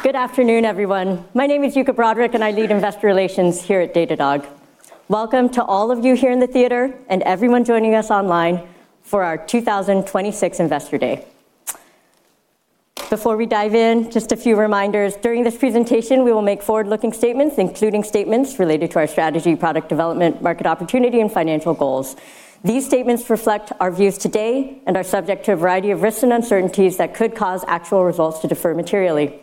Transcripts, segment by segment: Good afternoon, everyone. My name is Yuka Broderick, and I lead Investor Relations here at Datadog. Welcome to all of you here in the theater and everyone joining us online for our 2026 Investor Day. Before we dive in, just a few reminders. During this presentation, we will make forward-looking statements, including statements related to our strategy, product development, market opportunity, and financial goals. These statements reflect our views today and are subject to a variety of risks and uncertainties that could cause actual results to differ materially.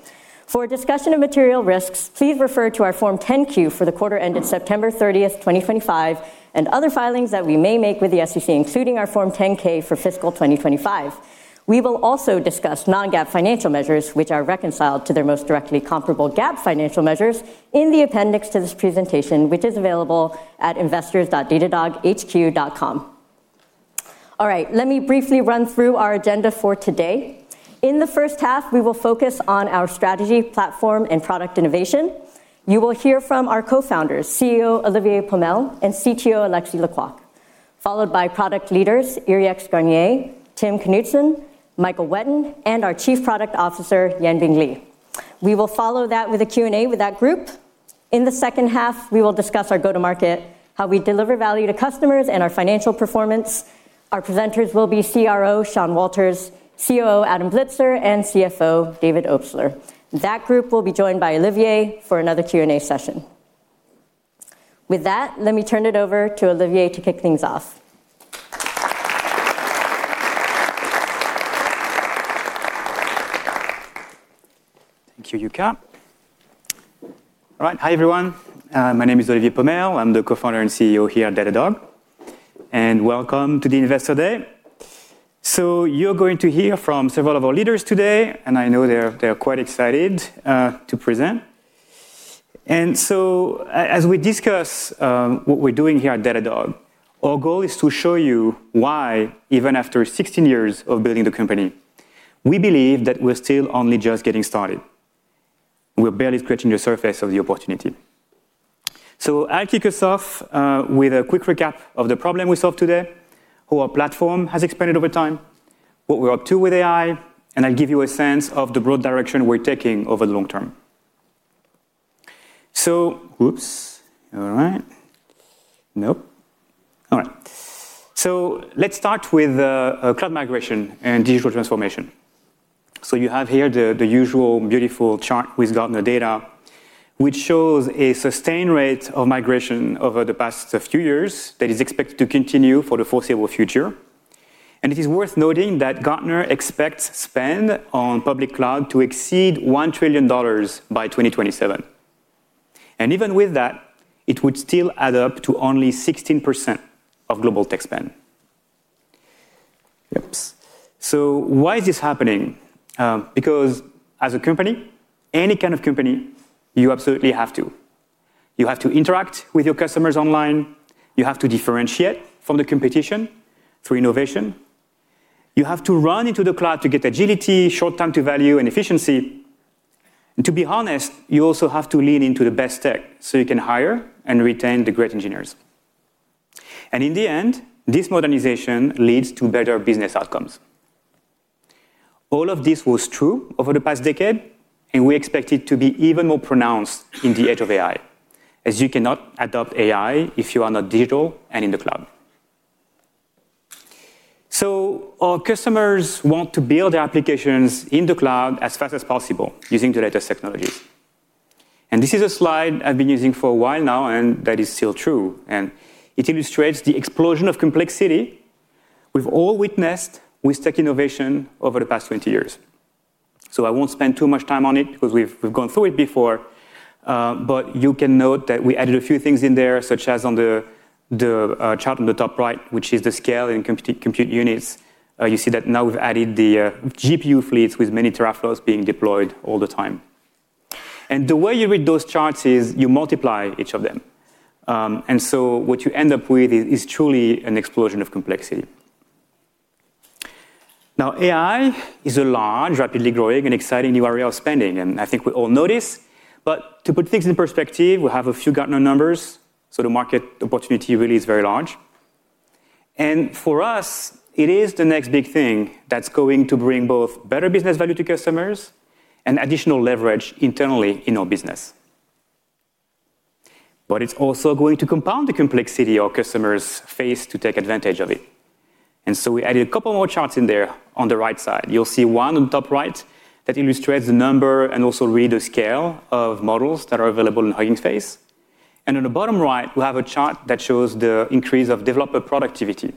For a discussion of material risks, please refer to our Form 10-Q for the quarter ended September 30, 2025, and other filings that we may make with the SEC, including our Form 10-K for fiscal 2025. We will also discuss non-GAAP financial measures, which are reconciled to their most directly comparable GAAP financial measures in the appendix to this presentation, which is available at investors.datadoghq.com. All right, let me briefly run through our agenda for today. In the first half, we will focus on our strategy, platform, and product innovation. You will hear from our co-founders, CEO Olivier Pomel and CTO Alexis Lê-Quôc, followed by product leaders Yrieix Garnier, Tim Knudsen, Michael Whetten, and our Chief Product Officer, Yanbing Li. We will follow that with a Q&A with that group. In the second half, we will discuss our go-to-market, how we deliver value to customers, and our financial performance. Our presenters will be CRO Sean Walter, COO Adam Blitzer, and CFO David Obstler. That group will be joined by Olivier for another Q&A session. With that, let me turn it over to Olivier to kick things off. Thank you, Yuka. All right. Hi, everyone. My name is Olivier Pomel. I'm the Co-founder and CEO here at Datadog, and welcome to the Investor Day. So you're going to hear from several of our leaders today, and I know they're, they're quite excited to present. And so as we discuss what we're doing here at Datadog, our goal is to show you why, even after 16 years of building the company, we believe that we're still only just getting started. We're barely scratching the surface of the opportunity. So I'll kick us off with a quick recap of the problem we solve today, how our platform has expanded over time, what we're up to with AI, and I'll give you a sense of the broad direction we're taking over the long term. So... Whoops! All right. Nope. All right. So let's start with cloud migration and digital transformation. You have here the usual beautiful chart with Gartner data, which shows a sustained rate of migration over the past few years that is expected to continue for the foreseeable future. It is worth noting that Gartner expects spend on public cloud to exceed $1 trillion by 2027. Even with that, it would still add up to only 16% of global tech spend. Why is this happening? Because as a company, any kind of company, you absolutely have to. You have to interact with your customers online, you have to differentiate from the competition through innovation, you have to run into the cloud to get agility, short time to value, and efficiency. To be honest, you also have to lean into the best tech, so you can hire and retain the great engineers. In the end, this modernization leads to better business outcomes. All of this was true over the past decade, and we expect it to be even more pronounced in the age of AI, as you cannot adopt AI if you are not digital and in the cloud. Our customers want to build their applications in the cloud as fast as possible using the latest technologies. This is a slide I've been using for a while now, and that is still true, and it illustrates the explosion of complexity we've all witnessed with tech innovation over the past 20 years. So I won't spend too much time on it because we've gone through it before, but you can note that we added a few things in there, such as on the chart on the top right, which is the scale in compute units. You see that now we've added the GPU fleets with many teraflops being deployed all the time. And the way you read those charts is you multiply each of them. And so what you end up with is truly an explosion of complexity. Now, AI is a large, rapidly growing, and exciting new area of spending, and I think we all know this, but to put things in perspective, we have a few Gartner numbers, so the market opportunity really is very large. And for us, it is the next big thing that's going to bring both better business value to customers and additional leverage internally in our business. But it's also going to compound the complexity our customers face to take advantage of it. And so we added a couple more charts in there on the right side. You'll see one on the top right that illustrates the number and also the scale of models that are available in Hugging Face. And on the bottom right, we have a chart that shows the increase of developer productivity.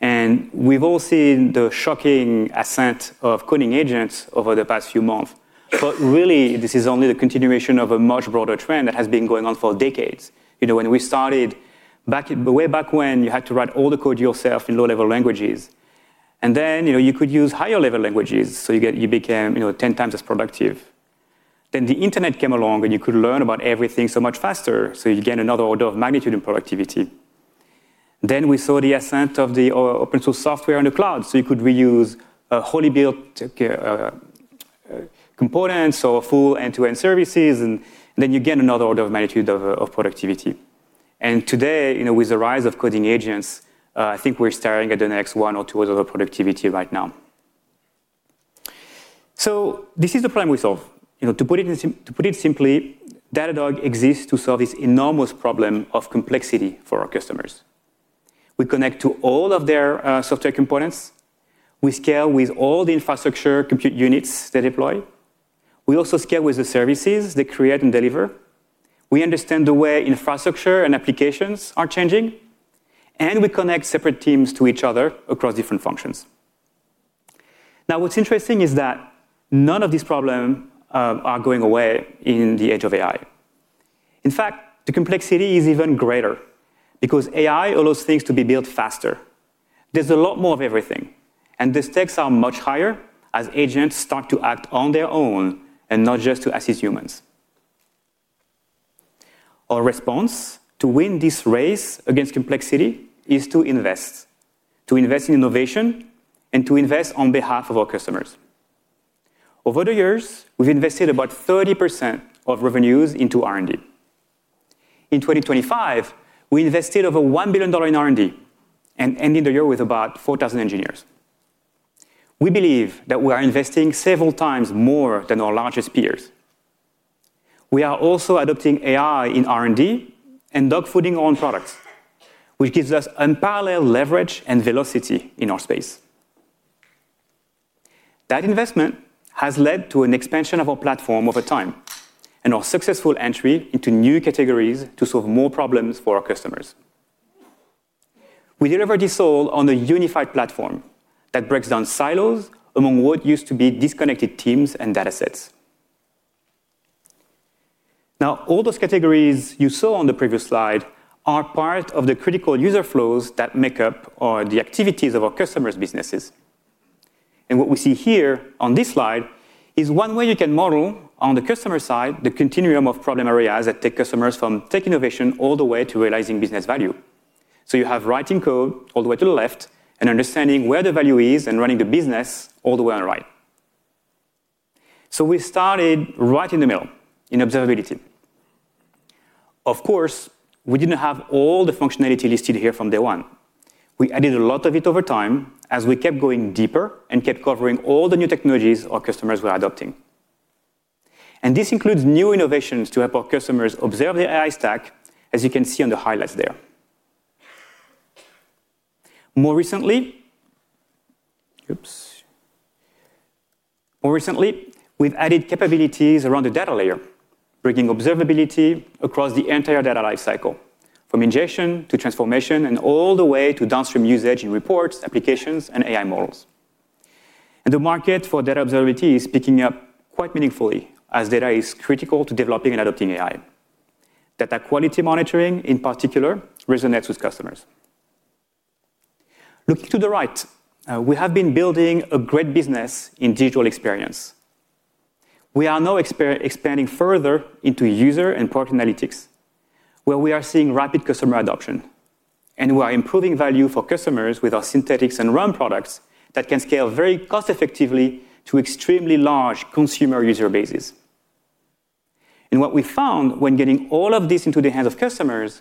And we've all seen the shocking ascent of coding agents over the past few months, but really, this is only the continuation of a much broader trend that has been going on for decades. You know, when we started back in way back when, you had to write all the code yourself in low-level languages, and then, you know, you could use higher-level languages, so you became, you know, 10 times as productive. Then the internet came along, and you could learn about everything so much faster, so you gain another order of magnitude in productivity. Then we saw the ascent of the open source software in the cloud, so you could reuse wholly built components or full end-to-end services, and then you gain another order of magnitude of productivity. And today, you know, with the rise of coding agents, I think we're staring at the next one or two orders of productivity right now. So this is the problem we solve. You know, to put it simply, Datadog exists to solve this enormous problem of complexity for our customers. We connect to all of their software components, we scale with all the infrastructure compute units they deploy. We also scale with the services they create and deliver. We understand the way infrastructure and applications are changing, and we connect separate teams to each other across different functions. Now, what's interesting is that none of these problem are going away in the age of AI. In fact, the complexity is even greater because AI allows things to be built faster. There's a lot more of everything, and the stakes are much higher as agents start to act on their own and not just to assist humans. Our response to win this race against complexity is to invest, to invest in innovation, and to invest on behalf of our customers. Over the years, we've invested about 30% of revenues into R&D. In 2025, we invested over $1 billion in R&D and ended the year with about 4,000 engineers. We believe that we are investing several times more than our largest peers. We are also adopting AI in R&D and dogfooding our own products, which gives us unparalleled leverage and velocity in our space. That investment has led to an expansion of our platform over time and our successful entry into new categories to solve more problems for our customers. We deliver this all on a unified platform that breaks down silos among what used to be disconnected teams and data sets. Now, all those categories you saw on the previous slide are part of the critical user flows that make up the activities of our customers' businesses. What we see here on this slide is one way you can model, on the customer side, the continuum of problem areas that take customers from tech innovation all the way to realizing business value. You have writing code all the way to the left and understanding where the value is and running the business all the way on the right. We started right in the middle, in observability. Of course, we didn't have all the functionality listed here from day one. We added a lot of it over time as we kept going deeper and kept covering all the new technologies our customers were adopting. This includes new innovations to help our customers observe their AI stack, as you can see on the highlights there. More recently, we've added capabilities around the data layer, bringing observability across the entire data life cycle, from ingestion to transformation, and all the way to downstream usage in reports, applications, and AI models. And the market for data observability is picking up quite meaningfully as data is critical to developing and adopting AI. Data quality monitoring, in particular, resonates with customers. Looking to the right, we have been building a great business in digital experience. We are now expanding further into user and product analytics, where we are seeing rapid customer adoption, and we are improving value for customers with our synthetics and run products that can scale very cost-effectively to extremely large consumer user bases. What we found when getting all of this into the hands of customers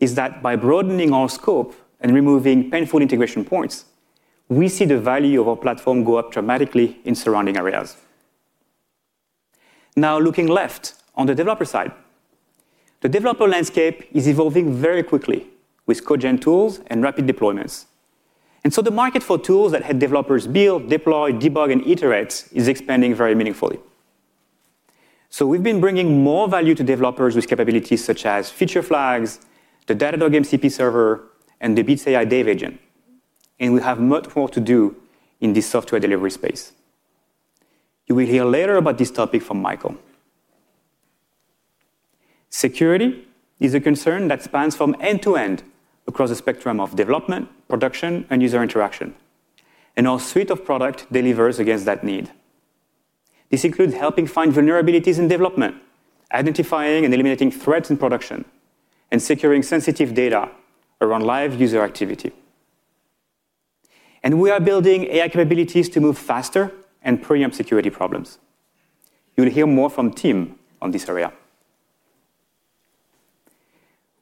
is that by broadening our scope and removing painful integration points, we see the value of our platform go up dramatically in surrounding areas. Now, looking left on the developer side, the developer landscape is evolving very quickly with code gen tools and rapid deployments. And so the market for tools that help developers build, deploy, debug, and iterate is expanding very meaningfully. So we've been bringing more value to developers with capabilities such as Feature Flags, the Datadog MCP Server, and the Bits AI Dev Agent, and we have much more to do in this software delivery space. You will hear later about this topic from Michael. Security is a concern that spans from end to end across the spectrum of development, production, and user interaction, and our suite of product delivers against that need. This includes helping find vulnerabilities in development, identifying and eliminating threats in production, and securing sensitive data around live user activity. We are building AI capabilities to move faster and preempt security problems. You'll hear more from Tim on this area.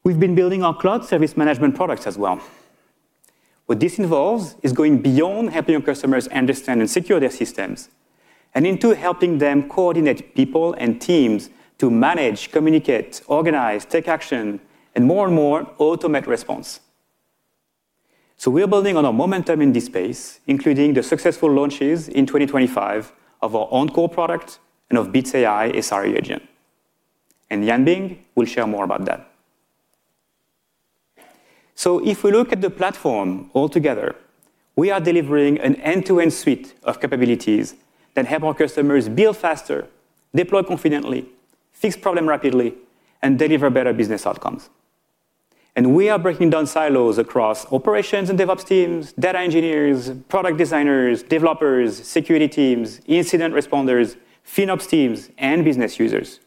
We've been building our cloud service management products as well. What this involves is going beyond helping our customers understand and secure their systems, and into helping them coordinate people and teams to manage, communicate, organize, take action, and more and more, automate response. We are building on our momentum in this space, including the successful launches in 2025 of our OnCall product and of Bits AI SRE Agent, and Yanbing will share more about that. So if we look at the platform altogether, we are delivering an end-to-end suite of capabilities that help our customers build faster, deploy confidently, fix problems rapidly, and deliver better business outcomes. And we are breaking down silos across operations and DevOps teams, data engineers, product designers, developers, security teams, incident responders, FinOps teams, and business users.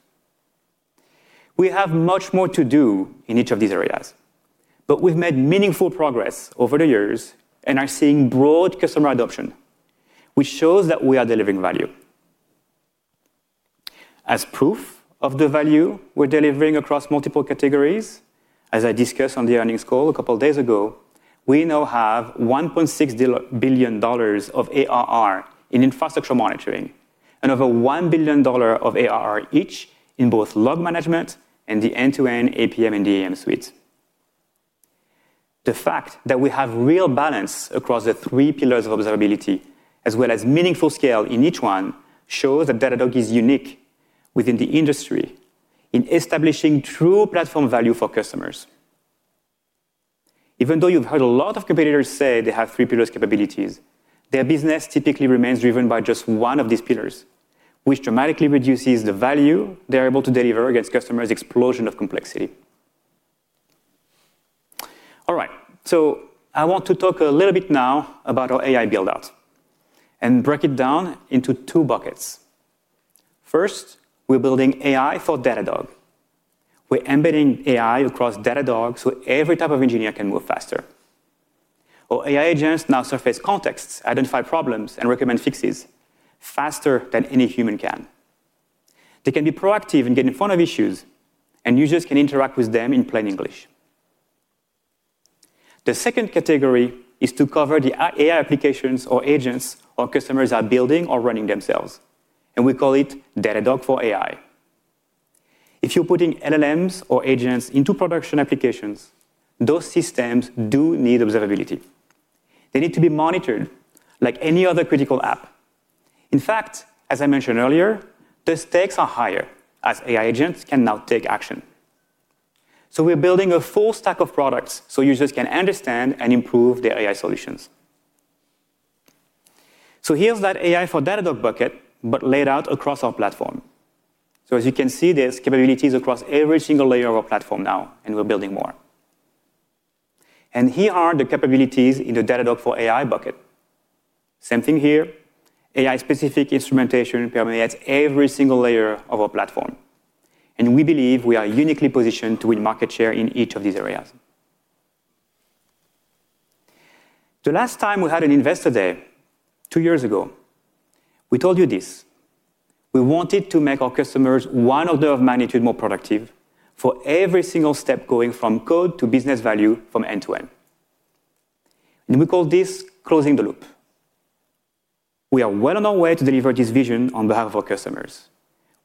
We have much more to do in each of these areas, but we've made meaningful progress over the years and are seeing broad customer adoption, which shows that we are delivering value… as proof of the value we're delivering across multiple categories, as I discussed on the earnings call a couple of days ago, we now have $1.6 billion of ARR in infrastructure monitoring and over $1 billion of ARR each in both log management and the end-to-end APM and DEM suite. The fact that we have real balance across the three pillars of observability, as well as meaningful scale in each one, shows that Datadog is unique within the industry in establishing true platform value for customers. Even though you've heard a lot of competitors say they have three pillars capabilities, their business typically remains driven by just one of these pillars, which dramatically reduces the value they're able to deliver against customers' explosion of complexity. All right, so I want to talk a little bit now about our AI build-out and break it down into two buckets. First, we're building AI for Datadog. We're embedding AI across Datadog, so every type of engineer can move faster. Our AI agents now surface contexts, identify problems, and recommend fixes faster than any human can. They can be proactive in getting in front of issues, and users can interact with them in plain English. The second category is to cover the AI applications or agents our customers are building or running themselves, and we call it Datadog for AI. If you're putting LLMs or agents into production applications, those systems do need observability. They need to be monitored like any other critical app. In fact, as I mentioned earlier, the stakes are higher as AI agents can now take action. So we're building a full stack of products so users can understand and improve their AI solutions. So here's that AI for Datadog bucket, but laid out across our platform. So as you can see, there's capabilities across every single layer of our platform now, and we're building more. And here are the capabilities in the Datadog for AI bucket. Same thing here. AI-specific instrumentation permeates every single layer of our platform, and we believe we are uniquely positioned to win market share in each of these areas. The last time we had an investor day, two years ago, we told you this: We wanted to make our customers one order of magnitude more productive for every single step, going from code to business value from end to end, and we call this closing the loop. We are well on our way to deliver this vision on behalf of our customers.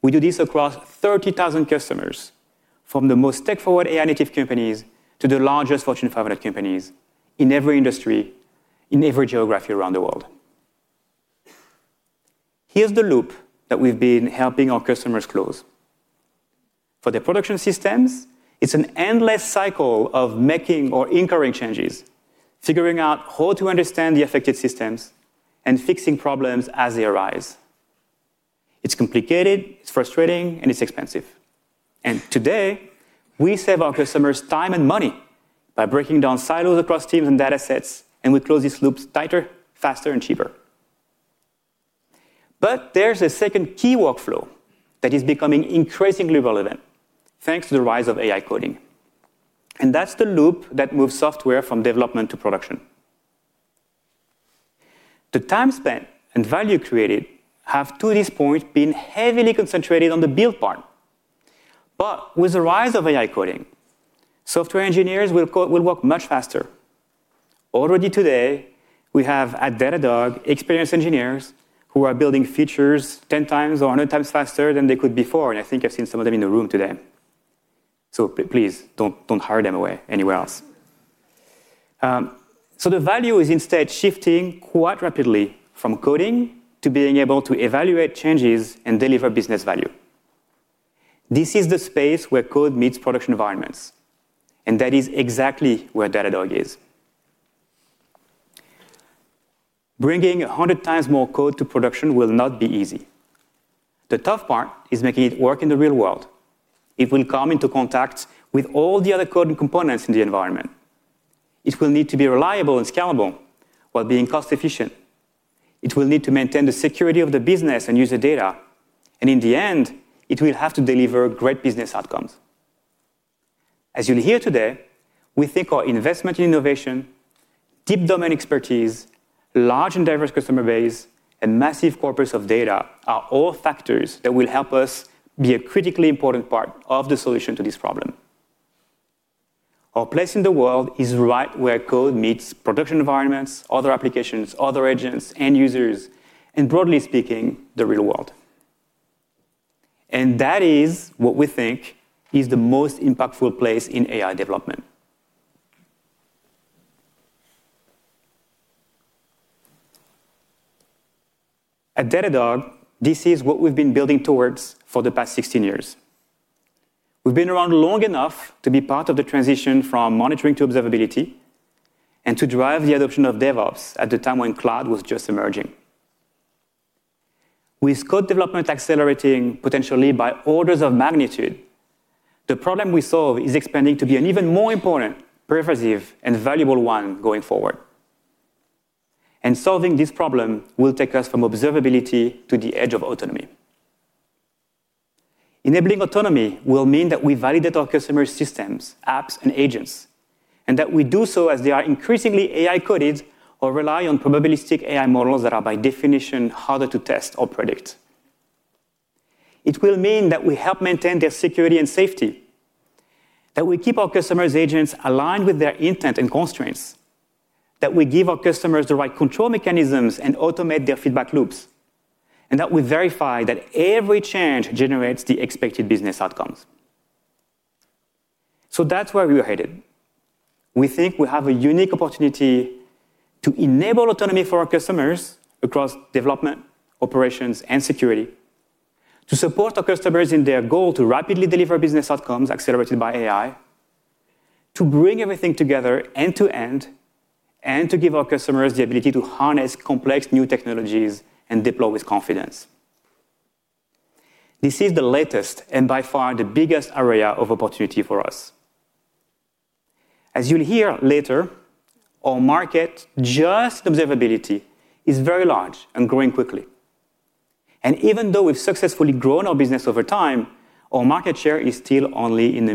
We do this across 30,000 customers, from the most tech-forward AI-native companies to the largest Fortune 500 companies in every industry, in every geography around the world. Here's the loop that we've been helping our customers close. For their production systems, it's an endless cycle of making or incurring changes, figuring out how to understand the affected systems, and fixing problems as they arise. It's complicated, it's frustrating, and it's expensive, and today, we save our customers time and money by breaking down silos across teams and data sets, and we close these loops tighter, faster, and cheaper. But there's a second key workflow that is becoming increasingly relevant, thanks to the rise of AI coding, and that's the loop that moves software from development to production. The time spent and value created have, to this point, been heavily concentrated on the build part. But with the rise of AI coding, software engineers will work much faster. Already today, we have, at Datadog, experienced engineers who are building features 10 times or 100 times faster than they could before, and I think I've seen some of them in the room today. So please, don't hire them away anywhere else. So the value is instead shifting quite rapidly from coding to being able to evaluate changes and deliver business value. This is the space where code meets production environments, and that is exactly where Datadog is. Bringing 100 times more code to production will not be easy. The tough part is making it work in the real world. It will come into contact with all the other code and components in the environment. It will need to be reliable and scalable while being cost-efficient. It will need to maintain the security of the business and user data, and in the end, it will have to deliver great business outcomes. As you'll hear today, we think our investment in innovation, deep domain expertise, large and diverse customer base, and massive corpus of data are all factors that will help us be a critically important part of the solution to this problem. Our place in the world is right where code meets production environments, other applications, other agents, end users, and broadly speaking, the real world. And that is what we think is the most impactful place in AI development. At Datadog, this is what we've been building towards for the past 16 years. We've been around long enough to be part of the transition from monitoring to observability and to drive the adoption of DevOps at the time when cloud was just emerging. With code development accelerating potentially by orders of magnitude, the problem we solve is expanding to be an even more important, pervasive, and valuable one going forward. Solving this problem will take us from observability to the edge of autonomy. Enabling autonomy will mean that we validate our customer systems, apps, and agents and that we do so as they are increasingly AI-coded or rely on probabilistic AI models that are by definition harder to test or predict. It will mean that we help maintain their security and safety, that we keep our customers' agents aligned with their intent and constraints, that we give our customers the right control mechanisms and automate their feedback loops, and that we verify that every change generates the expected business outcomes. That's where we are headed. We think we have a unique opportunity to enable autonomy for our customers across development, operations, and security, to support our customers in their goal to rapidly deliver business outcomes accelerated by AI, to bring everything together end-to-end, and to give our customers the ability to harness complex new technologies and deploy with confidence. This is the latest and by far the biggest area of opportunity for us. As you'll hear later, our market, just observability, is very large and growing quickly. Even though we've successfully grown our business over time, our market share is still only in the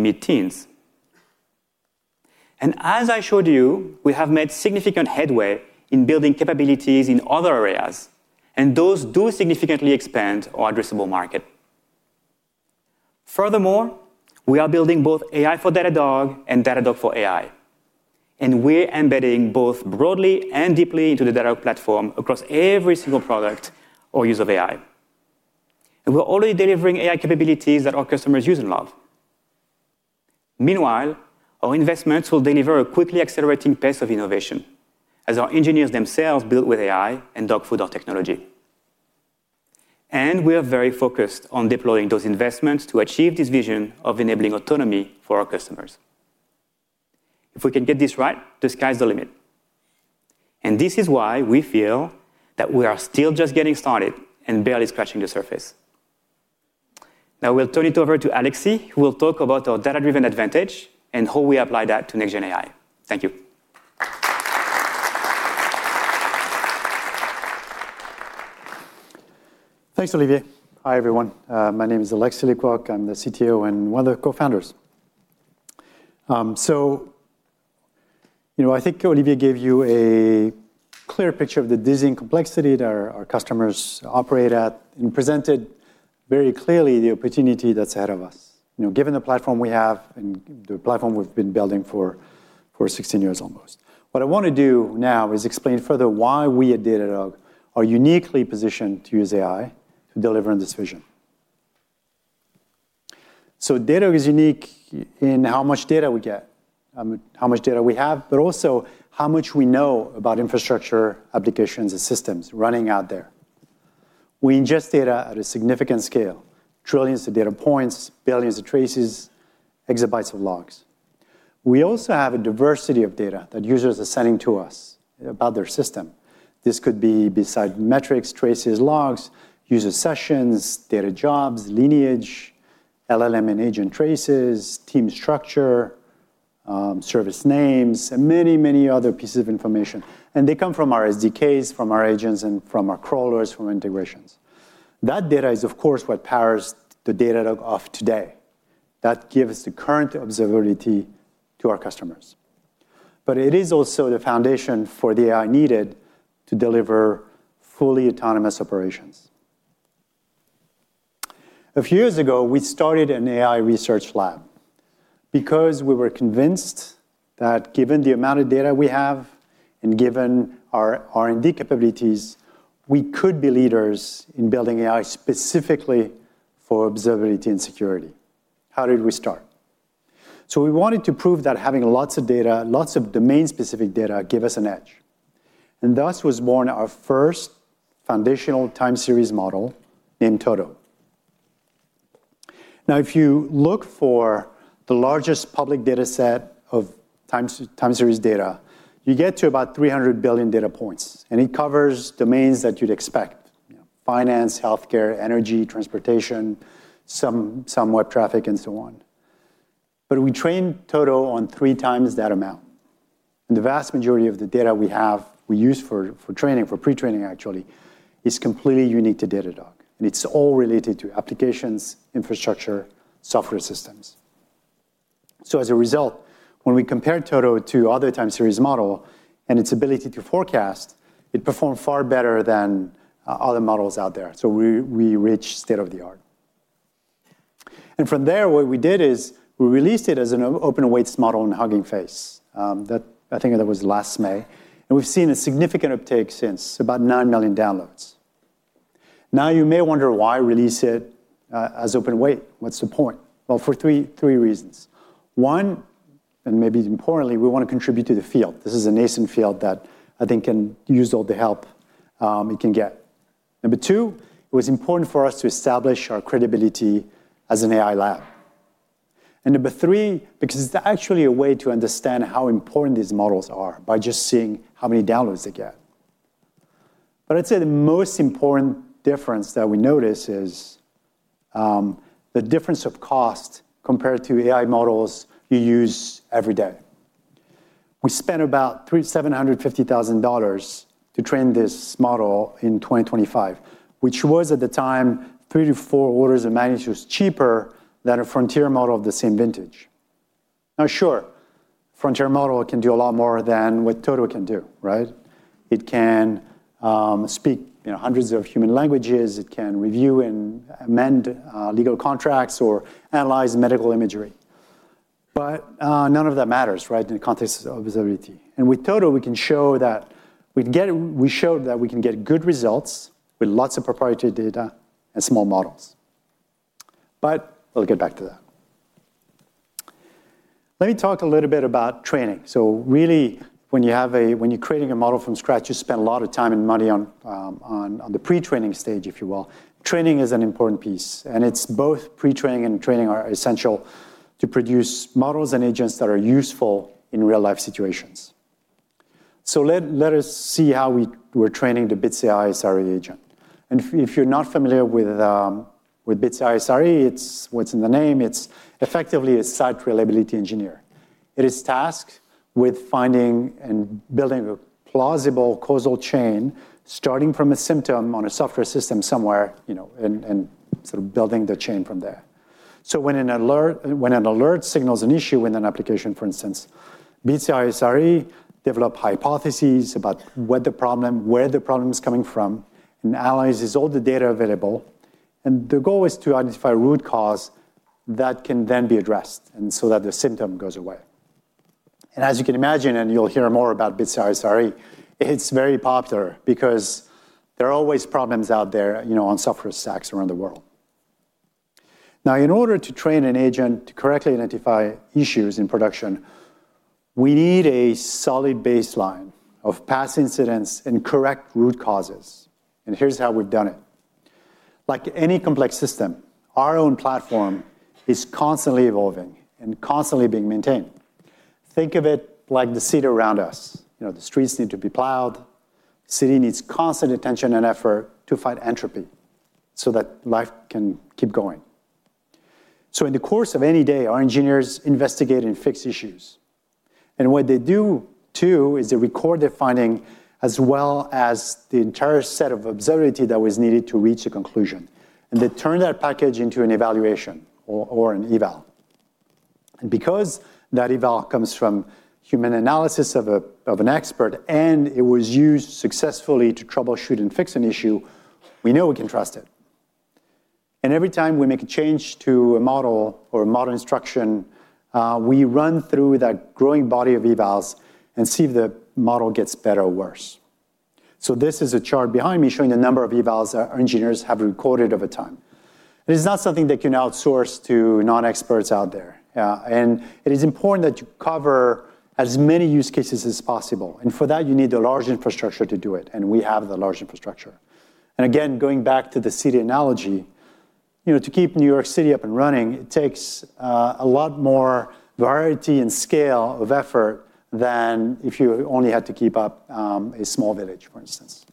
mid-teens. As I showed you, we have made significant headway in building capabilities in other areas, and those do significantly expand our addressable market. Furthermore, we are building both AI for Datadog and Datadog for AI, and we're embedding both broadly and deeply into the Datadog platform across every single product or use of AI. We're already delivering AI capabilities that our customers use and love. Meanwhile, our investments will deliver a quickly accelerating pace of innovation as our engineers themselves build with AI and dogfood our technology. We are very focused on deploying those investments to achieve this vision of enabling autonomy for our customers. If we can get this right, the sky's the limit. This is why we feel that we are still just getting started and barely scratching the surface. Now, we'll turn it over to Alexis, who will talk about our data-driven advantage and how we apply that to Next Gen AI. Thank you. Thanks, Olivier. Hi, everyone. My name is Alexis Lê-Quôc. I'm the CTO and one of the co-founders. So, you know, I think Olivier gave you a clear picture of the dizzying complexity that our customers operate at and presented very clearly the opportunity that's ahead of us. You know, given the platform we have and the platform we've been building for 16 years almost. What I wanna do now is explain further why we at Datadog are uniquely positioned to use AI to deliver on this vision. So Datadog is unique in how much data we get, how much data we have, but also how much we know about infrastructure, applications, and systems running out there. We ingest data at a significant scale, trillions of data points, billions of traces, exabytes of logs. We also have a diversity of data that users are sending to us about their system. This could be, besides metrics, traces, logs, user sessions, data jobs, lineage, LLM and agent traces, team structure, service names, and many, many other pieces of information. They come from our SDKs, from our agents, and from our crawlers, from integrations. That data is, of course, what powers the Datadog of today. That gives the current observability to our customers. But it is also the foundation for the AI needed to deliver fully autonomous operations. A few years ago, we started an AI research lab because we were convinced that given the amount of data we have and given our R&D capabilities, we could be leaders in building AI specifically for observability and. How did we start? So we wanted to prove that having lots of data, lots of domain-specific data, give us an edge, and thus was born our first foundational time series model named Toto. Now, if you look for the largest public data set of time series data, you get to about 300 billion data points, and it covers domains that you'd expect. You know, finance, healthcare, energy, transportation, some web traffic, and so on. But we trained Toto on three times that amount, and the vast majority of the data we have, we use for training, for pre-training, actually, is completely unique to Datadog, and it's all related to applications, infrastructure, software systems. So as a result, when we compared Toto to other time series model and its ability to forecast, it performed far better than other models out there. So we reached state-of-the-art. And from there, what we did is we released it as an open-weights model on Hugging Face. That, I think that was last May, and we've seen a significant uptake since, about 9 million downloads. Now, you may wonder why release it as open-weights. What's the point? Well, for three reasons. One, and maybe importantly, we wanna contribute to the field. This is a nascent field that I think can use all the help it can get. Number two, it was important for us to establish our credibility as an AI lab. And number three, because it's actually a way to understand how important these models are by just seeing how many downloads they get. But I'd say the most important difference that we notice is the difference of cost compared to AI models you use every day.... We spent about $375,000 to train this model in 2025, which was, at the time, three-four orders of magnitudes cheaper than a frontier model of the same vintage. Now, sure, frontier model can do a lot more than what Toto can do, right? It can speak, you know, hundreds of human languages. It can review and amend legal contracts or analyze medical imagery. But none of that matters, right, in the context of observability. And with Toto, we can show that we showed that we can get good results with lots of proprietary data and small models. But we'll get back to that. Let me talk a little bit about training. So really, when you're creating a model from scratch, you spend a lot of time and money on, on the pre-training stage, if you will. Training is an important piece, and it's both pre-training and training are essential to produce models and agents that are useful in real-life situations. So let us see how we were training the Bits AI SRE agent. And if you're not familiar with Bits AI SRE, it's what's in the name, it's effectively a site reliability engineer. It is tasked with finding and building a plausible causal chain, starting from a symptom on a software system somewhere, you know, and sort of building the chain from there. So when an alert, when an alert signals an issue in an application, for instance, Bits AI SRE develops hypotheses about what the problem, where the problem is coming from, and analyzes all the data available. The goal is to identify root cause that can then be addressed, and so that the symptom goes away. As you can imagine, and you'll hear more about Bits AI SRE, it's very popular because there are always problems out there, you know, on software stacks around the world. Now, in order to train an agent to correctly identify issues in production, we need a solid baseline of past incidents and correct root causes. Here's how we've done it. Like any complex system, our own platform is constantly evolving and constantly being maintained. Think of it like the city around us. You know, the streets need to be plowed. The city needs constant attention and effort to fight entropy so that life can keep going. So in the course of any day, our engineers investigate and fix issues. And what they do, too, is they record their finding, as well as the entire set of observability that was needed to reach a conclusion. And they turn that package into an evaluation or an eval. And because that eval comes from human analysis of an expert, and it was used successfully to troubleshoot and fix an issue, we know we can trust it. And every time we make a change to a model or a model instruction, we run through that growing body of evals and see if the model gets better or worse. So this is a chart behind me showing the number of evals our engineers have recorded over time. It is not something they can outsource to non-experts out there, and it is important that you cover as many use cases as possible, and for that, you need a large infrastructure to do it, and we have the large infrastructure. And again, going back to the city analogy, you know, to keep New York City up and running, it takes a lot more variety and scale of effort than if you only had to keep up a small village, for instance.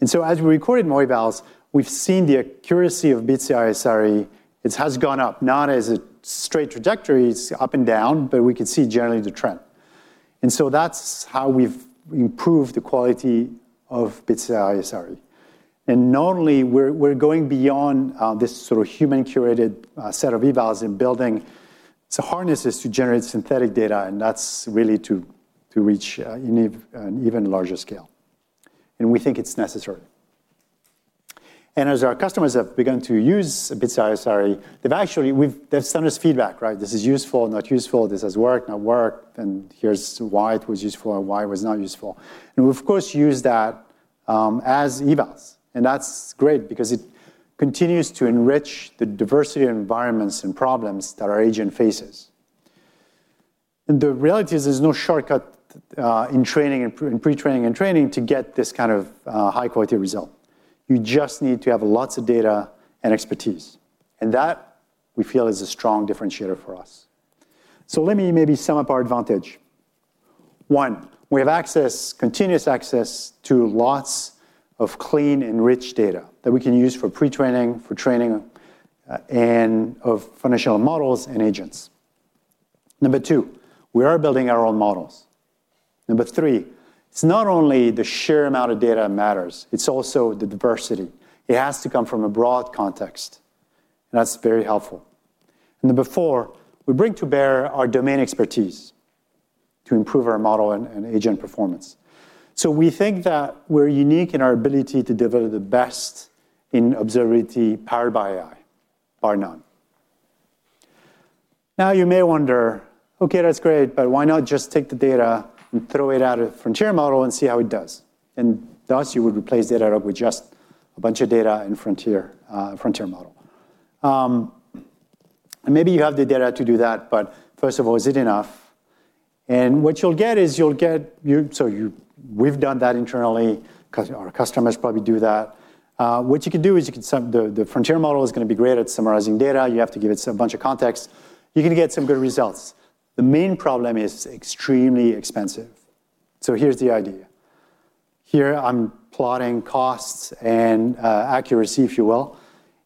And so as we recorded more evals, we've seen the accuracy of Bits AI SRE. It has gone up, not as a straight trajectory, it's up and down, but we can see generally the trend. And so that's how we've improved the quality of Bits AI SRE. And not only we're, we're going beyond this sort of human-curated set of evals in building, so harnesses to generate synthetic data, and that's really to reach an even larger scale, and we think it's necessary. And as our customers have begun to use Bits AI SRE, they've sent us feedback, right? "This is useful, not useful. This has worked, not worked, and here's why it was useful and why it was not useful." And we've, of course, used that as evals, and that's great because it continues to enrich the diversity of environments and problems that our agent faces. And the reality is there's no shortcut in training and in pre-training and training to get this kind of high-quality result. You just need to have lots of data and expertise, and that we feel is a strong differentiator for us. So let me maybe sum up our advantage. One, we have access, continuous access to lots of clean and rich data that we can use for pre-training, for training, and of foundational models and agents. Number two, we are building our own models. Number three, it's not only the sheer amount of data matters, it's also the diversity. It has to come from a broad context, and that's very helpful. Number four, we bring to bear our domain expertise to improve our model and, and agent performance. So we think that we're unique in our ability to deliver the best in observability, powered by AI, bar none. Now, you may wonder, "Okay, that's great, but why not just take the data and throw it at a frontier model and see how it does?" And thus, you would replace DataRobot with just a bunch of data and frontier model. And maybe you have the data to do that, but first of all, is it enough? And what you'll get is you'll get. So we've done that internally, our customers probably do that. What you can do is the frontier model is gonna be great at summarizing data. You have to give it some bunch of context. You're gonna get some good results. The main problem is extremely expensive. So here's the idea. Here I'm plotting costs and accuracy, if you will.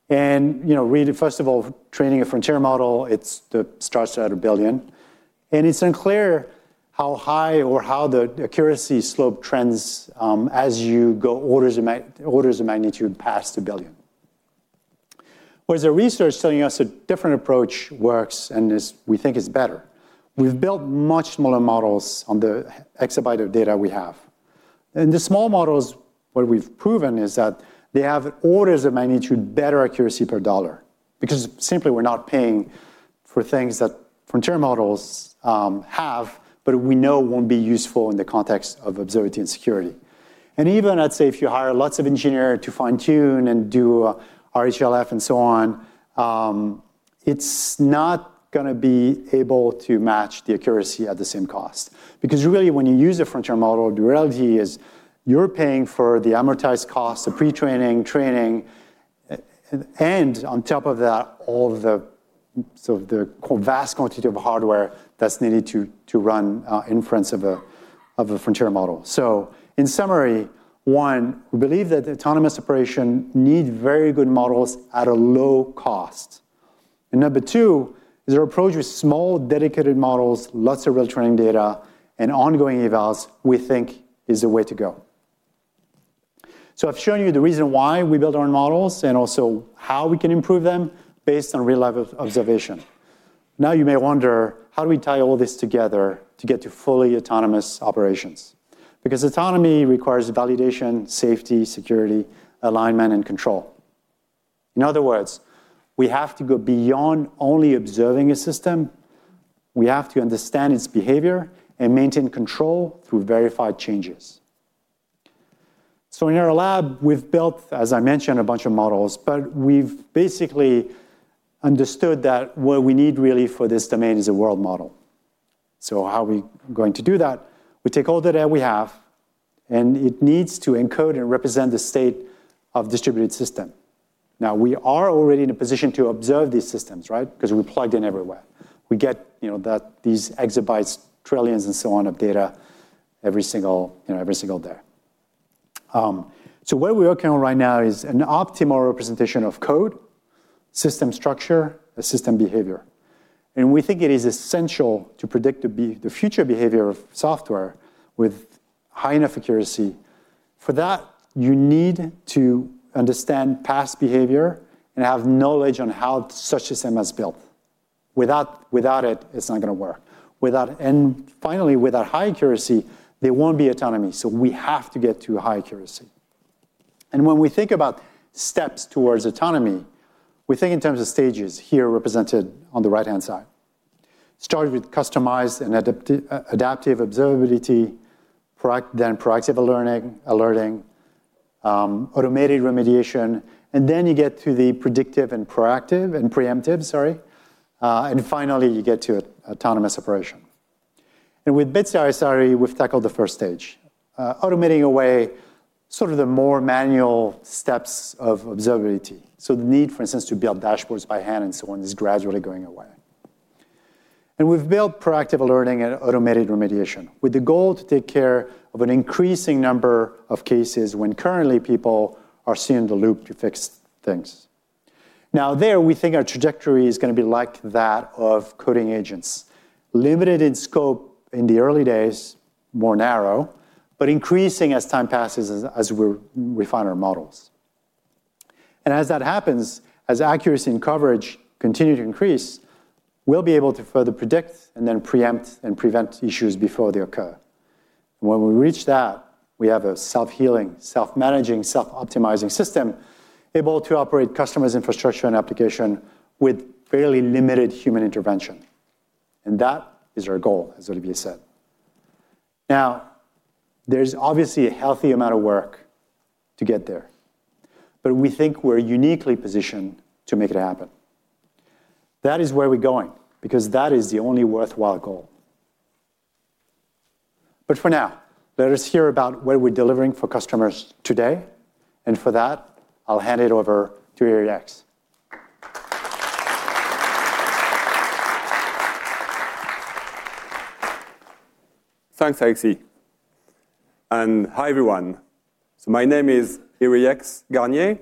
You know, really, first of all, training a frontier model, it's starts at $1 billion. And it's unclear how high or how the accuracy slope trends as you go orders of magnitude past $1 billion. Whereas the research telling us a different approach works and is, we think, better. We've built much smaller models on the exabyte of data we have. And the small models, what we've proven is that they have orders of magnitude better accuracy per dollar, because simply we're not paying for things that frontier models have, but we know won't be useful in the context of observability and security. And even, I'd say, if you hire lots of engineers to fine-tune and do RLHF and so on, it's not gonna be able to match the accuracy at the same cost. Because really, when you use a frontier model, the reality is you're paying for the amortized cost, the pre-training, training, and on top of that, all the, so the vast quantity of hardware that's needed to run inference of a frontier model. So in summary, one, we believe that the autonomous operation need very good models at a low cost. And number two, is our approach with small, dedicated models, lots of real-time data, and ongoing evals, we think is the way to go. So I've shown you the reason why we build our own models and also how we can improve them based on real-life observation. Now, you may wonder, how do we tie all this together to get to fully autonomous operations? Because autonomy requires validation, safety, security, alignment, and control. In other words, we have to go beyond only observing a system. We have to understand its behavior and maintain control through verified changes. So in our lab, we've built, as I mentioned, a bunch of models, but we've basically understood that what we need really for this domain is a world model. So how are we going to do that? We take all the data we have, and it needs to encode and represent the state of distributed system. Now, we are already in a position to observe these systems, right? 'Cause we're plugged in everywhere. We get, you know, that, these exabytes, trillions, and so on of data every single, you know, every single day. So what we're working on right now is an optimal representation of code, system structure, and system behavior. And we think it is essential to predict the future behavior of software with high enough accuracy. For that, you need to understand past behavior and have knowledge on how such a system was built. Without it, it's not gonna work. Without high accuracy, there won't be autonomy, so we have to get to high accuracy. When we think about steps towards autonomy, we think in terms of stages, here represented on the right-hand side. Starting with customized and adaptive observability, then proactive learning, alerting, automated remediation, and then you get to the predictive and proactive, and preemptive. And finally, you get to autonomous operation. And with Bits AI, we've tackled the first stage, automating away sort of the more manual steps of observability. So the need, for instance, to build dashboards by hand and so on, is gradually going away. We've built proactive alerting and automated remediation, with the goal to take care of an increasing number of cases when currently people are still in the loop to fix things. Now, there, we think our trajectory is gonna be like that of coding agents, limited in scope in the early days, more narrow, but increasing as time passes as, as we refine our models. And as that happens, as accuracy and coverage continue to increase, we'll be able to further predict and then preempt and prevent issues before they occur. When we reach that, we have a self-healing, self-managing, self-optimizing system, able to operate customers' infrastructure and application with fairly limited human intervention, and that is our goal, as Olivier said. Now, there's obviously a healthy amount of work to get there, but we think we're uniquely positioned to make it happen. That is where we're going, because that is the only worthwhile goal. But for now, let us hear about what we're delivering for customers today, and for that, I'll hand it over to Yrieix. Thanks, Alexis. Hi, everyone. My name is Yrieix Garnier,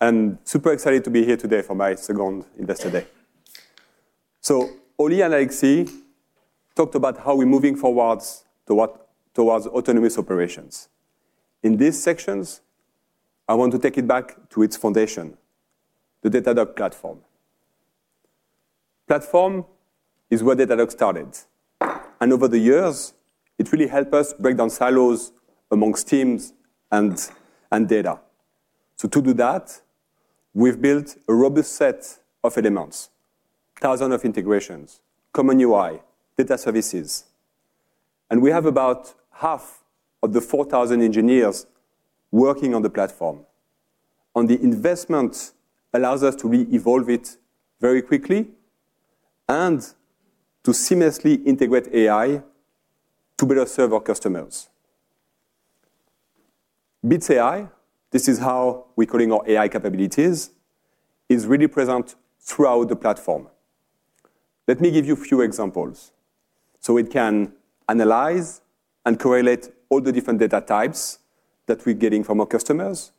and super excited to be here today for my second Investor Day. Oli and Alexis talked about how we're moving forwards toward, towards autonomous operations. In these sections, I want to take it back to its foundation, the Datadog platform. Platform is where Datadog started, and over the years, it really helped us break down silos amongst teams and, and data. To do that, we've built a robust set of elements, thousands of integrations, common UI, data services, and we have about half of the 4,000 engineers working on the platform. The investment allows us to re-evolve it very quickly and to seamlessly integrate AI to better serve our customers. Bits AI, this is how we're calling our AI capabilities, is really present throughout the platform. Let me give you a few examples. So it can analyze and correlate all the different data types that we're getting from our customers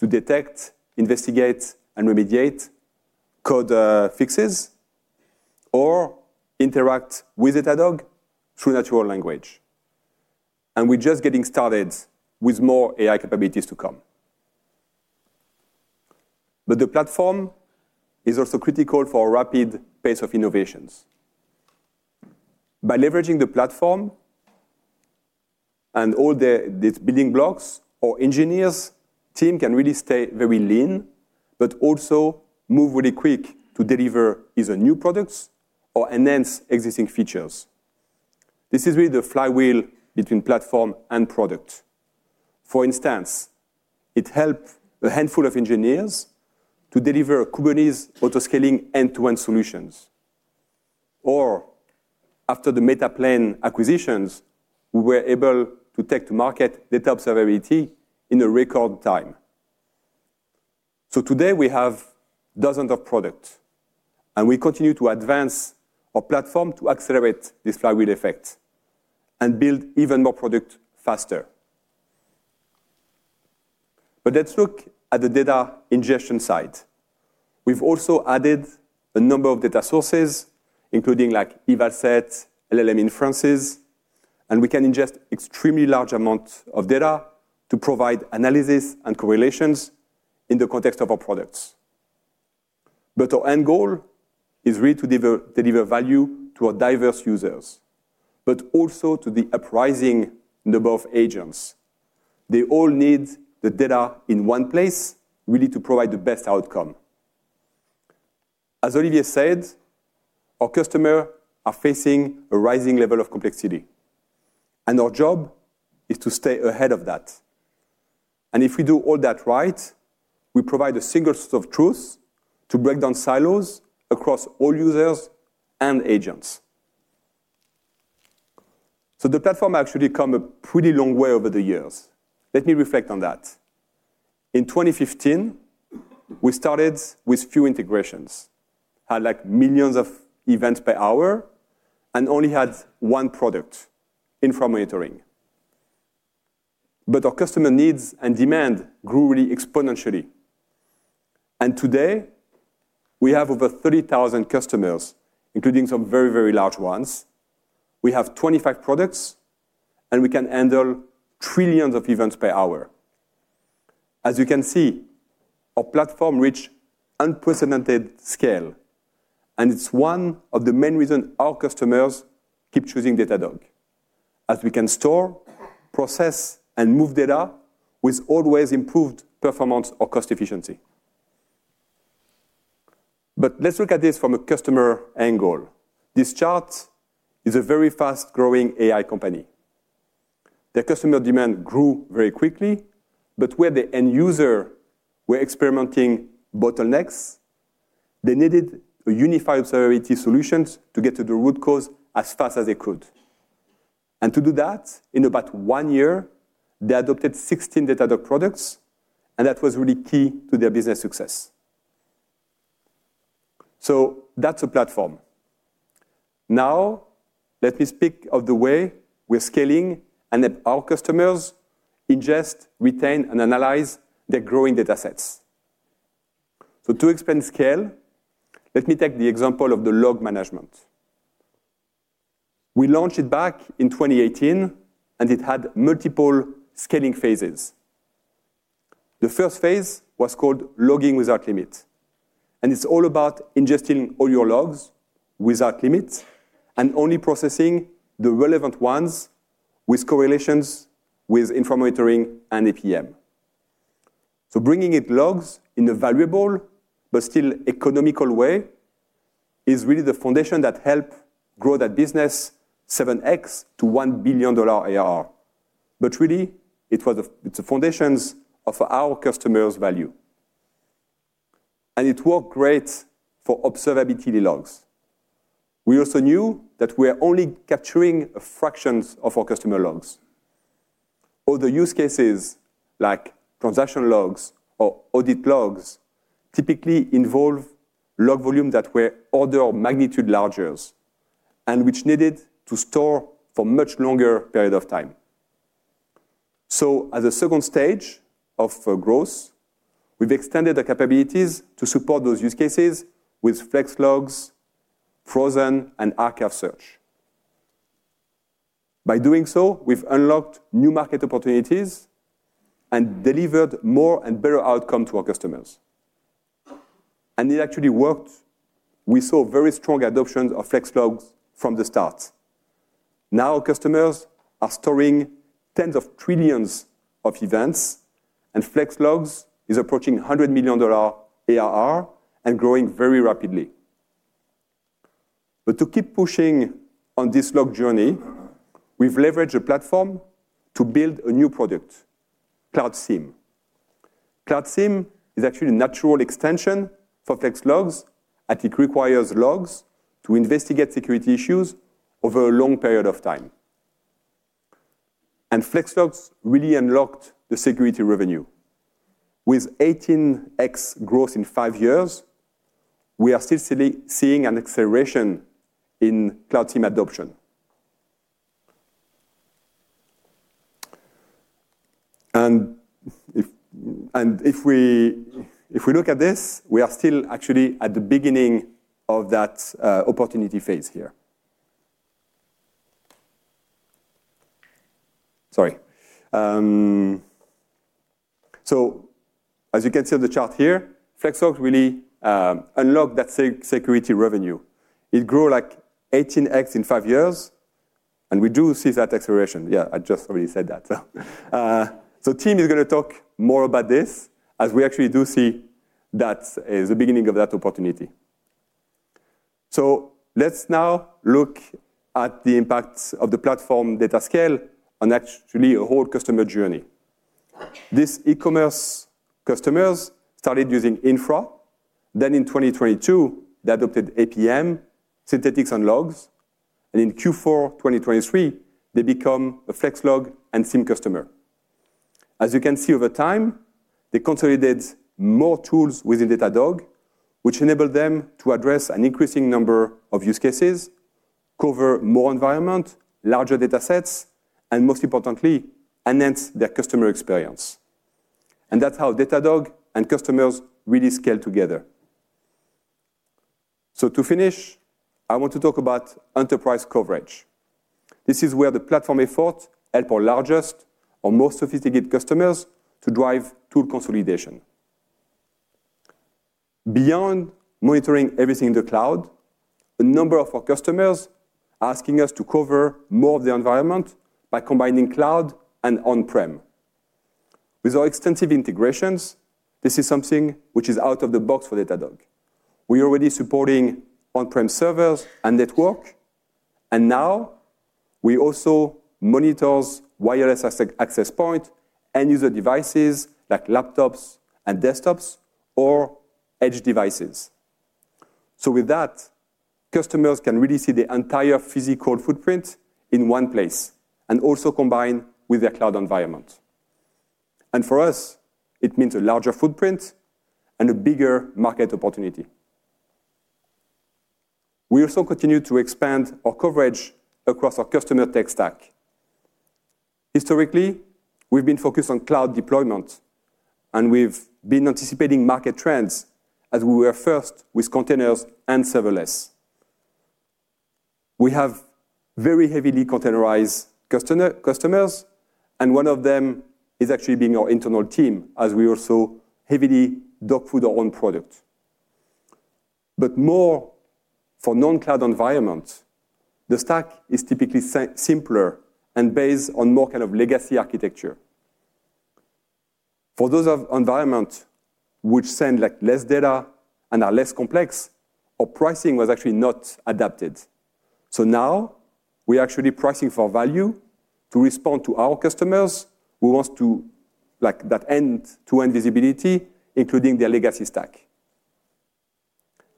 to detect, investigate, and remediate code fixes, or interact with Datadog through natural language. And we're just getting started with more AI capabilities to come. But the platform is also critical for a rapid pace of innovations. By leveraging the platform and all the, these building blocks, our engineers team can really stay very lean, but also move really quick to deliver either new products or enhance existing features. This is really the flywheel between platform and product. For instance, it helped a handful of engineers to deliver Kubernetes Autoscaling end-to-end solutions. Or after the Metaplane acquisitions, we were able to take to market data observability in a record time. So today, we have dozens of products, and we continue to advance our platform to accelerate this flywheel effect and build even more products faster. But let's look at the data ingestion side. We've also added a number of data sources, including like eval sets, LLM inferences, and we can ingest extremely large amounts of data to provide analysis and correlations in the context of our products. But our end goal is really to deliver value to our diverse users, but also to the rising number of agents. They all need the data in one place, really, to provide the best outcome. As Olivier said, our customers are facing a rising level of complexity, and our job is to stay ahead of that. And if we do all that right, we provide a single source of truth to break down silos across all users and agents. So the platform actually has come a pretty long way over the years. Let me reflect on that. In 2015, we started with few integrations, had like millions of events per hour and only had one product, infra monitoring. But our customer needs and demand grew really exponentially, and today, we have over 30,000 customers, including some very, very large ones. We have 25 products, and we can handle trillions of events per hour. As you can see, our platform reaches unprecedented scale, and it's one of the main reasons our customers keep choosing Datadog. As we can store, process, and move data with always improved performance or cost efficiency. But let's look at this from a customer angle. This chart is a very fast-growing AI company. Their customer demand grew very quickly, but where the end users were experiencing bottlenecks, they needed a unified observability solution to get to the root cause as fast as they could. To do that, in about one year, they adopted 16 Datadog products, and that was really key to their business success. That's a platform. Now, let me speak of the way we're scaling and that our customers ingest, retain, and analyze their growing data sets. To expand scale, let me take the example of the log management. We launched it back in 2018, and it had multiple scaling phases. The first phase was called logging without limits, and it's all about ingesting all your logs without limits and only processing the relevant ones with correlations with infra monitoring and APM. So bringing in logs in a valuable but still economical way is really the foundation that helped grow that business 7x to $1 billion ARR. But really, it was the... It's the foundations of our customers' value, and it worked great for observability logs. We also knew that we are only capturing fractions of our customer logs. Other use cases like transaction logs or audit logs typically involve log volume that were orders of magnitude larger and which needed to store for much longer period of time. So as a second stage of growth, we've extended the capabilities to support those use cases with Flex Logs, Frozen, and Archive Search. By doing so, we've unlocked new market opportunities and delivered more and better outcome to our customers, and it actually worked. We saw very strong adoptions of Flex Logs from the start. Now, customers are storing tens of trillions of events, and Flex Logs is approaching $100 million ARR and growing very rapidly. But to keep pushing on this log journey, we've leveraged a platform to build a new product, Cloud SIEM. Cloud SIEM is actually a natural extension for Flex Logs, and it requires logs to investigate security issues over a long period of time, and Flex Logs really unlocked the security revenue. With 18x growth in five years, we are still seeing an acceleration in Cloud SIEM adoption. And if we look at this, we are still actually at the beginning of that opportunity phase here. So as you can see on the chart here, Flex Logs really unlocked that security revenue. It grew like 18x in five years, and we do see that acceleration. Yeah, I just already said that. So Tim is gonna talk more about this, as we actually do see that, the beginning of that opportunity. So let's now look at the impact of the platform data scale on actually a whole customer journey. This e-commerce customer started using Infra, then in 2022, they adopted APM, Synthetics and Logs, and in Q4 2023, they became a Flex Logs and SIEM customer. As you can see, over time, they consolidated more tools within Datadog, which enabled them to address an increasing number of use cases, cover more environments, larger datasets, and most importantly, enhance their customer experience. And that's how Datadog and customers really scale together. So to finish, I want to talk about enterprise coverage. This is where the platform effort helps our largest or most sophisticated customers to drive tool consolidation. Beyond monitoring everything in the cloud, a number of our customers are asking us to cover more of the environment by combining cloud and on-prem. With our extensive integrations, this is something which is out of the box for Datadog. We're already supporting on-prem servers and network, and now we also monitor wireless access points, end-user devices like laptops and desktops or edge devices. So with that, customers can really see the entire physical footprint in one place and also combine with their cloud environment. And for us, it means a larger footprint and a bigger market opportunity. We also continue to expand our coverage across our customer tech stack. Historically, we've been focused on cloud deployment, and we've been anticipating market trends as we were first with containers and serverless. We have very heavily containerized customers, and one of them is actually being our internal team, as we also heavily dogfood our own product. But more for non-cloud environment, the stack is typically simpler and based on more kind of legacy architecture. For those of environment which send, like, less data and are less complex, our pricing was actually not adapted. So now we're actually pricing for value to respond to our customers who wants to, like, that end-to-end visibility, including their legacy stack.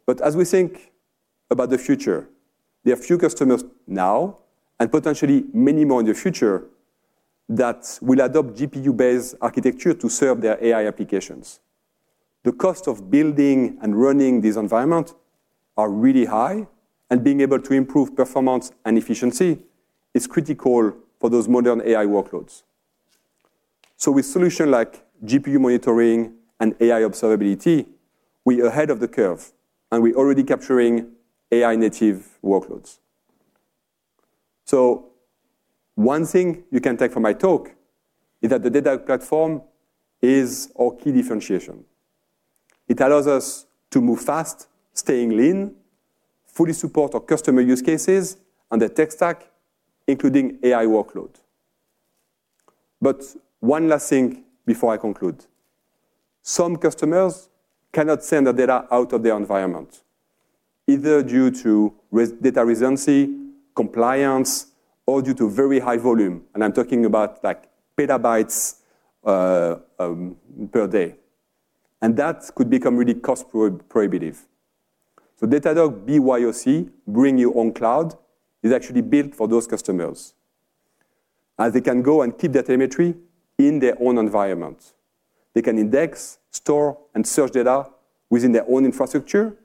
But as we think about the future, there are few customers now, and potentially many more in the future, that will adopt GPU-based architecture to serve their AI applications. The cost of building and running this environment are really high, and being able to improve performance and efficiency is critical for those modern AI workloads. So with solutions like GPU monitoring and AI observability, we're ahead of the curve, and we're already capturing AI-native workloads. So one thing you can take from my talk is that the Datadog platform is our key differentiation. It allows us to move fast, staying lean, fully support our customer use cases and their tech stack, including AI workload. But one last thing before I conclude. Some customers cannot send the data out of their environment, either due to restrictions, data residency, compliance, or due to very high volume, and I'm talking about, like, petabytes per day, and that could become really cost prohibitive. So Datadog BYOC, Bring Your Own Cloud, is actually built for those customers, as they can go and keep their telemetry in their own environment. They can index, store, and search data within their own infrastructure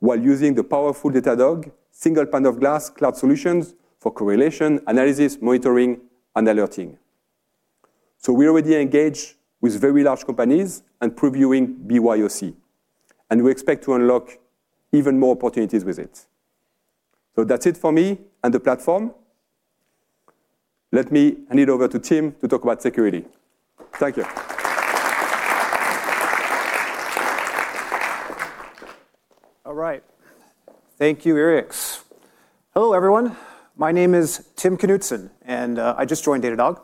while using the powerful Datadog single pane of glass cloud solutions for correlation, analysis, monitoring, and alerting. So we're already engaged with very large companies and previewing BYOC, and we expect to unlock even more opportunities with it. So that's it for me and the platform. Let me hand it over to Tim to talk about security. Thank you. All right. Thank you, Yrieix. Hello, everyone. My name is Tim Knudsen, and I just joined Datadog,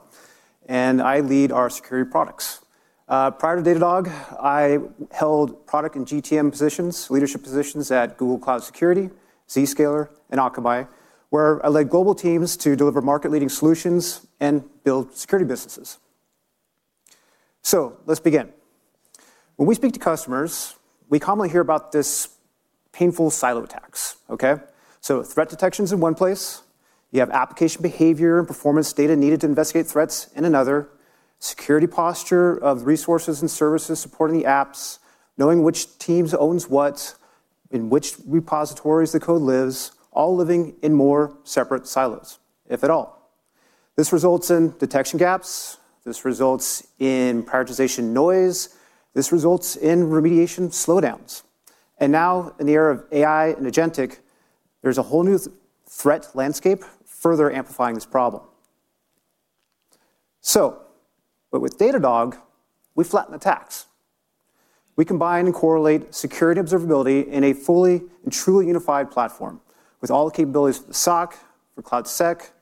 and I lead our security products. Prior to Datadog, I held product and GTM positions, leadership positions at Google Cloud Security, Zscaler, and Akamai, where I led global teams to deliver market-leading solutions and build security businesses.... So let's begin. When we speak to customers, we commonly hear about this painful silo attacks, okay? So threat detection's in one place. You have application behavior and performance data needed to investigate threats in another, security posture of resources and services supporting the apps, knowing which teams owns what, in which repositories the code lives, all living in more separate silos, if at all. This results in detection gaps, this results in prioritization noise, this results in remediation slowdowns. And now, in the era of AI and agentic, there's a whole new threat landscape further amplifying this problem. So, but with Datadog, we flatten the attacks. We combine and correlate security observability in a fully and truly unified platform, with all the capabilities for the SOC, for cloud sec,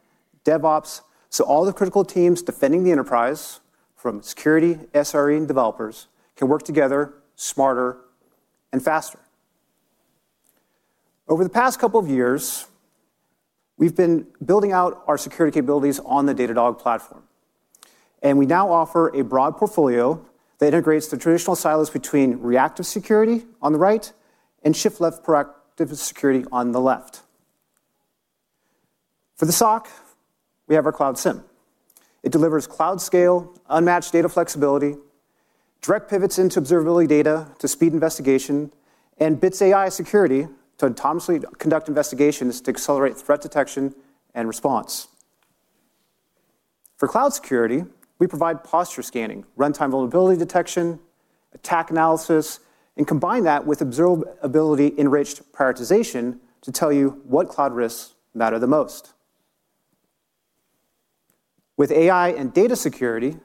DevOps. So all the critical teams defending the enterprise, from security, SRE, and developers, can work together smarter and faster. Over the past couple of years, we've been building out our security capabilities on the Datadog platform, and we now offer a broad portfolio that integrates the traditional silos between reactive security on the right and shift-left proactive security on the left. For the SOC, we have our Cloud SIEM. It delivers cloud-scale, unmatched data flexibility, direct pivots into observability data to speed investigation, and Bits AI Security to autonomously conduct investigations to accelerate threat detection and response. For cloud security, we provide posture scanning, runtime vulnerability detection, attack analysis, and combine that with observability-enriched prioritization to tell you what cloud risks matter the most. With AI and data security,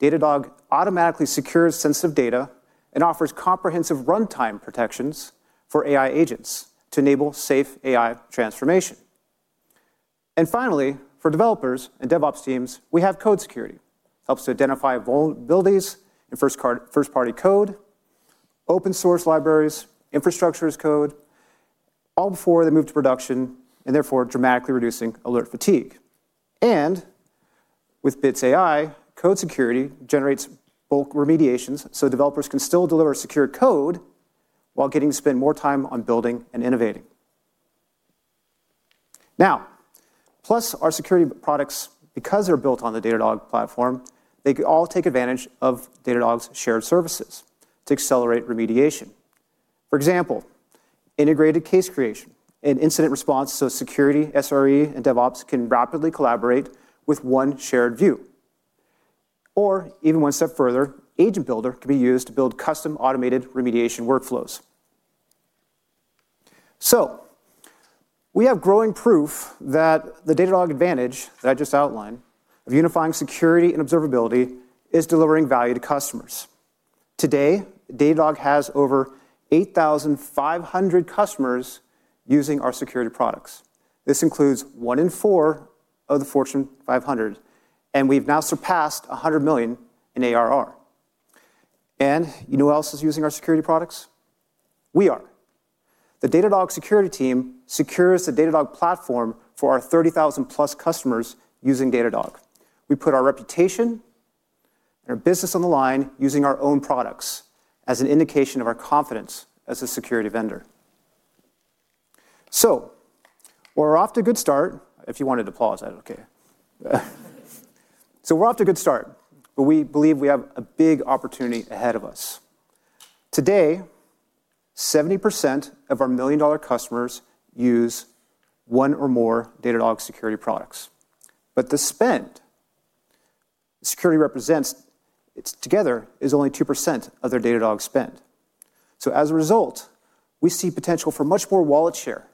Datadog automatically secures sensitive data and offers comprehensive runtime protections for AI agents to enable safe AI transformation. And finally, for developers and DevOps teams, we have Code Security. It helps to identify vulnerabilities in first-party code, open source libraries, infrastructure as code, all before they move to production, and therefore dramatically reducing alert fatigue. And with Bits AI, Code Security generates bulk remediations, so developers can still deliver secure code while getting to spend more time on building and innovating. Now, plus our security products, because they're built on the Datadog platform, they all take advantage of Datadog's shared services to accelerate remediation. For example, integrated case creation and incident response, so security, SRE, and DevOps can rapidly collaborate with one shared view. Or even one step further, Agent Builder can be used to build custom automated remediation workflows. So we have growing proof that the Datadog advantage that I just outlined, of unifying security and observability, is delivering value to customers. Today, Datadog has over 8,500 customers using our security products. This includes one in four of the Fortune 500, and we've now surpassed $100 million in ARR. And you know who else is using our security products? We are. The Datadog security team secures the Datadog platform for our 30,000+ customers using Datadog. We put our reputation and our business on the line using our own products as an indication of our confidence as a security vendor. So we're off to a good start. If you wanted to pause, that's okay. We're off to a good start, but we believe we have a big opportunity ahead of us. Today, 70% of our million-dollar customers use one or more Datadog security products, but the spend security represents together is only 2% of their Datadog spend. So as a result, we see potential for much more wallet share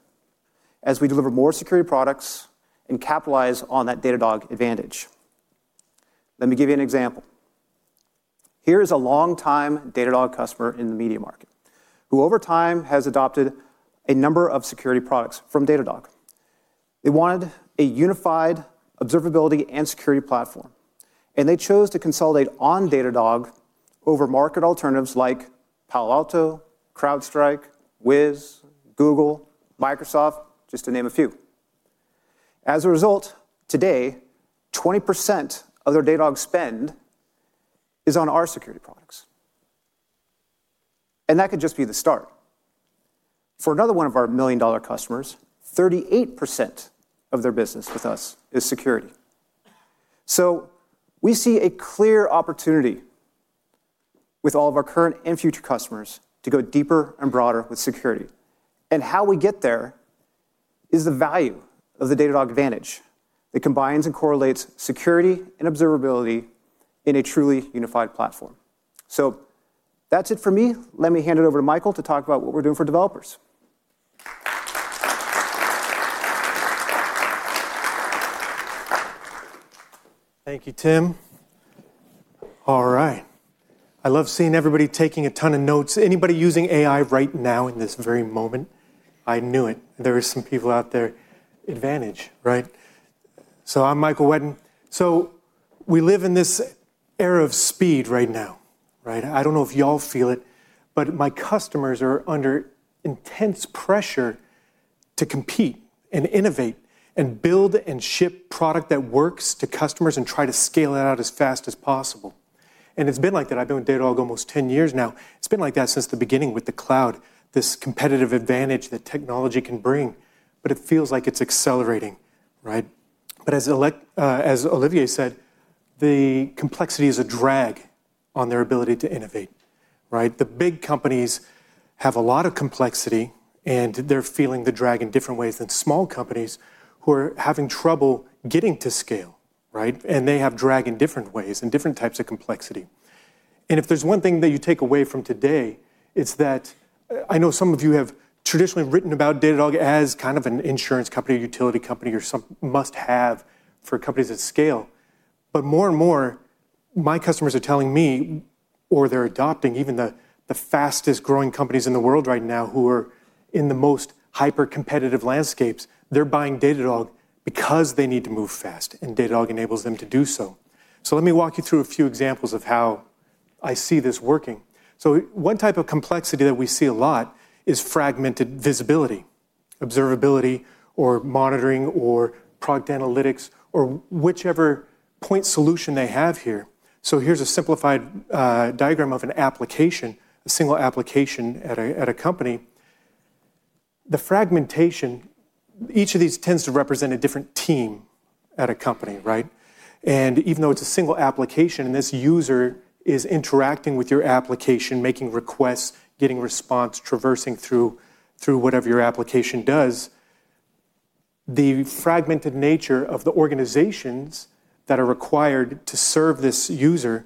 as we deliver more security products and capitalize on that Datadog advantage. Let me give you an example. Here is a long-time Datadog customer in the media market, who over time has adopted a number of security products from Datadog. They wanted a unified observability and security platform, and they chose to consolidate on Datadog over market alternatives like Palo Alto, CrowdStrike, Wiz, Google, Microsoft, just to name a few. As a result, today, 20% of their Datadog spend is on our security products, and that could just be the start. For another one of our million-dollar customers, 38% of their business with us is security. So we see a clear opportunity with all of our current and future customers to go deeper and broader with security. And how we get there is the value of the Datadog advantage that combines and correlates security and observability in a truly unified platform. So that's it for me. Let me hand it over to Michael to talk about what we're doing for developers. Thank you, Tim. All right. I love seeing everybody taking a ton of notes. Anybody using AI right now in this very moment? I knew it. There are some people out there. Advantage, right? So I'm Michael Whetten. So we live in this era of speed right now, right? I don't know if y'all feel it, but my customers are under intense pressure to compete and innovate and build and ship product that works to customers and try to scale it out as fast as possible. And it's been like that. I've been with Datadog almost 10 years now. It's been like that since the beginning with the cloud, this competitive advantage that technology can bring, but it feels like it's accelerating, right? But as Olivier said, the complexity is a drag on their ability to innovate, right? The big companies have a lot of complexity, and they're feeling the drag in different ways than small companies who are having trouble getting to scale, right? And they have drag in different ways and different types of complexity. And if there's one thing that you take away from today, it's that, I know some of you have traditionally written about Datadog as kind of an insurance company, a utility company, or some must-have for companies at scale. But more and more, my customers are telling me, or they're adopting, even the, the fastest-growing companies in the world right now, who are in the most hyper-competitive landscapes, they're buying Datadog because they need to move fast, and Datadog enables them to do so. So let me walk you through a few examples of how I see this working. So one type of complexity that we see a lot is fragmented visibility, observability, or monitoring, or product analytics, or whichever point solution they have here. So here's a simplified diagram of an application, a single application at a company. The fragmentation - each of these tends to represent a different team at a company, right? And even though it's a single application, and this user is interacting with your application, making requests, getting response, traversing through whatever your application does, the fragmented nature of the organizations that are required to serve this user,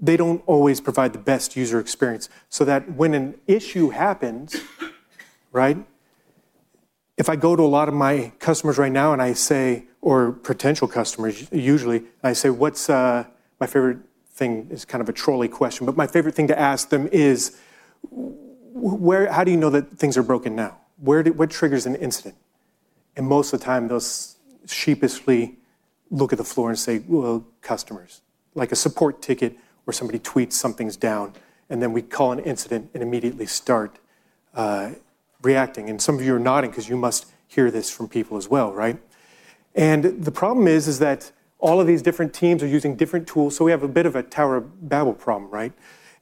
they don't always provide the best user experience. So that when an issue happens, right, if I go to a lot of my customers right now, and I say, or potential customers, usually, and I say: What's My favorite thing is kind of a trolley question, but my favorite thing to ask them is, "Where, how do you know that things are broken now? What triggers an incident?" Most of the time, they'll sheepishly look at the floor and say, "Well, customers," like a support ticket, or somebody tweets something's down, and then we call an incident and immediately start reacting. Some of you are nodding 'cause you must hear this from people as well, right? The problem is that all of these different teams are using different tools, so we have a bit of a Tower of Babel problem, right?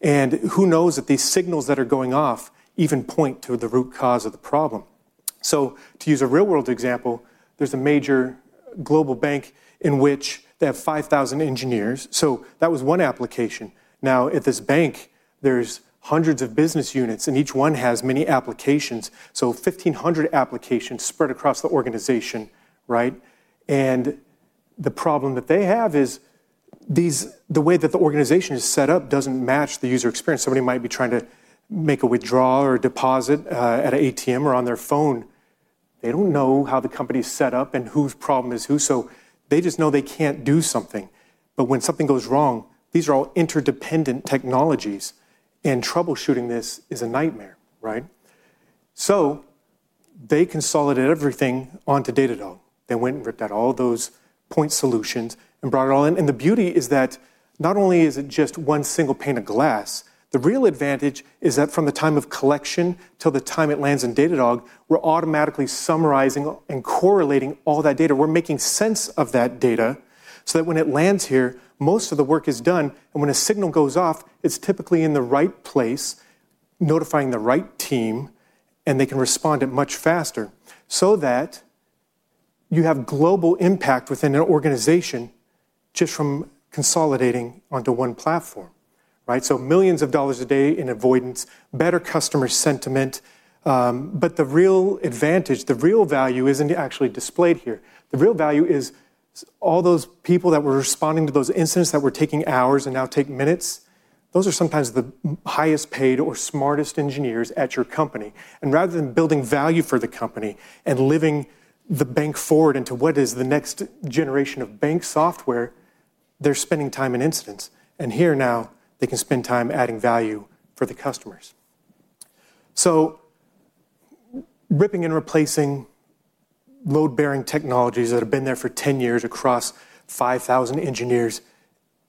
Who knows that these signals that are going off even point to the root cause of the problem. So to use a real-world example, there's a major global bank in which they have 5,000 engineers. So that was one application. Now, at this bank, there's hundreds of business units, and each one has many applications, so 1,500 applications spread across the organization, right? And the problem that they have is the way that the organization is set up doesn't match the user experience. Somebody might be trying to make a withdrawal or deposit at an ATM or on their phone. They don't know how the company's set up and whose problem is whose, so they just know they can't do something. But when something goes wrong, these are all interdependent technologies, and troubleshooting this is a nightmare, right? So they consolidated everything onto Datadog. They went and ripped out all those point solutions and brought it all in. And the beauty is that not only is it just one single pane of glass, the real advantage is that from the time of collection till the time it lands in Datadog, we're automatically summarizing and correlating all that data. We're making sense of that data so that when it lands here, most of the work is done, and when a signal goes off, it's typically in the right place, notifying the right team, and they can respond to it much faster. So that you have global impact within an organization just from consolidating onto one platform, right? So millions of dollors a day in avoidance, better customer sentiment, but the real advantage, the real value, isn't actually displayed here. The real value is all those people that were responding to those incidents that were taking hours and now take minutes, those are sometimes the highest paid or smartest engineers at your company. And rather than building value for the company and living the bank forward into what is the next generation of bank software, they're spending time in incidents. And here now, they can spend time adding value for the customers. So ripping and replacing load-bearing technologies that have been there for 10 years across 5,000 engineers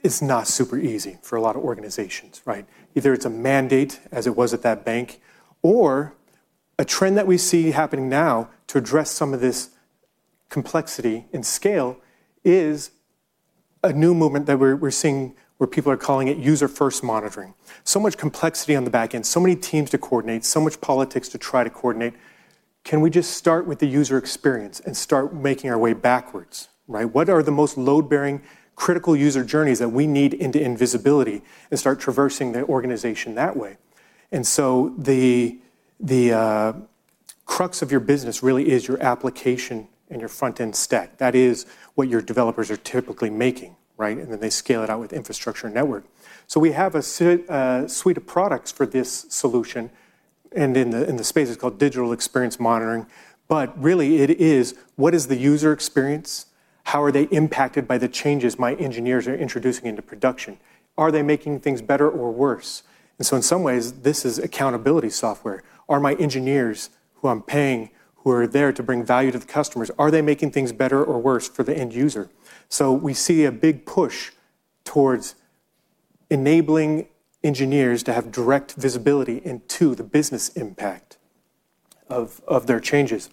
is not super easy for a lot of organizations, right? Either it's a mandate, as it was at that bank, or a trend that we see happening now to address some of this complexity and scale is a new movement that we're seeing, where people are calling it user-first monitoring. So much complexity on the back end, so many teams to coordinate, so much politics to try to coordinate. Can we just start with the user experience and start making our way backwards, right? What are the most load-bearing, critical user journeys that we need into invisibility and start traversing the organization that way? And so the crux of your business really is your application and your front-end stack. That is what your developers are typically making, right? And then they scale it out with infrastructure and network. So we have a suite of products for this solution, and in the space, it's called Digital Experience Monitoring. But really, it is: What is the user experience? How are they impacted by the changes my engineers are introducing into production? Are they making things better or worse? In some ways, this is accountability software. Are my engineers, who I'm paying, who are there to bring value to the customers, are they making things better or worse for the end user? We see a big push towards enabling engineers to have direct visibility into the business impact of their changes.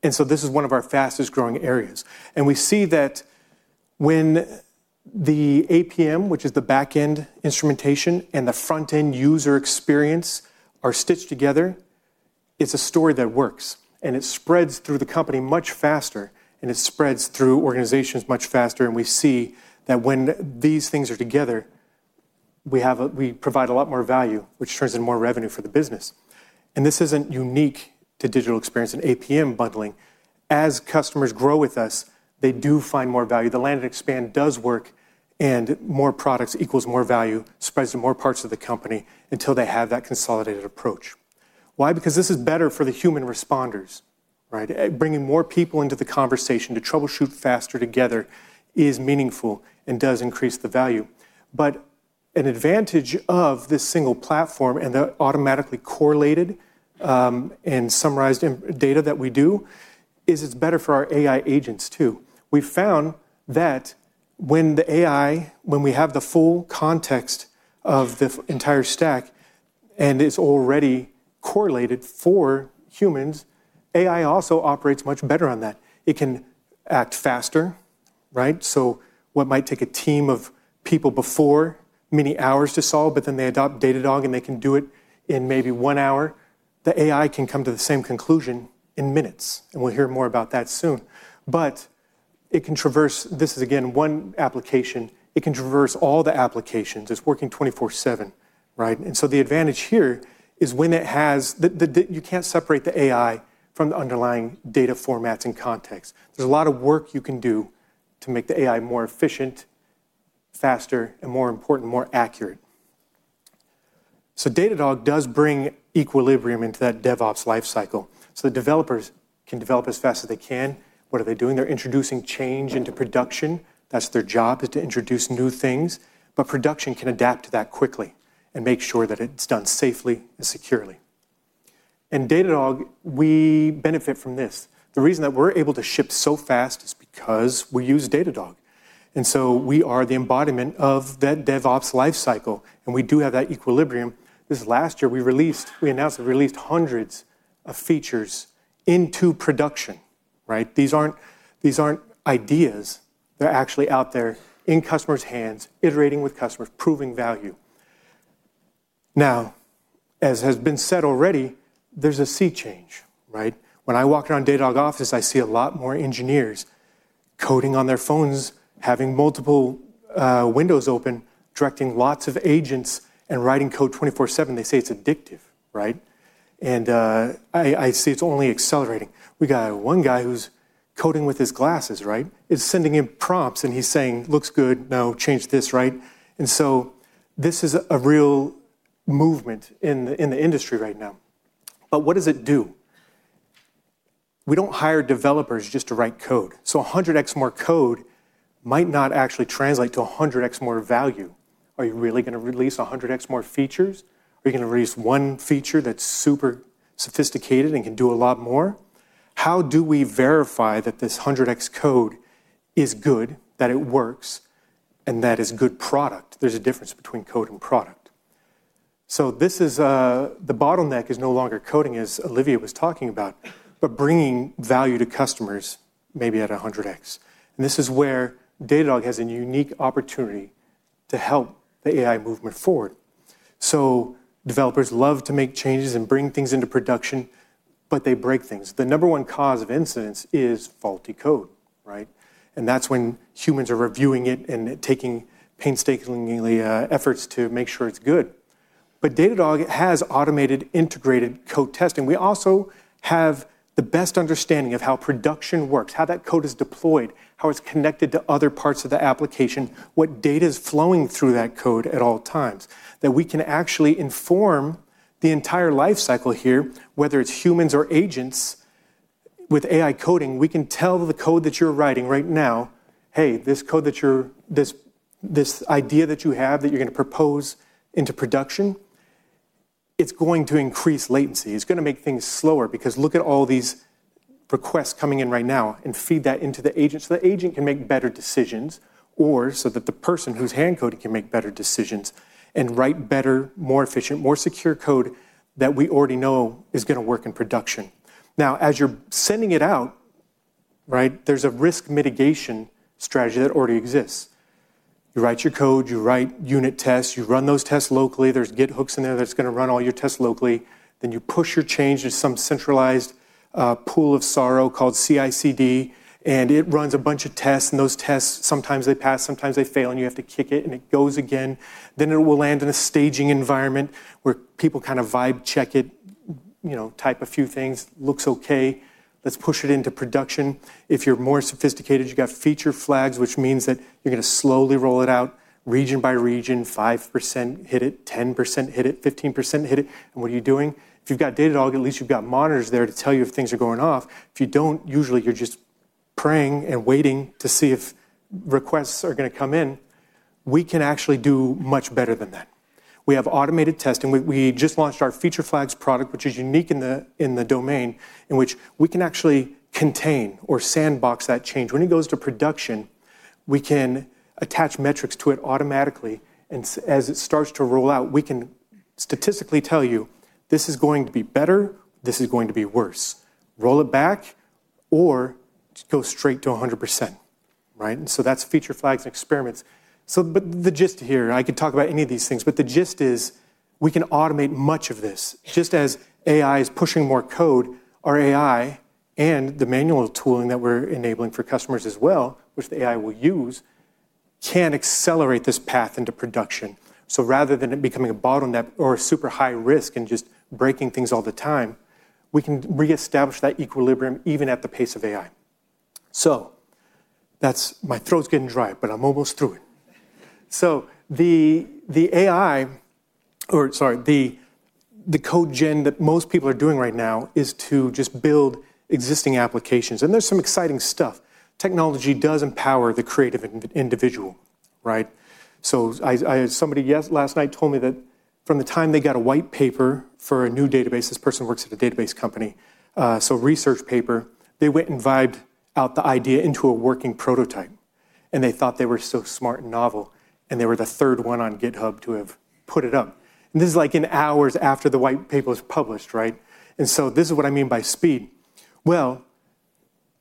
This is one of our fastest-growing areas. We see that when the APM, which is the back-end instrumentation, and the front-end user experience are stitched together, it's a story that works, and it spreads through the company much faster, and it spreads through organizations much faster. We see that when these things are together, we provide a lot more value, which turns into more revenue for the business. This isn't unique to digital experience and APM bundling. As customers grow with us, they do find more value. The land and expand does work, and more products equals more value, spreads to more parts of the company until they have that consolidated approach. Why? Because this is better for the human responders, right? Bringing more people into the conversation to troubleshoot faster together is meaningful and does increase the value. But an advantage of this single platform, and the automatically correlated, and summarized data that we do, is it's better for our AI agents, too. We found that when we have the full context of the entire stack, and it's already correlated for humans, AI also operates much better on that. It can act faster, right? What might take a team of people before many hours to solve, but then they adopt Datadog, and they can do it in maybe one hour; the AI can come to the same conclusion in minutes, and we'll hear more about that soon. But it can traverse... This is, again, one application. It can traverse all the applications. It's working 24/7, right? And so the advantage here is when it has the you can't separate the AI from the underlying data formats and context. There's a lot of work you can do to make the AI more efficient, faster, and more important, more accurate. So Datadog does bring equilibrium into that DevOps life cycle, so the developers can develop as fast as they can. What are they doing? They're introducing change into production. That's their job, is to introduce new things, but production can adapt to that quickly and make sure that it's done safely and securely. In Datadog, we benefit from this. The reason that we're able to ship so fast is because we use Datadog, and so we are the embodiment of that DevOps life cycle, and we do have that equilibrium. This last year, we announced and released hundreds of features into production, right? These aren't, these aren't ideas. They're actually out there in customers' hands, iterating with customers, proving value. Now, as has been said already, there's a sea change, right? When I walk around Datadog office, I see a lot more engineers coding on their phones, having multiple windows open, directing lots of agents, and writing code 24/7. They say it's addictive, right? And I see it's only accelerating. We got one guy who's coding with his glasses, right? It's sending him prompts, and he's saying, "Looks good. No, change this," right? And so this is a real movement in the, in the industry right now. But what does it do? We don't hire developers just to write code. So 100x more code might not actually translate to 100x more value. Are you really gonna release 100x more features? Are you gonna release one feature that's super sophisticated and can do a lot more? How do we verify that this 100x code is good, that it works, and that it's good product? There's a difference between code and product. So this is, the bottleneck is no longer coding, as Olivier was talking about, but bringing value to customers, maybe at a 100x. This is where Datadog has a unique opportunity to help the AI movement forward. Developers love to make changes and bring things into production, but they break things. The number one cause of incidents is faulty code, right? That's when humans are reviewing it and taking painstaking efforts to make sure it's good. Datadog has automated, integrated code testing. We also have the best understanding of how production works, how that code is deployed, how it's connected to other parts of the application, what data is flowing through that code at all times. That we can actually inform the entire life cycle here, whether it's humans or agents. With AI coding, we can tell the code that you're writing right now, "Hey, this code that you're-this, this idea that you have, that you're gonna propose into production, it's going to increase latency. It's gonna make things slower because look at all these requests coming in right now," and feed that into the agent, so the agent can make better decisions, or so that the person who's hand-coding can make better decisions and write better, more efficient, more secure code that we already know is gonna work in production. Now, as you're sending it out, right, there's a risk mitigation strategy that already exists. You write your code, you write unit tests, you run those tests locally. There's Git hooks in there that's gonna run all your tests locally. Then you push your change to some centralized pool of source called CICD, and it runs a bunch of tests, and those tests, sometimes they pass, sometimes they fail, and you have to kick it, and it goes again. Then it will land in a staging environment where people kind of vibe check it, you know, type a few things. "Looks okay. Let's push it into production." If you're more sophisticated, you've got Feature Flags, which means that you're gonna slowly roll it out, region by region. 5% hit it, 10% hit it, 15% hit it, and what are you doing? If you've got Datadog, at least you've got monitors there to tell you if things are going off. If you don't, usually you're just praying and waiting to see if requests are gonna come in. We can actually do much better than that... We have automated testing. We just launched our Feature Flags product, which is unique in the domain, in which we can actually contain or sandbox that change. When it goes to production, we can attach metrics to it automatically, and as it starts to roll out, we can statistically tell you, "This is going to be better, this is going to be worse. Roll it back or go straight to 100%." Right? And so that's Feature Flags and Experiments. So but the gist here, I could talk about any of these things, but the gist is, we can automate much of this. Just as AI is pushing more code, our AI and the manual tooling that we're enabling for customers as well, which the AI will use, can accelerate this path into production. So rather than it becoming a bottleneck or a super high risk and just breaking things all the time, we can reestablish that equilibrium even at the pace of AI. So that's... My throat's getting dry, but I'm almost through it. So the code gen that most people are doing right now is to just build existing applications, and there's some exciting stuff. Technology does empower the creative individual, right? So somebody last night told me that from the time they got a white paper for a new database, this person works at a database company, so research paper, they went and vibed out the idea into a working prototype, and they thought they were so smart and novel, and they were the third one on GitHub to have put it up. And this is, like, in hours after the white paper was published, right? And so this is what I mean by speed. Well,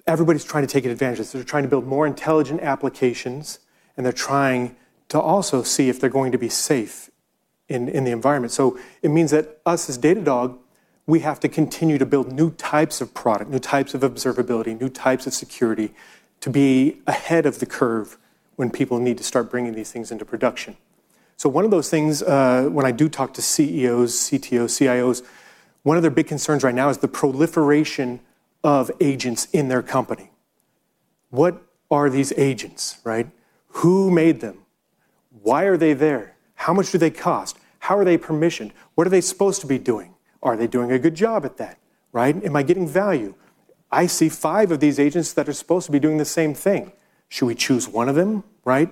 everybody's trying to take advantage of this. They're trying to build more intelligent applications, and they're trying to also see if they're going to be safe in, in the environment. So it means that us, as Datadog, we have to continue to build new types of product, new types of observability, new types of security, to be ahead of the curve when people need to start bringing these things into production. So one of those things, when I do talk to CEOs, CTOs, CIOs, one of their big concerns right now is the proliferation of agents in their company. What are these agents, right? Who made them? Why are they there? How much do they cost? How are they permissioned? What are they supposed to be doing? Are they doing a good job at that, right? Am I getting value? I see five of these agents that are supposed to be doing the same thing. Should we choose one of them, right?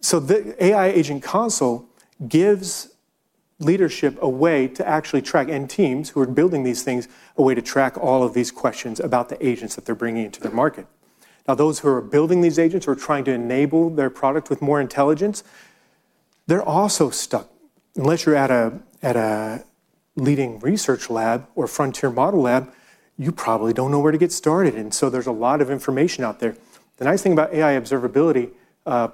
So the AI agent console gives leadership a way to actually track, and teams who are building these things, a way to track all of these questions about the agents that they're bringing into their market. Now, those who are building these agents or trying to enable their product with more intelligence, they're also stuck. Unless you're at a, at a leading research lab or frontier model lab, you probably don't know where to get started, and so there's a lot of information out there. The nice thing about AI observability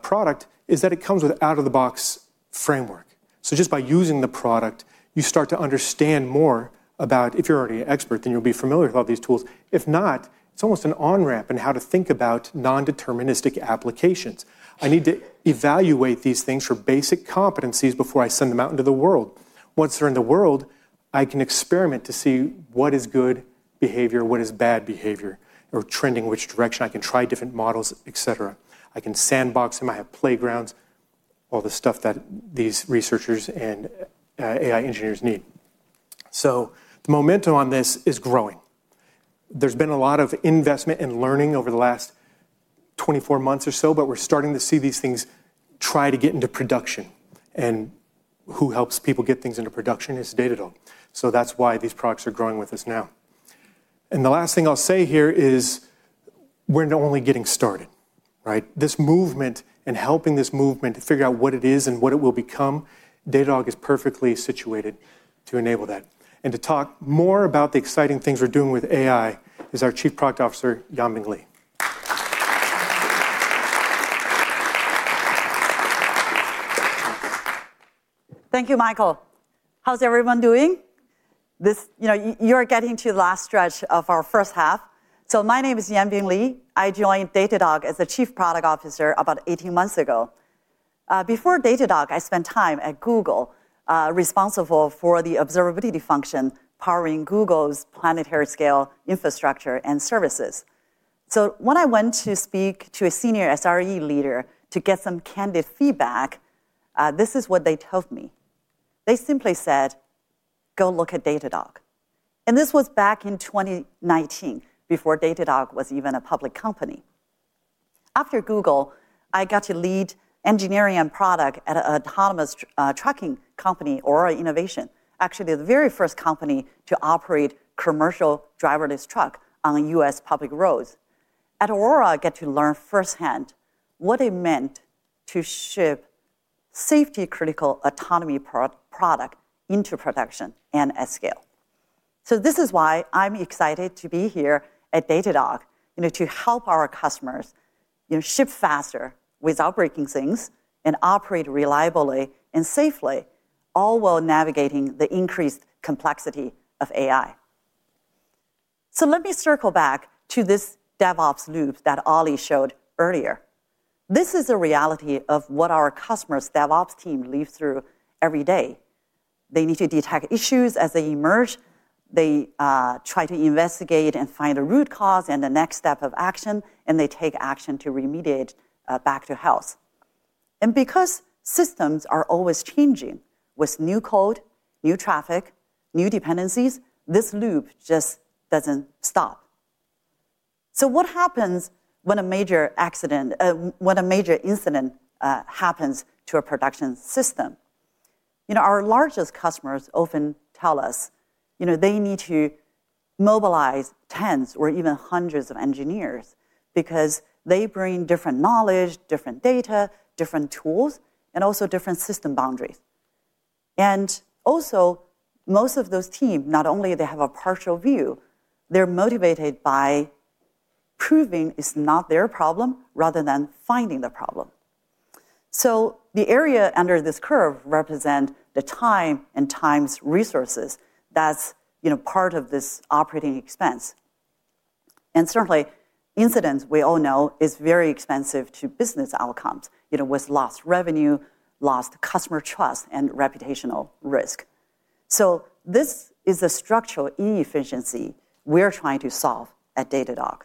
product is that it comes with out-of-the-box framework. So just by using the product, you start to understand more about, if you're already an expert, then you'll be familiar with all these tools. If not, it's almost an on-ramp in how to think about non-deterministic applications. I need to evaluate these things for basic competencies before I send them out into the world. Once they're in the world, I can experiment to see what is good behavior, what is bad behavior, or trending which direction. I can try different models, et cetera. I can sandbox them. I have playgrounds, all the stuff that these researchers and AI engineers need. So the momentum on this is growing. There's been a lot of investment and learning over the last 24 months or so, but we're starting to see these things try to get into production, and who helps people get things into production is Datadog. So that's why these products are growing with us now. And the last thing I'll say here is, we're only getting started, right? This movement and helping this movement to figure out what it is and what it will become, Datadog is perfectly situated to enable that. To talk more about the exciting things we're doing with AI is our Chief Product Officer, Yanbing Li. Thank you, Michael. How's everyone doing? This, you know, you're getting to the last stretch of our first half. So my name is Yanbing Li. I joined Datadog as the Chief Product Officer about 18 months ago. Before Datadog, I spent time at Google, responsible for the observability function, powering Google's planetary scale, infrastructure, and services. So when I went to speak to a senior SRE leader to get some candid feedback, this is what they told me. They simply said, "Go look at Datadog." And this was back in 2019, before Datadog was even a public company. After Google, I got to lead engineering and product at a autonomous trucking company, Aurora Innovation, actually, the very first company to operate commercial driverless truck on the U.S. public roads. At Aurora, I get to learn firsthand what it meant to ship safety-critical autonomy product into production and at scale. So this is why I'm excited to be here at Datadog, you know, to help our customers, you know, ship faster without breaking things and operate reliably and safely, all while navigating the increased complexity of AI. So let me circle back to this DevOps loop that Ollie showed earlier. This is the reality of what our customers' DevOps team lives through every day. They need to detect issues as they emerge. They try to investigate and find a root cause and the next step of action, and they take action to remediate back to health. Because systems are always changing, with new code, new traffic, new dependencies, this loop just doesn't stop. So what happens when a major accident, when a major incident, happens to a production system? You know, our largest customers often tell us, you know, they need to mobilize tens or even hundreds of engineers because they bring different knowledge, different data, different tools, and also different system boundaries. And also, most of those teams, not only they have a partial view, they're motivated by proving it's not their problem rather than finding the problem. So the area under this curve represent the time and time's resources that's, you know, part of this operating expense. And certainly, incidents, we all know, is very expensive to business outcomes, you know, with lost revenue, lost customer trust, and reputational risk. So this is a structural inefficiency we're trying to solve at Datadog.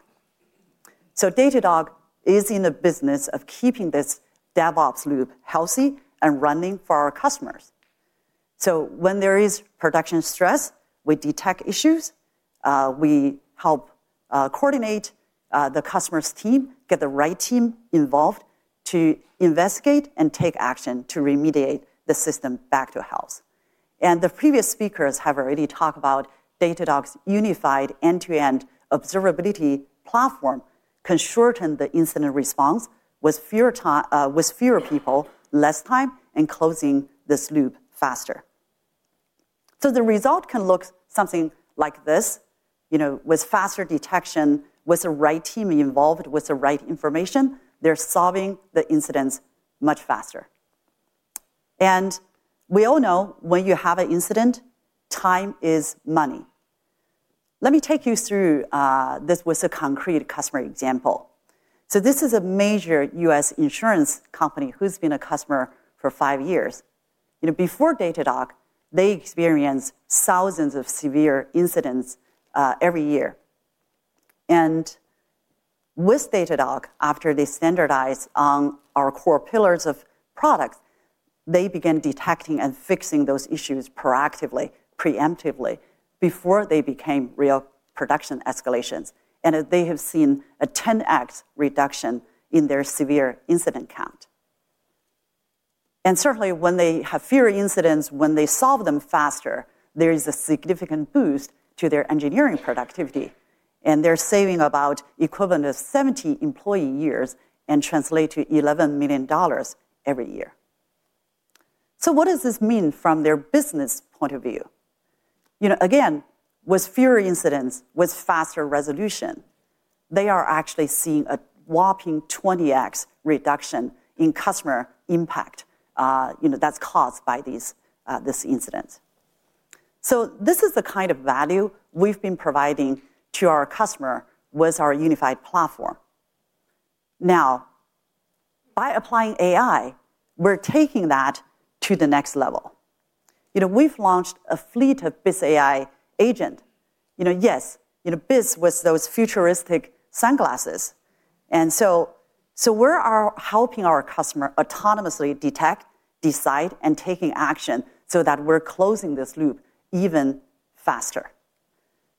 So Datadog is in the business of keeping this DevOps loop healthy and running for our customers. So when there is production stress, we detect issues, we help coordinate the customer's team, get the right team involved to investigate and take action to remediate the system back to health. And the previous speakers have already talked about Datadog's unified end-to-end observability platform can shorten the incident response with fewer people, less time, and closing this loop faster. So the result can look something like this, you know, with faster detection, with the right team involved, with the right information, they're solving the incidents much faster. And we all know when you have an incident, time is money. Let me take you through this with a concrete customer example. So this is a major U.S. insurance company who's been a customer for five years. You know, before Datadog, they experienced thousands of severe incidents every year. With Datadog, after they standardized on our core pillars of products, they began detecting and fixing those issues proactively, preemptively, before they became real production escalations, and they have seen a 10x reduction in their severe incident count. Certainly, when they have fewer incidents, when they solve them faster, there is a significant boost to their engineering productivity, and they're saving about equivalent of 70 employee years and translate to $11 million every year. So what does this mean from their business point of view? You know, again, with fewer incidents, with faster resolution, they are actually seeing a whopping 20x reduction in customer impact, you know, that's caused by these, these incidents. So this is the kind of value we've been providing to our customer with our unified platform. Now, by applying AI, we're taking that to the next level. You know, we've launched a fleet of Bits AI agents, you know, yes, you know, Bits with those futuristic sunglasses. So we're helping our customers autonomously detect, decide, and taking action so that we're closing this loop even faster.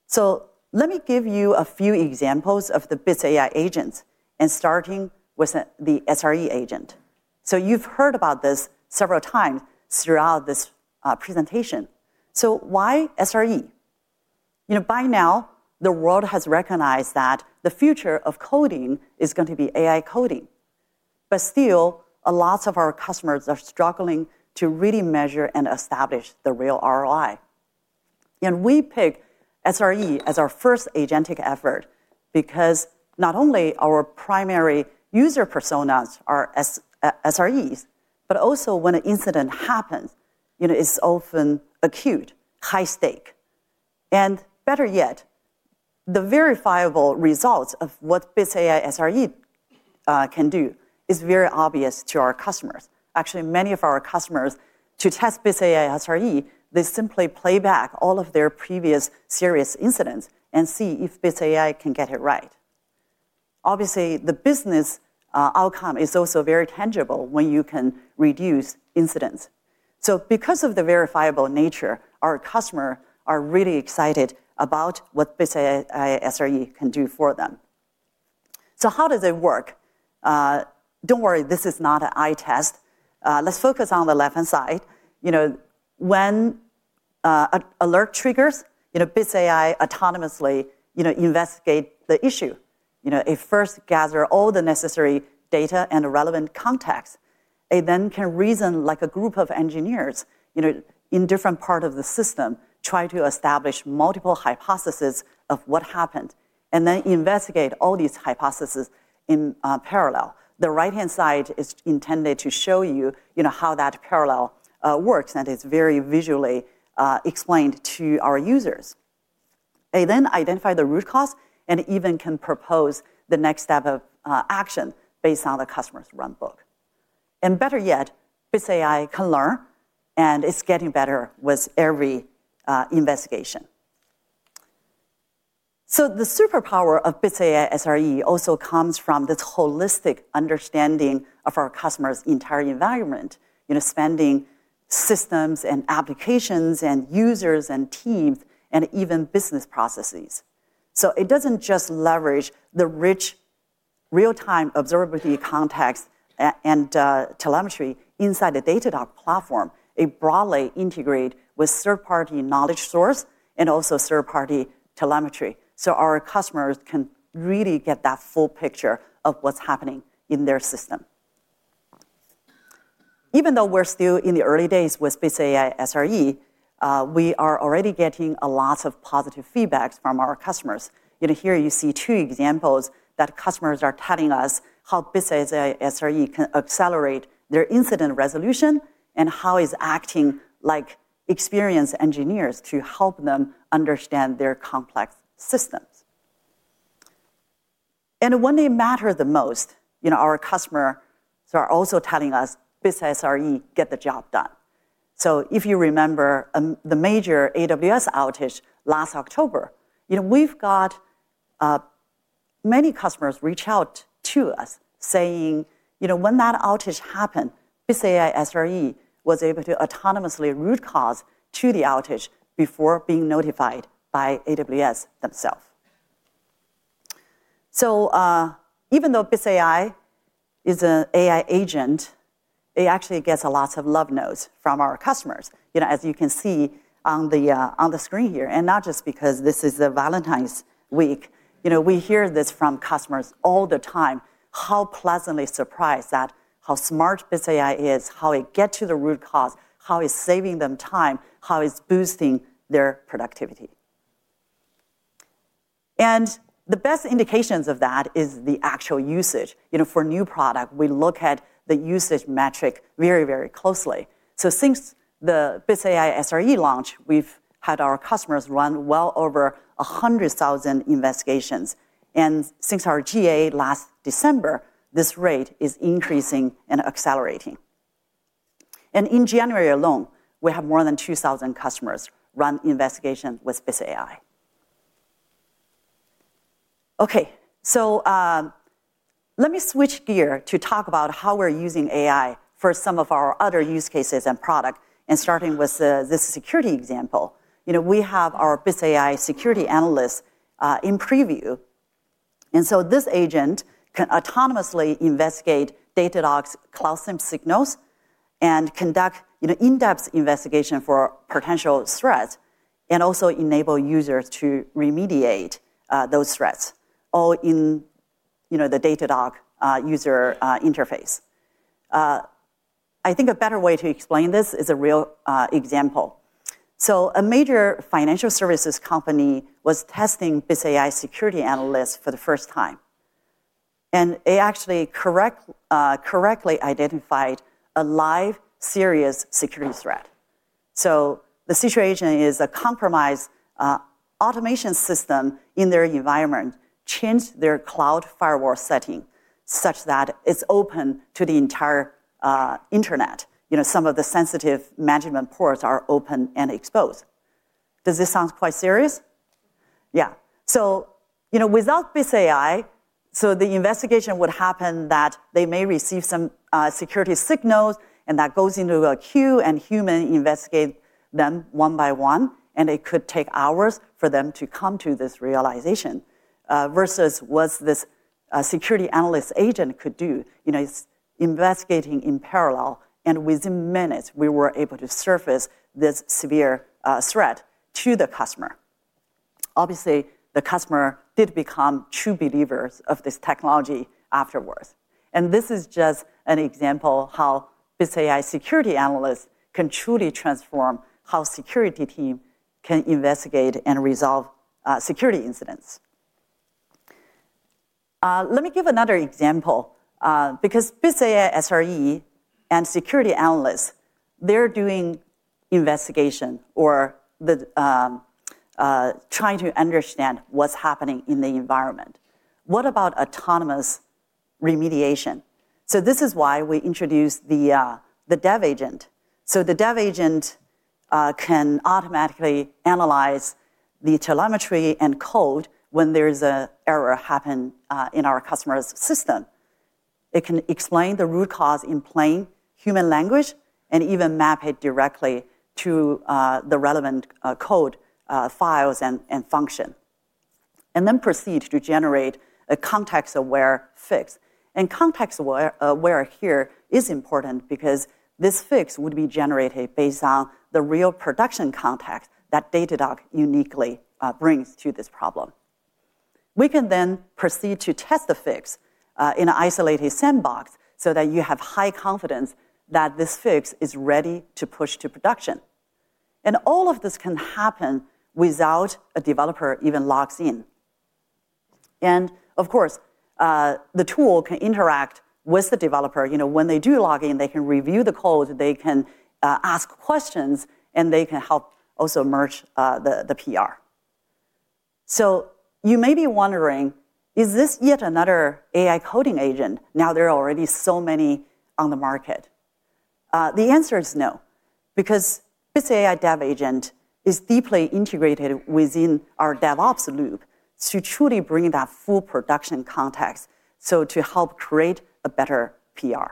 So let me give you a few examples of the Bits AI agents and starting with the SRE agent. So you've heard about this several times throughout this presentation. So why SRE? You know, by now, the world has recognized that the future of coding is going to be AI coding, but still, a lot of our customers are struggling to really measure and establish the real ROI. And we picked SRE as our first agentic effort because not only our primary user personas are SREs, but also when an incident happens, you know, it's often acute, high stake. And better yet, the verifiable results of what Bits AI SRE can do is very obvious to our customers. Actually, many of our customers, to test Bits AI SRE, they simply play back all of their previous serious incidents and see if Bits AI can get it right. Obviously, the business outcome is also very tangible when you can reduce incidents. So because of the verifiable nature, our customer are really excited about what Bits AI SRE can do for them. So how do they work? Don't worry, this is not an eye test. Let's focus on the left-hand side. You know, when a alert triggers, you know, Bits AI autonomously, you know, investigate the issue. You know, it first gather all the necessary data and the relevant context. It then can reason like a group of engineers, you know, in different part of the system, try to establish multiple hypothesis of what happened, and then investigate all these hypothesis in parallel. The right-hand side is intended to show you, you know, how that parallel works, and it's very visually explained to our users. They then identify the root cause and even can propose the next step of action based on the customer's runbook. And better yet, Bits AI can learn, and it's getting better with every investigation. So the superpower of Bits AI SRE also comes from this holistic understanding of our customer's entire environment, you know, systems and applications, and users and teams, and even business processes. So it doesn't just leverage the rich real-time observability context and telemetry inside the Datadog platform. It broadly integrates with third-party knowledge sources and also third-party telemetry, so our customers can really get that full picture of what's happening in their system. Even though we're still in the early days with Bits AI SRE, we are already getting a lot of positive feedback from our customers. You know, here you see two examples that customers are telling us how Bits AI SRE can accelerate their incident resolution and how it's acting like experienced engineers to help them understand their complex systems. And when it matters the most, you know, our customers are also telling us, Bits AI SRE gets the job done. So if you remember, the major AWS outage last October, you know, we've got, many customers reach out to us saying, "You know, when that outage happened, Bits AI SRE was able to autonomously root cause to the outage before being notified by AWS themselves." So, even though Bits AI is an AI agent, it actually gets a lot of love notes from our customers. You know, as you can see on the, on the screen here, and not just because this is the Valentine's week. You know, we hear this from customers all the time, how pleasantly surprised at how smart Bits AI is, how it get to the root cause, how it's saving them time, how it's boosting their productivity. And the best indications of that is the actual usage. You know, for a new product, we look at the usage metric very, very closely. So since the Bits AI SRE launch, we've had our customers run well over 100,000 investigations, and since our GA last December, this rate is increasing and accelerating. In January alone, we have more than 2,000 customers run investigation with Bits AI. Okay. So, let me switch gear to talk about how we're using AI for some of our other use cases and product, and starting with this security example. You know, we have our Bits AI Security Analyst in preview. So this agent can autonomously investigate Datadog's Cloud SIEM signals and conduct an in-depth investigation for potential threats, and also enable users to remediate those threats, all in, you know, the Datadog user interface. I think a better way to explain this is a real example. So a major financial services company was testing Bits AI Security Analyst for the first time, and it actually correctly identified a live, serious security threat. So the situation is a compromised automation system in their environment changed their cloud firewall setting, such that it's open to the entire internet. You know, some of the sensitive management ports are open and exposed. Does this sound quite serious? Yeah. So, you know, without Bits AI, so the investigation would happen that they may receive some security signals, and that goes into a queue, and human investigate them one by one, and it could take hours for them to come to this realization versus what this security analyst agent could do. You know, it's investigating in parallel, and within minutes, we were able to surface this severe threat to the customer. Obviously, the customer did become true believers of this technology afterwards. And this is just an example of how Bits AI security analysts can truly transform how security team can investigate and resolve security incidents. Let me give another example, because Bits AI SRE and security analysts, they're doing investigation or the trying to understand what's happening in the environment. What about autonomous remediation? So this is why we introduced the Dev Agent. So the Dev Agent can automatically analyze the telemetry and code when there's an error happen in our customer's system. It can explain the root cause in plain human language and even map it directly to the relevant code files and function, and then proceed to generate a context-aware fix. And context-aware, aware here is important because this fix would be generated based on the real production context that Datadog uniquely brings to this problem. We can then proceed to test the fix in an isolated sandbox so that you have high confidence that this fix is ready to push to production. And all of this can happen without a developer even logs in. And of course, the tool can interact with the developer. You know, when they do log in, they can review the code, they can ask questions, and they can help also merge the PR. So you may be wondering, is this yet another AI coding agent, now there are already so many on the market? The answer is no, because... This AI Dev Agent is deeply integrated within our DevOps loop to truly bring that full production context, so to help create a better PR.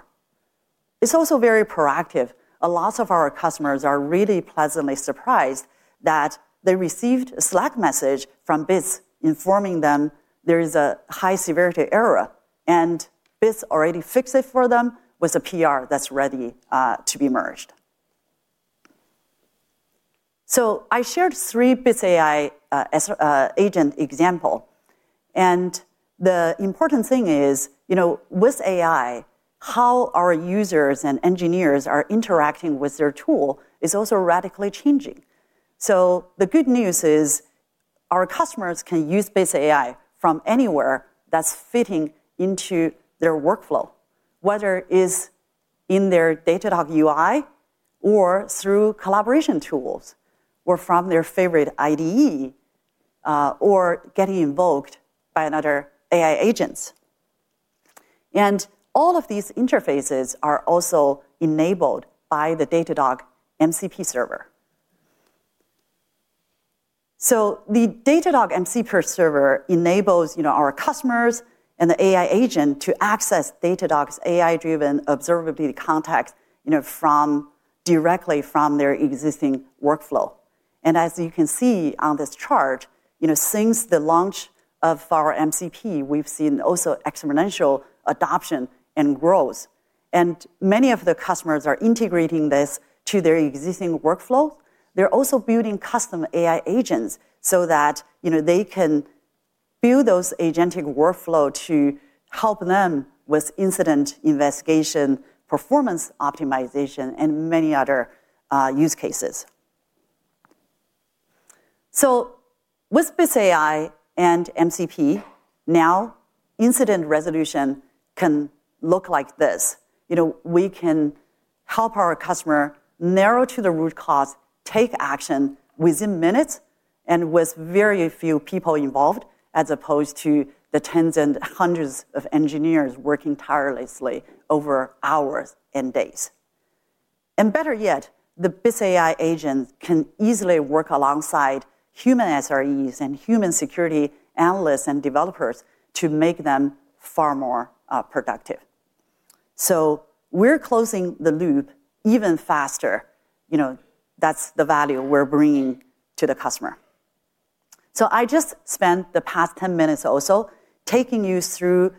It's also very proactive. A lot of our customers are really pleasantly surprised that they received a Slack message from Bits informing them there is a high-severity error, and Bits already fixed it for them with a PR that's ready to be merged. So I shared three Bits AI agent example, and the important thing is, you know, with AI, how our users and engineers are interacting with their tool is also radically changing. So the good news is, our customers can use Bits AI from anywhere that's fitting into their workflow, whether it is in their Datadog UI or through collaboration tools or from their favorite IDE or getting invoked by another AI agents. All of these interfaces are also enabled by the Datadog MCP Server. So the Datadog MCP Server enables, you know, our customers and the AI agent to access Datadog's AI-driven observability context, you know, directly from their existing workflow. As you can see on this chart, you know, since the launch of our MCP, we've seen also exponential adoption and growth, and many of the customers are integrating this to their existing workflow. They're also building custom AI agents so that, you know, they can build those agentic workflow to help them with incident investigation, performance optimization, and many other use cases. So with Bits AI and MCP, now incident resolution can look like this. You know, we can help our customer narrow to the root cause, take action within minutes, and with very few people involved, as opposed to the tens and hundreds of engineers working tirelessly over hours and days. And better yet, the Bits AI agent can easily work alongside human SREs and human security analysts and developers to make them far more productive. So we're closing the loop even faster. You know, that's the value we're bringing to the customer. So I just spent the past 10 minutes or so taking you through,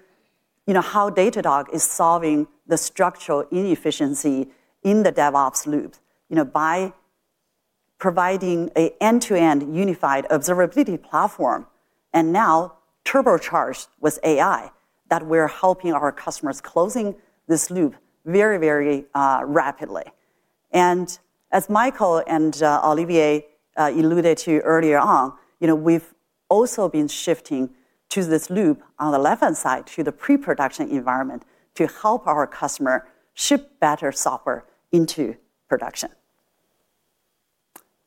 you know, how Datadog is solving the structural inefficiency in the DevOps loop, you know, by providing an end-to-end unified observability platform, and now turbocharged with AI, that we're helping our customers closing this loop very, very rapidly. And as Michael and Olivier alluded to earlier on, you know, we've also been shifting to this loop on the left-hand side to the pre-production environment to help our customer ship better software into production.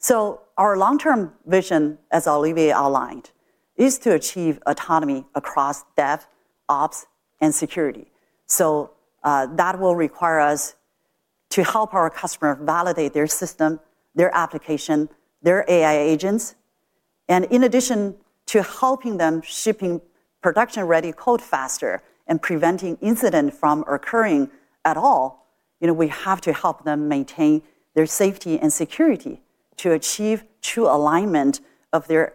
So our long-term vision, as Olivier outlined, is to achieve autonomy across DevOps, and security. So, that will require us to help our customer validate their system, their application, their AI agents. And in addition to helping them shipping production-ready code faster and preventing incident from occurring at all, you know, we have to help them maintain their safety and security to achieve true alignment of their,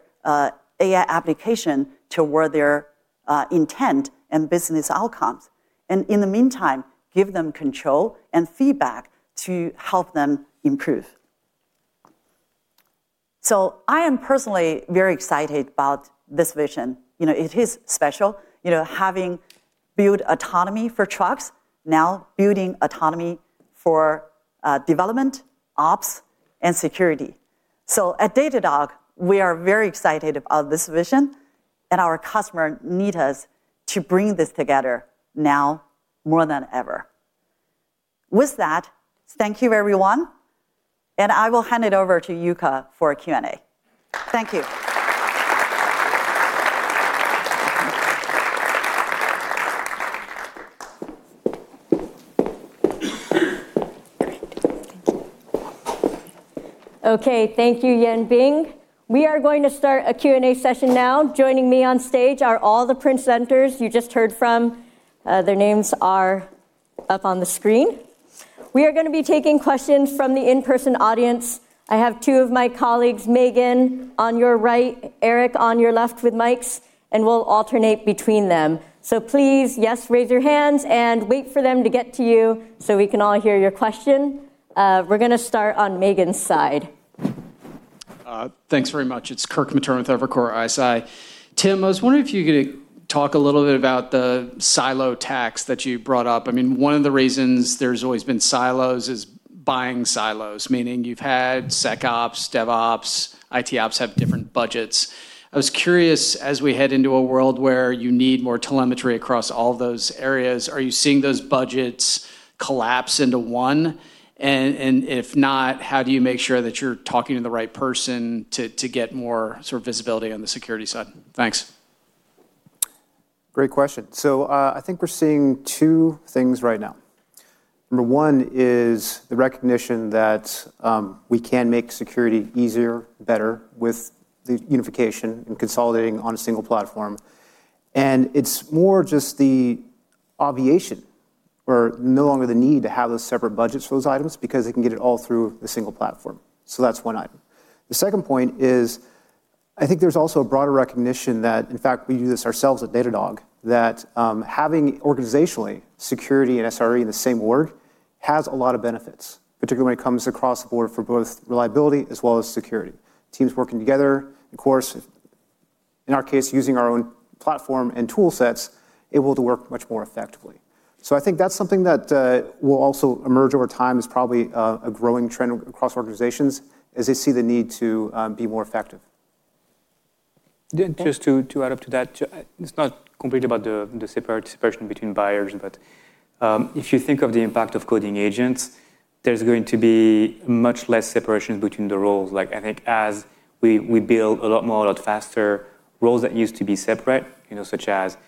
AI application toward their, intent and business outcomes, and in the meantime, give them control and feedback to help them improve. So I am personally very excited about this vision. You know, it is special, you know, having built autonomy for trucks, now building autonomy for development, ops, and security. So at Datadog, we are very excited about this vision, and our customer need us to bring this together now more than ever. With that, thank you, everyone, and I will hand it over to Yuka for a Q&A. Thank you. Okay, thank you, Yanbing. We are going to start a Q&A session now. Joining me on stage are all the presenters you just heard from. Their names are up on the screen. We are gonna be taking questions from the in-person audience. I have two of my colleagues, Megan, on your right, Eric on your left, with mics, and we'll alternate between them. So please, yes, raise your hands and wait for them to get to you, so we can all hear your question. We're gonna start on Megan's side. Thanks very much. It's Kirk Materna with Evercore ISI. Tim, I was wondering if you could talk a little bit about the silo tax that you brought up. I mean, one of the reasons there's always been silos is buying silos, meaning you've had SecOps, DevOps, ITOps have different budgets. I was curious, as we head into a world where you need more telemetry across all those areas, are you seeing those budgets collapse into one? And, and if not, how do you make sure that you're talking to the right person to, to get more sort of visibility on the security side? Thanks.... Great question. So, I think we're seeing two things right now. Number one is the recognition that, we can make security easier, better, with the unification and consolidating on a single platform. And it's more just the obviation or no longer the need to have those separate budgets for those items, because they can get it all through the single platform. So that's one item. The second point is, I think there's also a broader recognition that, in fact, we do this ourselves at Datadog, that, having organizationally security and SRE in the same org has a lot of benefits, particularly when it comes across the board for both reliability as well as security. Teams working together, of course, in our case, using our own platform and tool sets, able to work much more effectively. I think that's something that will also emerge over time as probably a growing trend across organizations as they see the need to be more effective. Just to add up to that, it's not completely about the separation between buyers, but if you think of the impact of coding agents, there's going to be much less separation between the roles. Like, I think as we build a lot more, a lot faster, roles that used to be separate, you know, such as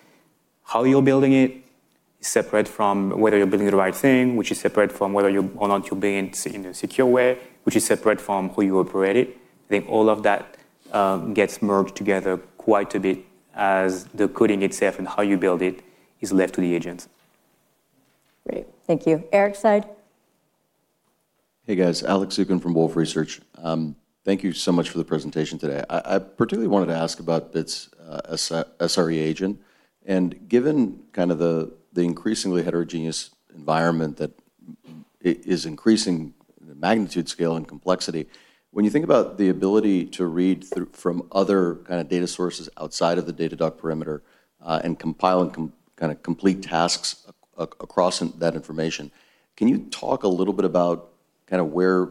how you're building it, separate from whether you're building the right thing, which is separate from whether or not you're building it in a secure way, which is separate from who you operate it. I think all of that gets merged together quite a bit as the coding itself and how you build it is left to the agents. Great. Thank you. Eric's Side? Hey, guys. Alex Zukin from Wolfe Research. Thank you so much for the presentation today. I particularly wanted to ask about this SRE agent. And given kind of the increasingly heterogeneous environment that is increasing the magnitude, scale, and complexity, when you think about the ability to read through from other kind of data sources outside of the Datadog perimeter, and compile and kinda complete tasks across that information, can you talk a little bit about kind of where,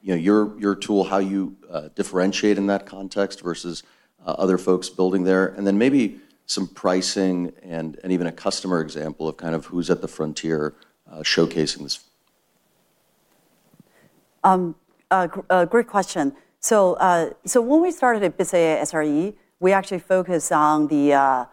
you know, your tool, how you differentiate in that context versus other folks building there? And then maybe some pricing and even a customer example of kind of who's at the frontier showcasing this. A great question. So when we started at Bits AI SRE, we actually focused on the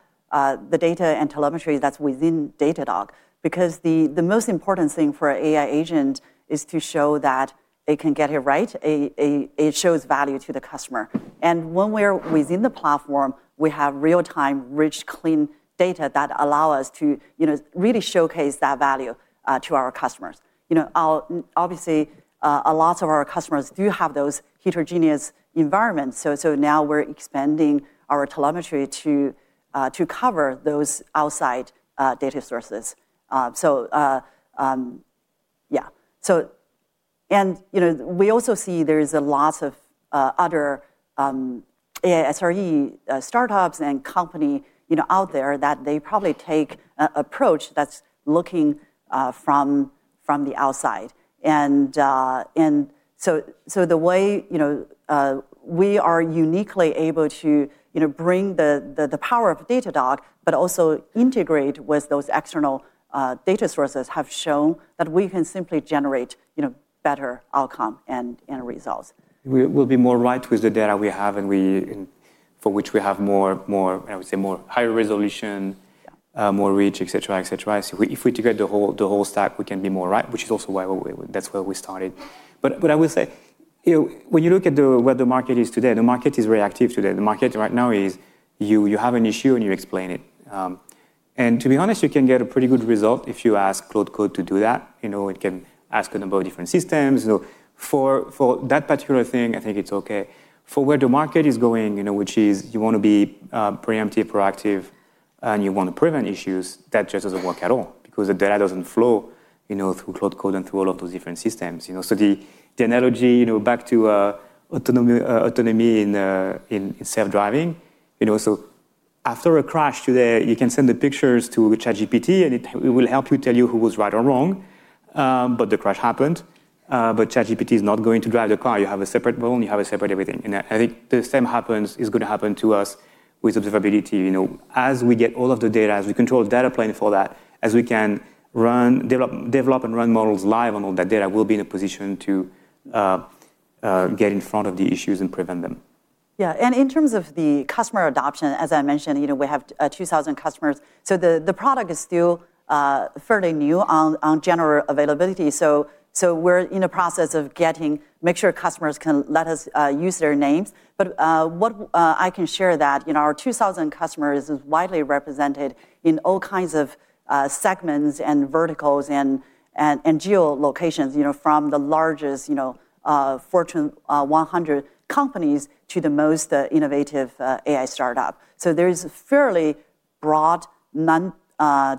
data and telemetry that's within Datadog, because the most important thing for an AI agent is to show that it can get it right. It shows value to the customer. And when we're within the platform, we have real-time, rich, clean data that allow us to, you know, really showcase that value to our customers. You know, obviously, a lot of our customers do have those heterogeneous environments, so now we're expanding our telemetry to cover those outside data sources. Yeah. And, you know, we also see there is a lot of other AI SRE startups and company, you know, out there, that they probably take an approach that's looking from the outside. And so the way, you know, we are uniquely able to, you know, bring the power of Datadog, but also integrate with those external data sources, have shown that we can simply generate, you know, better outcome and results. We'll be more right with the data we have, and for which we have more, I would say, higher resolution- Yeah... more reach, et cetera, et cetera. So if we integrate the whole, the whole stack, we can be more right, which is also why that's where we started. But, but I will say, you know, when you look at where the market is today, the market is very active today. The market right now is you, you have an issue, and you explain it. And to be honest, you can get a pretty good result if you ask Cloud Code to do that. You know, it can ask a number of different systems. You know, for that particular thing, I think it's okay. For where the market is going, you know, which is you wanna be preemptive, proactive, and you want to prevent issues, that just doesn't work at all because the data doesn't flow, you know, through Cloud Code and through all of those different systems. You know, so the analogy, you know, back to autonomy in self-driving. You know, so after a crash today, you can send the pictures to ChatGPT, and it will help you tell you who was right or wrong, but the crash happened. But ChatGPT is not going to drive the car. You have a separate brain, you have a separate everything. And I think the same happens, is gonna happen to us with observability. You know, as we get all of the data, as we control the data plane for that, as we can run, develop and run models live on all that data, we'll be in a position to get in front of the issues and prevent them. Yeah, and in terms of the customer adoption, as I mentioned, you know, we have 2,000 customers. So the product is still fairly new on general availability. So we're in the process of getting—make sure customers can let us use their names. But what I can share that, you know, our 2,000 customers is widely represented in all kinds of segments and verticals and geolocations, you know, from the largest, you know, Fortune 100 companies to the most innovative AI startup. So there is a fairly broad, non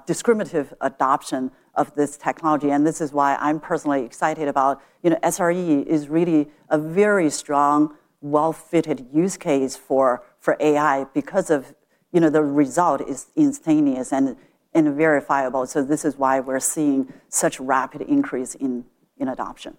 discriminative adoption of this technology, and this is why I'm personally excited about... You know, SRE is really a very strong, well-fitted use case for AI because of, you know, the result is instantaneous and verifiable. This is why we're seeing such rapid increase in adoption.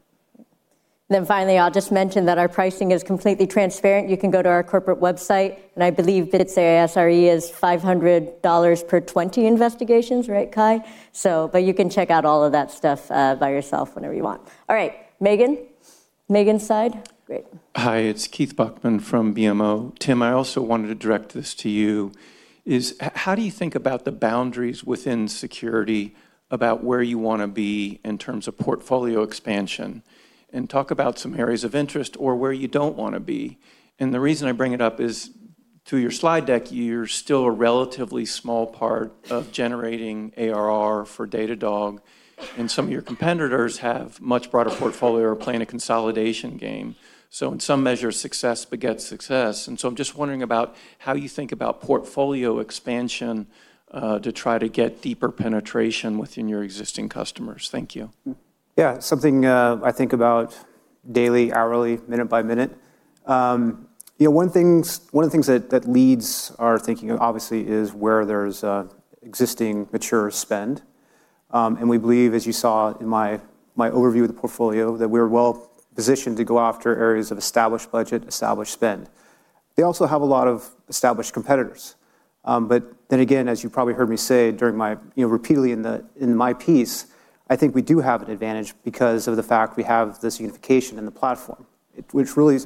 Then finally, I'll just mention that our pricing is completely transparent. You can go to our corporate website, and I believe that Bits AI SRE is $500 per 20 investigations, right, Kai? So, but you can check out all of that stuff by yourself whenever you want. All right, Megan?... Megan side? Great. Hi, it's Keith Bachman from BMO. Tim, I also wanted to direct this to you, is how do you think about the boundaries within security about where you wanna be in terms of portfolio expansion? And talk about some areas of interest or where you don't wanna be. And the reason I bring it up is, through your slide deck, you're still a relatively small part of generating ARR for Datadog, and some of your competitors have much broader portfolio playing a consolidation game. So in some measure, success begets success, and so I'm just wondering about how you think about portfolio expansion, to try to get deeper penetration within your existing customers. Thank you. Yeah, something I think about daily, hourly, minute by minute. You know, one of the things that leads our thinking obviously is where there's existing mature spend. And we believe, as you saw in my overview of the portfolio, that we're well positioned to go after areas of established budget, established spend. They also have a lot of established competitors. But then again, as you probably heard me say during my, you know, repeatedly in my piece, I think we do have an advantage because of the fact we have this unification in the platform, which really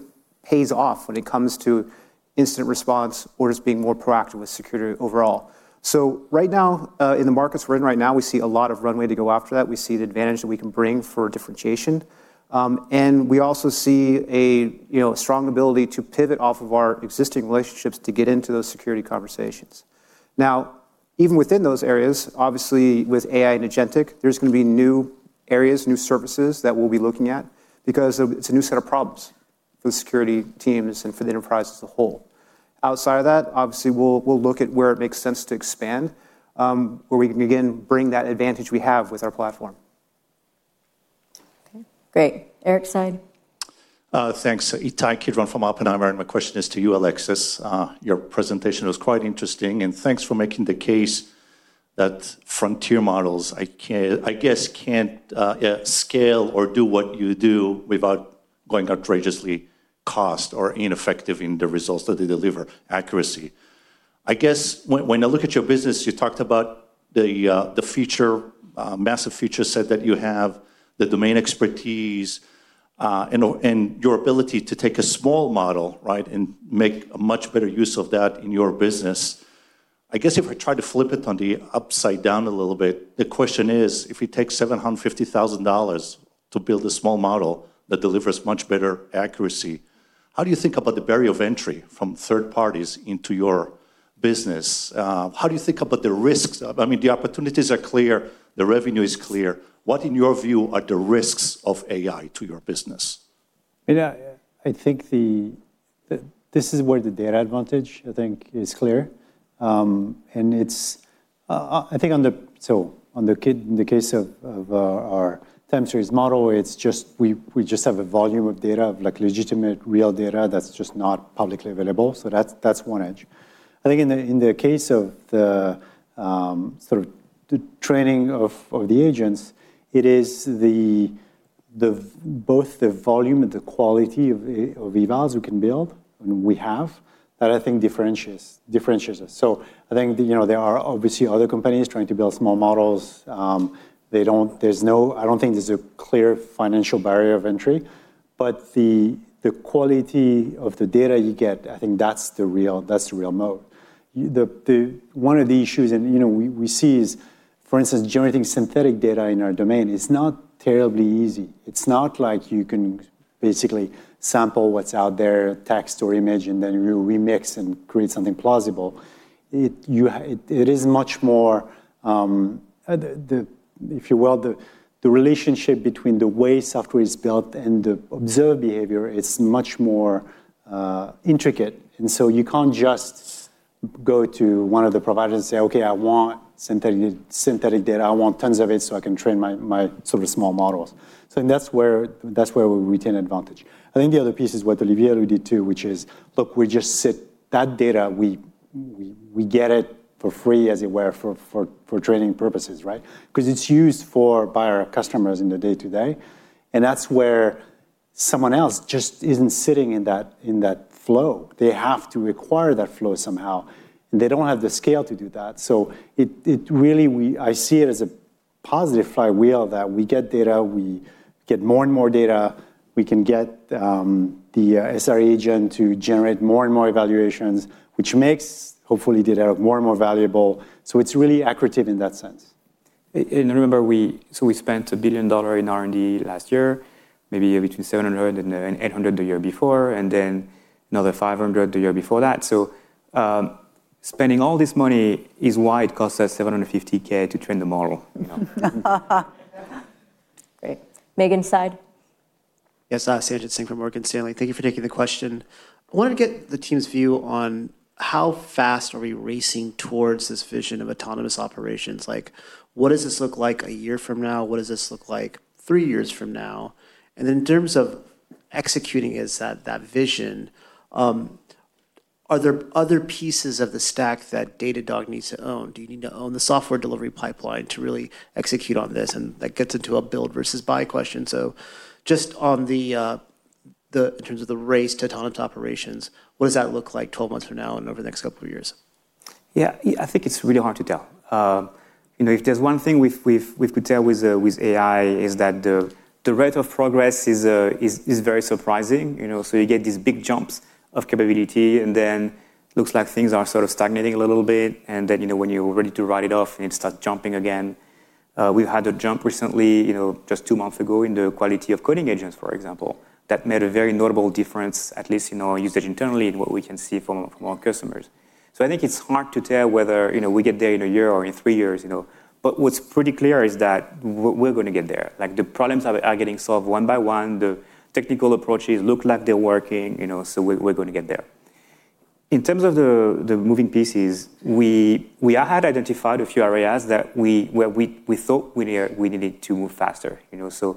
pays off when it comes to incident response or just being more proactive with security overall. So right now, in the markets we're in right now, we see a lot of runway to go after that. We see the advantage that we can bring for differentiation. And we also see a, you know, strong ability to pivot off of our existing relationships to get into those security conversations. Now, even within those areas, obviously with AI and agentic, there's gonna be new areas, new services that we'll be looking at because of it—it's a new set of problems for the security teams and for the enterprise as a whole. Outside of that, obviously, we'll look at where it makes sense to expand, where we can again bring that advantage we have with our platform. Okay, great. Eric's Side. Thanks. Ittai Kidron from Oppenheimer, and my question is to you, Alexis. Your presentation was quite interesting, and thanks for making the case that frontier models, I can't, I guess, can't scale or do what you do without going outrageously costly or ineffective in the results that they deliver, accuracy. I guess when I look at your business, you talked about the massive feature set that you have, the domain expertise, and your ability to take a small model, right? And make a much better use of that in your business. I guess if I try to flip it on the upside down a little bit, the question is, if you take $750,000 to build a small model that delivers much better accuracy, how do you think about the barrier of entry from third parties into your business? How do you think about the risks? I mean, the opportunities are clear, the revenue is clear. What, in your view, are the risks of AI to your business? Yeah, I think this is where the data advantage, I think, is clear. And it's, I think, in the case of our time series model, it's just we just have a volume of data, of like, legitimate, real data that's just not publicly available, so that's one edge. I think in the case of the sort of the training of the agents, it is both the volume and the quality of Evals we can build, and we have, that I think differentiates us. So I think, you know, there are obviously other companies trying to build small models. I don't think there's a clear financial barrier of entry, but the quality of the data you get, I think that's the real, that's the real moat. The one of the issues and, you know, we see is, for instance, generating synthetic data in our domain, it's not terribly easy. It's not like you can basically sample what's out there, text or image, and then you remix and create something plausible. It is much more, if you will, the relationship between the way software is built and the observed behavior is much more intricate. And so you can't just go to one of the providers and say, "Okay, I want synthetic, synthetic data. I want tons of it, so I can train my sort of small models." So that's where we retain advantage. I think the other piece is what Olivier already did too, which is, look, we just sit on that data. We get it for free, as it were, for training purposes, right? 'Cause it's used by our customers in the day-to-day, and that's where someone else just isn't sitting in that flow. They have to acquire that flow somehow, and they don't have the scale to do that. So I see it as a positive flywheel that we get data, we get more and more data. We can get the SRE agent to generate more and more evaluations, which makes, hopefully, data more and more valuable. So it's really accretive in that sense. And remember, we spent $1 billion in R&D last year, maybe between $700 million and $800 million the year before, and then another $500 million the year before that. So, spending all this money is why it costs us $750K to train the model, you know? Great. Megan Side. Yes, Sanjit Singh from Morgan Stanley. Thank you for taking the question. I wanted to get the team's view on how fast are we racing towards this vision of autonomous operations. Like, what does this look like a year from now? What does this look like three years from now? And then, in terms of executing is that, that vision, are there other pieces of the stack that Datadog needs to own? Do you need to own the software delivery pipeline to really execute on this? And that gets into a build versus buy question. So just on the, the in terms of the race to autonomous operations, what does that look like 12 months from now and over the next couple of years?... Yeah, I think it's really hard to tell. You know, if there's one thing we could tell with AI, is that the rate of progress is very surprising. You know, so you get these big jumps of capability, and then it looks like things are sort of stagnating a little bit, and then, you know, when you're ready to write it off, it starts jumping again. We've had a jump recently, you know, just two months ago, in the quality of coding agents, for example. That made a very notable difference, at least in our usage internally, and what we can see from our customers. So I think it's hard to tell whether, you know, we get there in a year or in three years, you know, but what's pretty clear is that we're gonna get there. Like, the problems are getting solved one by one. The technical approaches look like they're working, you know, so we're gonna get there. In terms of the moving pieces, we had identified a few areas that we where we thought we needed to move faster, you know. So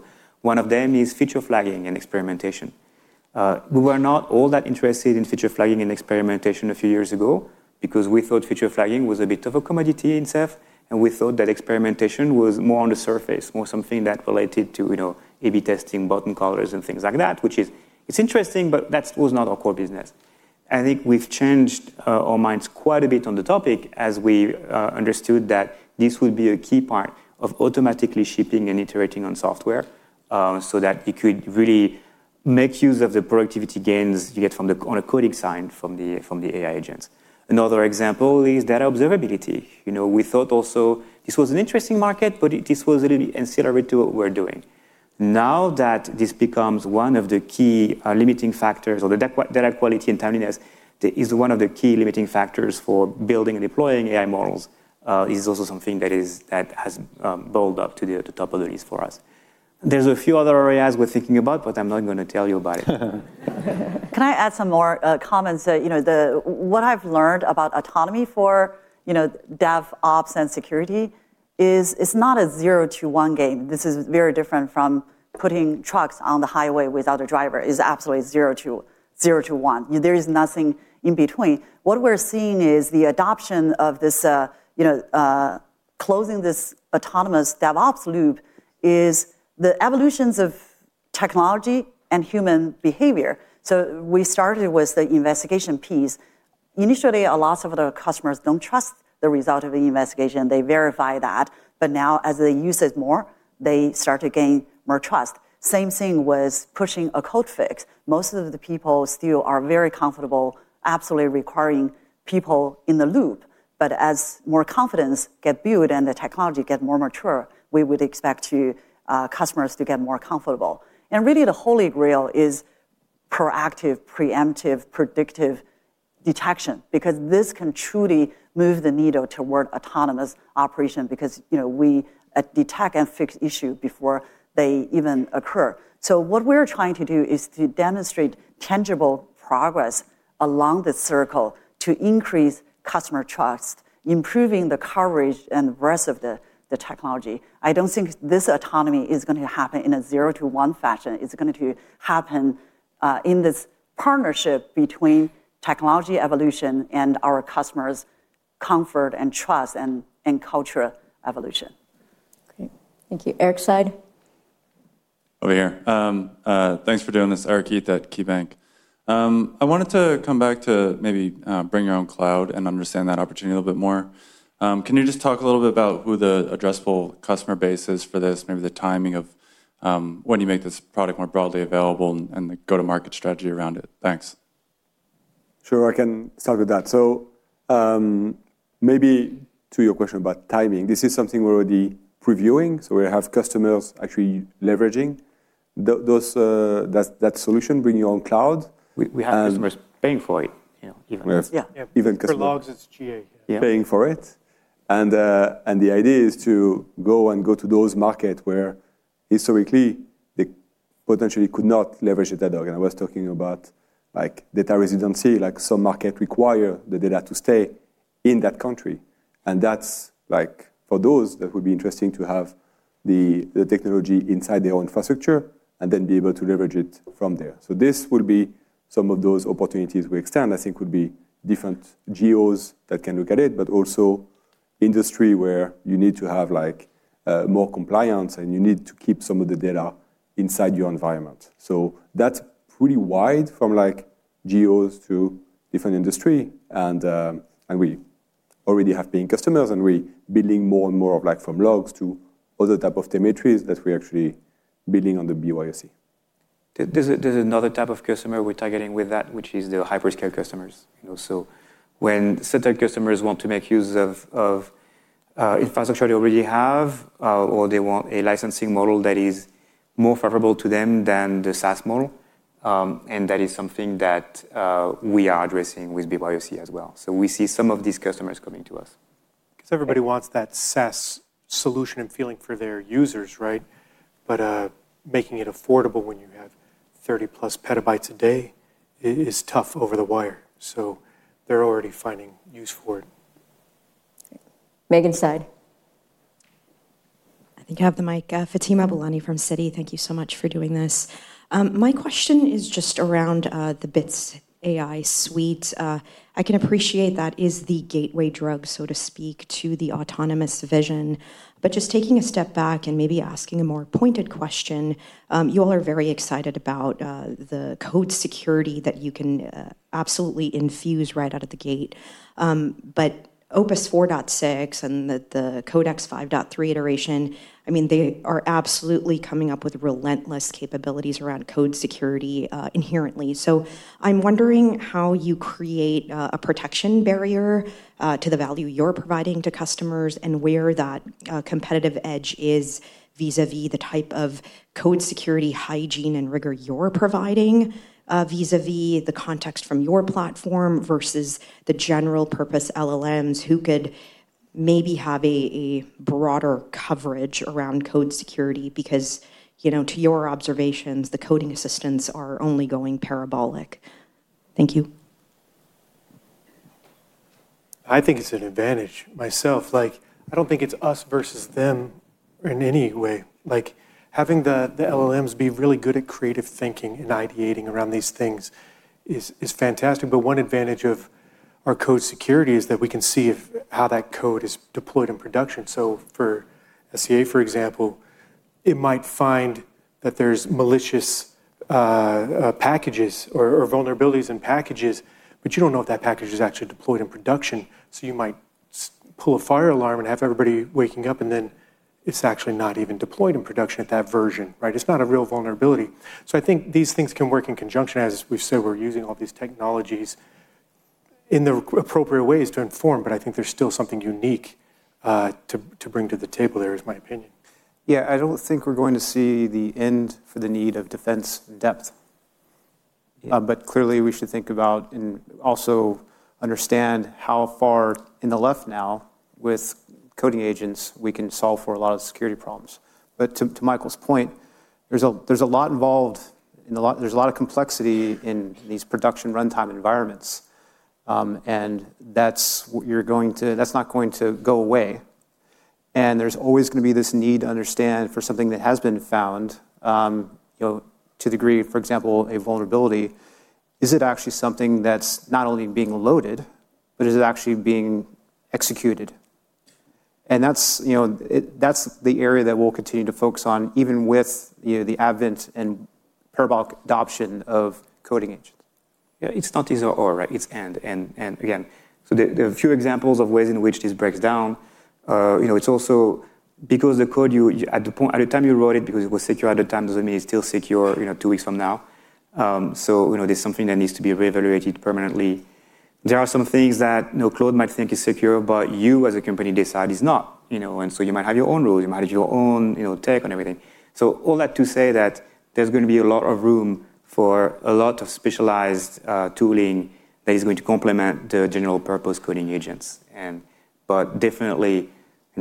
one of them is feature flagging and experimentation. We were not all that interested in feature flagging and experimentation a few years ago because we thought feature flagging was a bit of a commodity in itself, and we thought that experimentation was more on the surface, more something that related to, you know, A/B testing button colors and things like that, which is it's interesting, but that was not our core business. I think we've changed our minds quite a bit on the topic as we understood that this would be a key part of automatically shipping and iterating on software, so that it could really make use of the productivity gains you get from the on the coding side from the AI agents. Another example is data observability. You know, we thought also this was an interesting market, but this was really ancillary to what we're doing. Now, that this becomes one of the key limiting factors or the data quality and timeliness is one of the key limiting factors for building and deploying AI models is also something that has built up to the top of the list for us. There's a few other areas we're thinking about, but I'm not gonna tell you about it. Can I add some more comments? You know, what I've learned about autonomy for, you know, DevOps, and security is it's not a zero to one game. This is very different from putting trucks on the highway without a driver. It's absolutely zero to one. There is nothing in between. What we're seeing is the adoption of this closing this autonomous DevOps loop is the evolutions of technology and human behavior. So we started with the investigation piece. Initially, a lot of the customers don't trust the result of the investigation. They verify that, but now as they use it more, they start to gain more trust. Same thing with pushing a code fix. Most of the people still are very comfortable, absolutely requiring people in the loop. But as more confidence get built and the technology get more mature, we would expect to, customers to get more comfortable. And really, the holy grail is proactive, preemptive, predictive detection, because this can truly move the needle toward autonomous operation because, you know, we, detect and fix issue before they even occur. So what we're trying to do is to demonstrate tangible progress along the circle to increase customer trust, improving the coverage and rest of the technology. I don't think this autonomy is gonna happen in a zero to one fashion. It's going to happen, in this partnership between technology evolution and our customers' comfort and trust and culture evolution. Great. Thank you. Eric's Side? Over here. Thanks for doing this. Eric Heath at KeyBanc. I wanted to come back to maybe bring your own cloud and understand that opportunity a little bit more. Can you just talk a little bit about who the addressable customer base is for this, maybe the timing of when you make this product more broadly available and the go-to-market strategy around it? Thanks. Sure, I can start with that. So, maybe to your question about timing, this is something we're already previewing, so we have customers actually leveraging those, that solution, Bring Your Own Cloud. We have customers paying for it, you know, even- Yes. Yeah. Even customers- For logs, it's GA. Paying for it, and the idea is to go to those markets where historically they potentially could not leverage the data. And I was talking about like data residency, like some markets require the data to stay in that country, and that's like for those, that would be interesting to have the technology inside their own infrastructure and then be able to leverage it from there. So this will be some of those opportunities we extend. I think would be different geos that can look at it, but also industries where you need to have, like, more compliance, and you need to keep some of the data inside your environment. So that's pretty wide from like geos to different industry, and and we already have paying customers, and we're building more and more of like from logs to other type of telemetries that we're actually building on the BYOC. There's another type of customer we're targeting with that, which is the hyperscale customers. You know, so when certain customers want to make use of infrastructure they already have, or they want a licensing model that is more favorable to them than the SaaS model, and that is something that we are addressing with BYOC as well. So we see some of these customers coming to us. 'Cause everybody wants that SaaS solution and feeling for their users, right? But, making it affordable when you have 30+ petabytes a day is tough over the wire, so they're already finding use for it. Megan Side.... I thik you have the mic. Fatima Boolani from Citi. Thank you so much for doing this. My question is just around the Bits AI suite. I can appreciate that is the gateway drug, so to speak, to the autonomous vision. But just taking a step back and maybe asking a more pointed question, you all are very excited about the Code Security that you can absolutely infuse right out of the gate. But Opus 4.6 and the Codex 5.3 iteration, I mean, they are absolutely coming up with relentless capabilities around Code Security inherently. I'm wondering how you create a protection barrier to the value you're providing to customers, and where that competitive edge is vis-à-vis the type of Code Security, hygiene, and rigor you're providing vis-à-vis the context from your platform versus the general purpose LLMs, who could maybe have a broader coverage around Code Security? Because, you know, to your observations, the coding assistants are only going parabolic. Thank you. I think it's an advantage myself. Like, I don't think it's us versus them in any way. Like, having the LLMs be really good at creative thinking and ideating around these things is fantastic, but one advantage of our Code Security is that we can see if how that code is deployed in production. So for SCA, for example, it might find that there's malicious packages or vulnerabilities in packages, but you don't know if that package is actually deployed in production. So you might pull a fire alarm and have everybody waking up, and then it's actually not even deployed in production at that version, right? It's not a real vulnerability. So I think these things can work in conjunction. As we've said, we're using all these technologies in the appropriate ways to inform, but I think there's still something unique to bring to the table there, is my opinion. Yeah, I don't think we're going to see the end for the need of defense in depth. Yeah. But clearly, we should think about and also understand how far in the left now with coding agents we can solve for a lot of security problems. But to, to Michael's point, there's a, there's a lot involved, and a lot—there's a lot of complexity in these production runtime environments. And that's what you're going to—that's not going to go away. And there's always gonna be this need to understand for something that has been found, you know, to the degree, for example, a vulnerability. Is it actually something that's not only being loaded, but is it actually being executed? And that's, you know, it—that's the area that we'll continue to focus on, even with, you know, the advent and parabolic adoption of coding agents. Yeah, it's not either or, right? It's and, and, and again. So there, there are a few examples of ways in which this breaks down. You know, it's also because the code you at the point, at the time you wrote it, because it was secure at the time, doesn't mean it's still secure, you know, two weeks from now. So you know, there's something that needs to be re-evaluated permanently. There are some things that, you know, Claude might think is secure, but you, as a company, decide is not, you know. And so you might have your own rules, you might have your own, you know, take on everything. So all that to say that there's gonna be a lot of room for a lot of specialized tooling that is going to complement the general-purpose coding agents. But definitely, you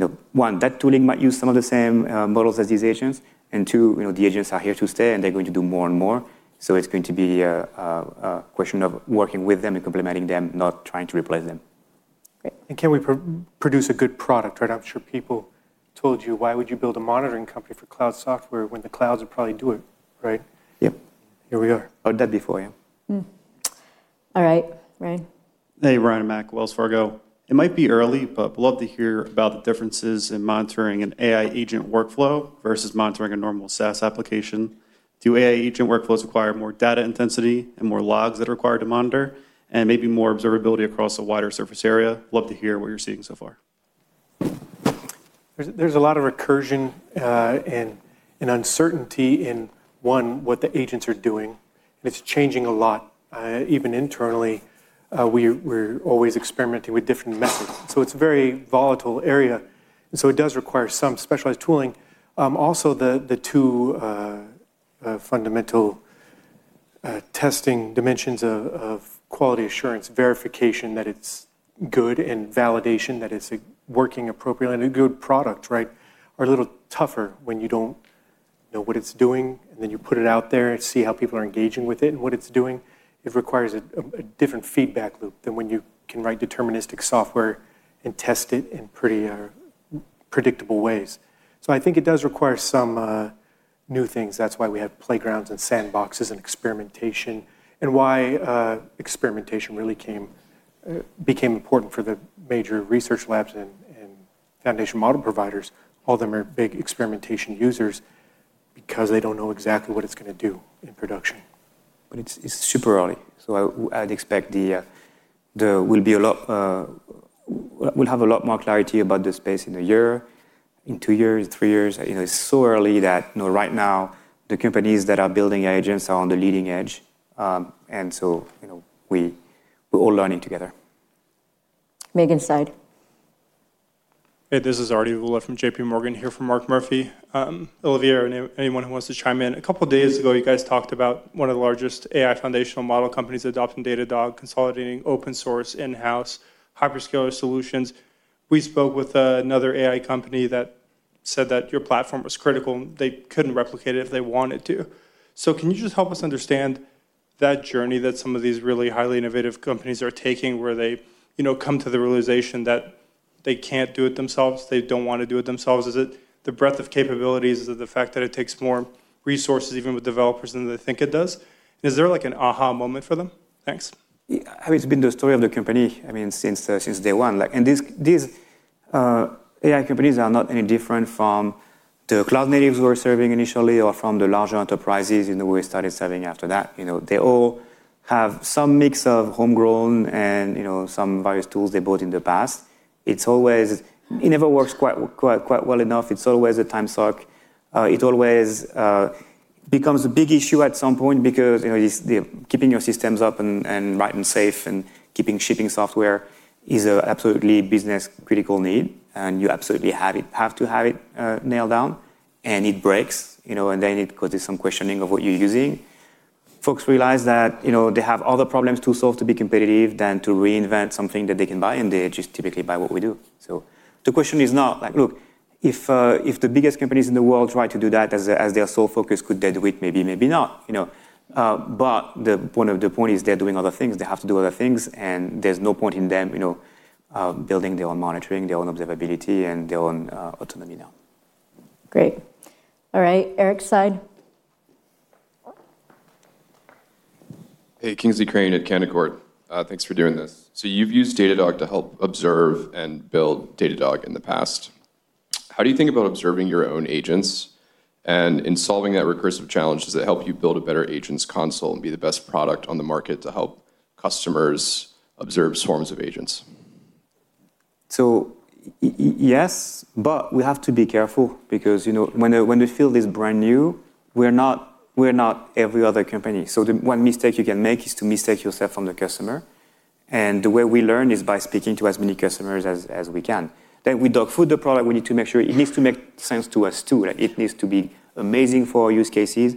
know, one, that tooling might use some of the same models as these agents, and two, you know, the agents are here to stay, and they're going to do more and more. So it's going to be a question of working with them and complementing them, not trying to replace them. Can we produce a good product, right? I'm sure people told you, "Why would you build a monitoring company for cloud software when the clouds would probably do it right? Yeah. Here we are. How'd that be for you? All right. Ryan? Hey, Ryan Mac, Wells Fargo. It might be early, but love to hear about the differences in monitoring an AI agent workflow versus monitoring a normal SaaS application. Do AI agent workflows require more data intensity and more logs that are required to monitor, and maybe more observability across a wider surface area? Love to hear what you're seeing so far. There's a lot of recursion, and uncertainty in one what the agents are doing, and it's changing a lot. Even internally, we're always experimenting with different methods. So it's a very volatile area, and so it does require some specialized tooling. Also, the two fundamental testing dimensions of quality assurance: verification, that it's good, and validation, that it's working appropriately and a good product, right, are a little tougher when you don't know what it's doing, and then you put it out there and see how people are engaging with it and what it's doing. It requires a different feedback loop than when you can write deterministic software and test it in pretty predictable ways. So I think it does require some new things. That's why we have playgrounds, and sandboxes, and experimentation, and why, experimentation really became important for the major research labs and foundation model providers. All of them are big experimentation users because they don't know exactly what it's gonna do in production. But it's, it's super early. So I'd expect there will be a lot more clarity about the space in a year, in two years, three years. You know, it's so early that, you know, right now, the companies that are building agents are on the leading edge. And so, you know, we, we're all learning together. Megan Side. Hey, this is Arthi Lulla from JPMorgan, here for Mark Murphy. Olivier, anyone who wants to chime in, a couple of days ago, you guys talked about one of the largest AI foundational model companies adopting Datadog, consolidating open source in-house hyperscaler solutions. We spoke with another AI company that said that your platform was critical, and they couldn't replicate it if they wanted to. So can you just help us understand that journey that some of these really highly innovative companies are taking, where they, you know, come to the realization that they can't do it themselves, they don't want to do it themselves. Is it the breadth of capabilities, is it the fact that it takes more resources, even with developers, than they think it does? Is there, like, an aha moment for them? Thanks. Yeah, I mean, it's been the story of the company, I mean, since, since day one. Like, and these, these, AI companies are not any different from the cloud natives we were serving initially or from the larger enterprises, you know, we started serving after that. You know, they all have some mix of homegrown and, you know, some various tools they bought in the past. It's always-- it never works quite, quite, quite well enough. It's always a time suck. It always, becomes a big issue at some point because, you know, it's the keeping your systems up and, and right and safe, and keeping shipping software is a absolutely business-critical need, and you absolutely have it- have to have it, nailed down, and it breaks, you know, and then it causes some questioning of what you're using. Folks realize that, you know, they have other problems to solve to be competitive than to reinvent something that they can buy, and they just typically buy what we do. So the question is not, like, look, if, if the biggest companies in the world try to do that as they, as their sole focus, could they do it? Maybe, maybe not, you know. But the point of the point is they're doing other things. They have to do other things, and there's no point in them, you know, building their own monitoring, their own observability, and their own, autonomy now. Great. All right, Eric's side. Hey, Kingsley Crane at Canaccord. Thanks for doing this. So you've used Datadog to help observe and build Datadog in the past. How do you think about observing your own agents? And in solving that recursive challenge, does it help you build a better agents console and be the best product on the market to help customers observe swarms of agents? Yes, but we have to be careful because, you know, when a field is brand new, we're not every other company. So the one mistake you can make is to mistake yourself from the customer, and the way we learn is by speaking to as many customers as we can. Then we dog food the product. We need to make sure it needs to make sense to us, too. It needs to be amazing for our use cases,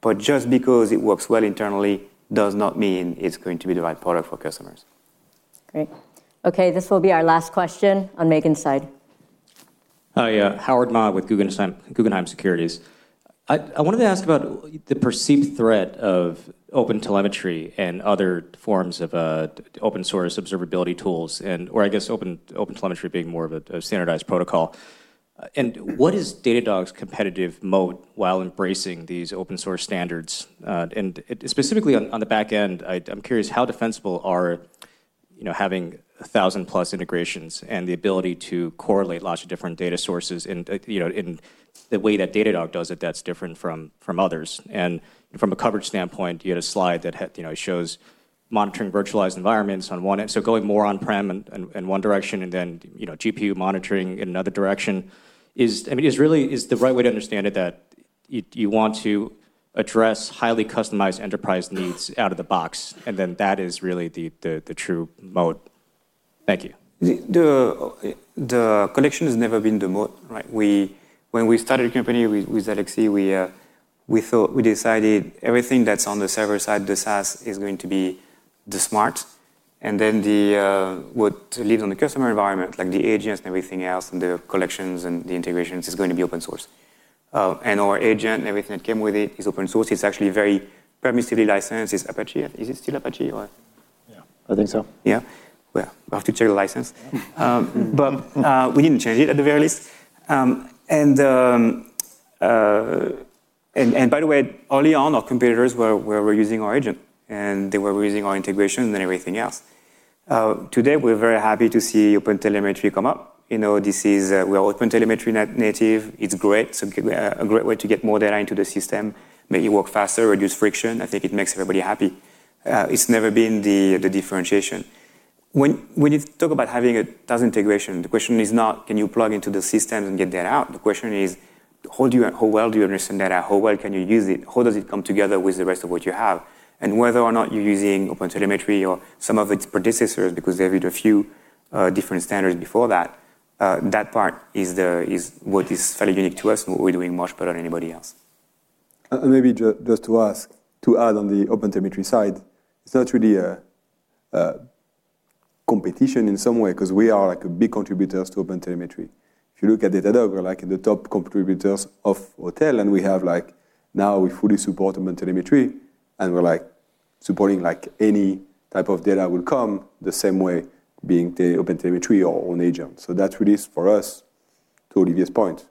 but just because it works well internally does not mean it's going to be the right product for customers. Great. Okay, this will be our last question on Megan's side. Hi, Howard Ma with Guggenheim, Guggenheim Securities. I wanted to ask about the perceived threat of OpenTelemetry and other forms of open-source observability tools, and/or I guess OpenTelemetry being more of a standardized protocol. And what is Datadog's competitive mode while embracing these open-source standards? And specifically on the back end, I'm curious how defensible are, you know, having 1,000+ integrations and the ability to correlate lots of different data sources in, you know, in the way that Datadog does it, that's different from others. And from a coverage standpoint, you had a slide that had, you know, shows monitoring virtualized environments on one end. So going more on-prem and in one direction, and then, you know, GPU monitoring in another direction. I mean, is really the right way to understand it that you want to address highly customized enterprise needs out of the box, and then that is really the true mode? Thank you. The collection has never been the mode, right? When we started the company with Alexis, we thought, we decided everything that's on the server side, the SaaS, is going to be the smart. And then the what lives on the customer environment, like the agents and everything else, and the collections and the integrations, is going to be open source. And our agent and everything that came with it is open source. It's actually very permissively licensed. It's Apache. Is it still Apache or? Yeah, I think so. Yeah. Well, we'll have to check the license. But, we didn't change it at the very least. And by the way, early on, our competitors were using our agent, and they were using our integration and everything else. Today, we're very happy to see OpenTelemetry come up. You know, this is, we are OpenTelemetry native. It's great, so a great way to get more data into the system, make it work faster, reduce friction. I think it makes everybody happy. It's never been the differentiation. When you talk about having a 1,000 integration, the question is not: Can you plug into the system and get data out? The question is: How well do you understand data? How well can you use it? How does it come together with the rest of what you have? Whether or not you're using OpenTelemetry or some of its predecessors, because there were a few, different standards before that, that part is the, is what is fairly unique to us, and what we're doing much better than anybody else. Maybe just to ask, to add on the OpenTelemetry side, it's not really a competition in some way, 'cause we are, like, a big contributors to OpenTelemetry. If you look at Datadog, we're, like, in the top contributors of OTel, and we have, like, now we fully support OpenTelemetry, and we're, like, supporting, like, any type of data will come, the same way being the OpenTelemetry our own agent. So that's really is for us, to Olivier's point.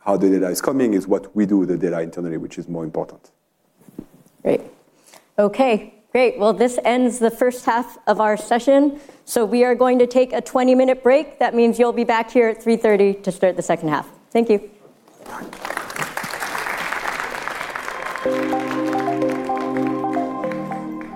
How the data is coming is what we do with the data internally, which is more important. Great. Okay, great. Well, this ends the first half of our session. So we are going to take a 20-minute break. That means you'll be back here at 3:30 P.M. to start the second half. Thank you....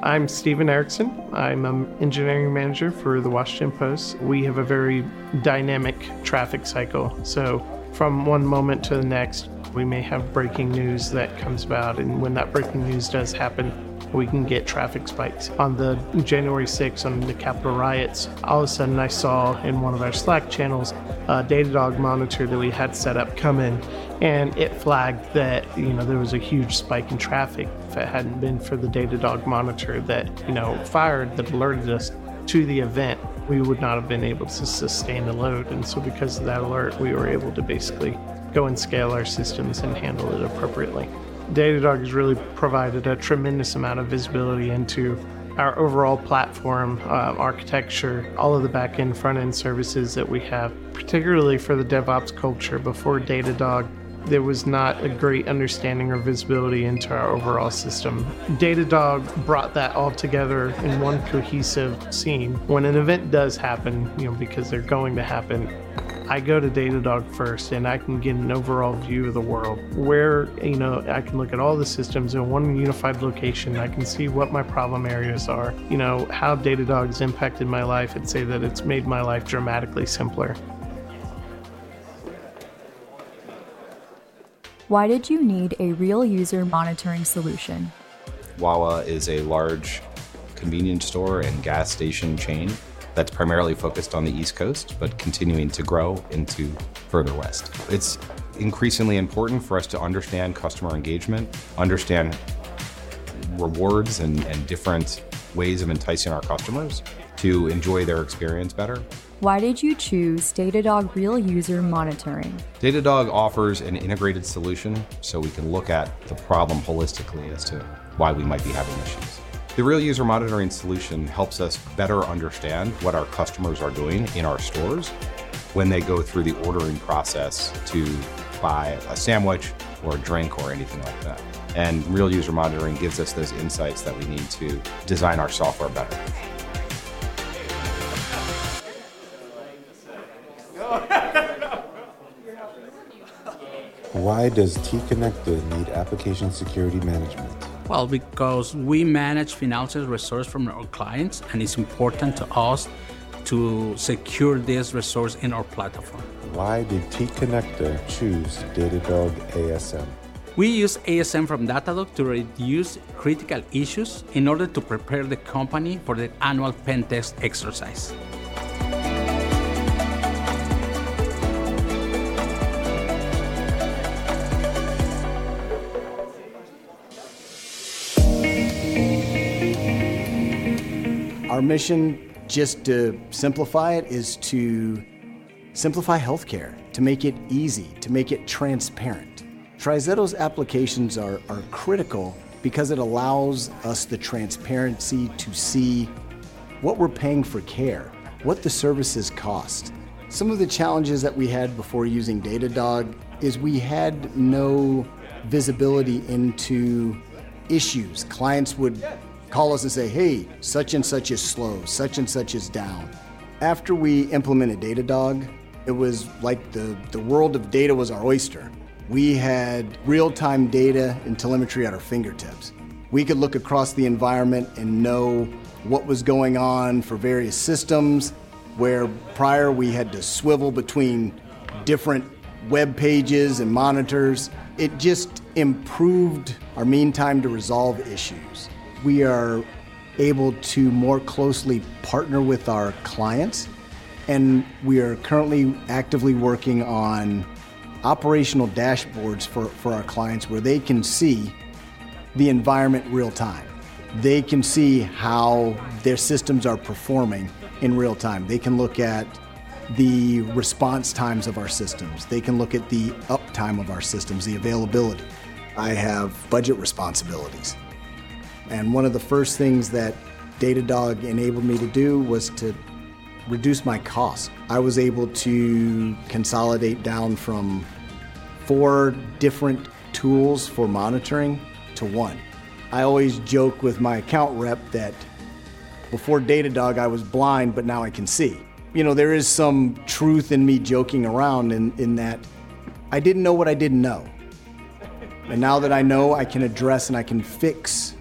I'm Stephen Erickson. I'm an engineering manager for the Washington Post. We have a very dynamic traffic cycle, so from one moment to the next, we may have breaking news that comes about, and when that breaking news does happen, we can get traffic spikes. On the January 6th, on the Capitol riots, all of a sudden I saw in one of our Slack channels a Datadog monitor that we had set up come in, and it flagged that, you know, there was a huge spike in traffic. If it hadn't been for the Datadog monitor that, you know, fired, that alerted us to the event, we would not have been able to sustain the load. And so because of that alert, we were able to basically go and scale our systems and handle it appropriately. Datadog has really provided a tremendous amount of visibility into our overall platform, architecture, all of the back-end, front-end services that we have. Particularly for the DevOps culture, before Datadog, there was not a great understanding or visibility into our overall system. Datadog brought that all together in one cohesive scene. When an event does happen, you know, because they're going to happen, I go to Datadog first, and I can get an overall view of the world, where, you know, I can look at all the systems in one unified location. I can see what my problem areas are. You know, how Datadog has impacted my life, I'd say that it's made my life dramatically simpler. Why did you need a Real User Monitoring solution? Wawa is a large convenience store and gas station chain that's primarily focused on the East Coast, but continuing to grow into further west. It's increasingly important for us to understand customer engagement, understand rewards, and different ways of enticing our customers to enjoy their experience better. Why did you choose Datadog Real User Monitoring? Datadog offers an integrated solution, so we can look at the problem holistically as to why we might be having issues. The Real User Monitoring solution helps us better understand what our customers are doing in our stores when they go through the ordering process to buy a sandwich or a drink or anything like that, and Real User Monitoring gives us those insights that we need to design our software better. Why does T-Connector need application security management? Well, because we manage financial resources from our clients, and it's important to us to secure this resource in our platform. Why did T-Connector choose Datadog ASM? We use ASM from Datadog to reduce critical issues in order to prepare the company for the annual pen test exercise. Our mission, just to simplify it, is to simplify healthcare, to make it easy, to make it transparent. TriZetto's applications are critical because it allows us the transparency to see what we're paying for care, what the services cost. Some of the challenges that we had before using Datadog is we had no visibility into issues. Clients would call us and say, "Hey, such and such is slow, such and such is down." After we implemented Datadog, it was like the world of data was our oyster. We had real-time data and telemetry at our fingertips. We could look across the environment and know what was going on for various systems, where prior we had to swivel between different web pages and monitors. It just improved our mean time to resolve issues. We are able to more closely partner with our clients, and we are currently actively working on operational dashboards for our clients, where they can see the environment real time. They can see how their systems are performing in real time. They can look at the response times of our systems. They can look at the uptime of our systems, the availability. I have budget responsibilities, and one of the first things that Datadog enabled me to do was to reduce my cost. I was able to consolidate down from 4 different tools for monitoring to one. I always joke with my account rep that before Datadog, I was blind, but now I can see. You know, there is some truth in me joking around in that I didn't know what I didn't know, and now that I know, I can address, and I can fix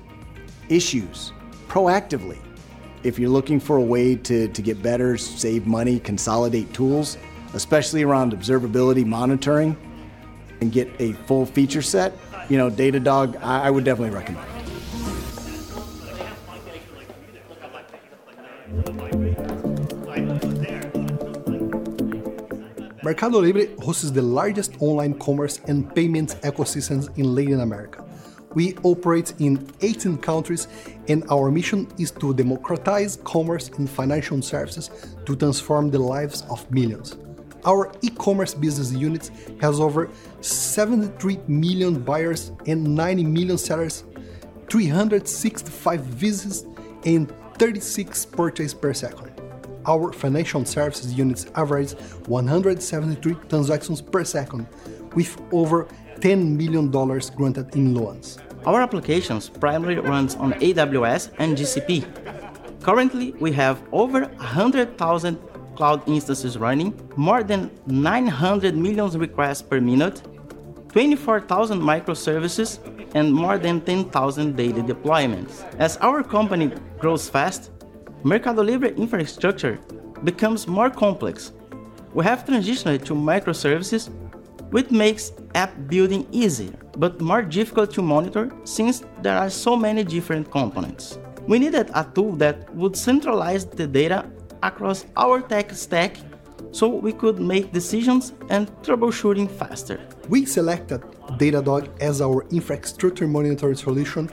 issues proactively. If you're looking for a way to get better, save money, consolidate tools, especially around observability monitoring, and get a full feature set, you know, Datadog, I would definitely recommend. Mercado Libre hosts the largest online commerce and payments ecosystems in Latin America. We operate in 18 countries, and our mission is to democratize commerce and financial services to transform the lives of millions. Our e-commerce business units has over 73 million buyers and 90 million sellers, 365 visits, and 36 purchases per second. Our financial services units average 173 transactions per second with over $10 million granted in loans. Our applications primarily run on AWS and GCP. Currently, we have over 100,000 cloud instances running, more than 900 million requests per minute, 24,000 microservices and more than 10,000 daily deployments. As our company grows fast, Mercado Libre infrastructure becomes more complex. We have transitioned to microservices, which makes app building easy but more difficult to monitor, since there are so many different components. We needed a tool that would centralize the data across our tech stack so we could make decisions and troubleshooting faster. We selected Datadog as our Infrastructure Monitoring solution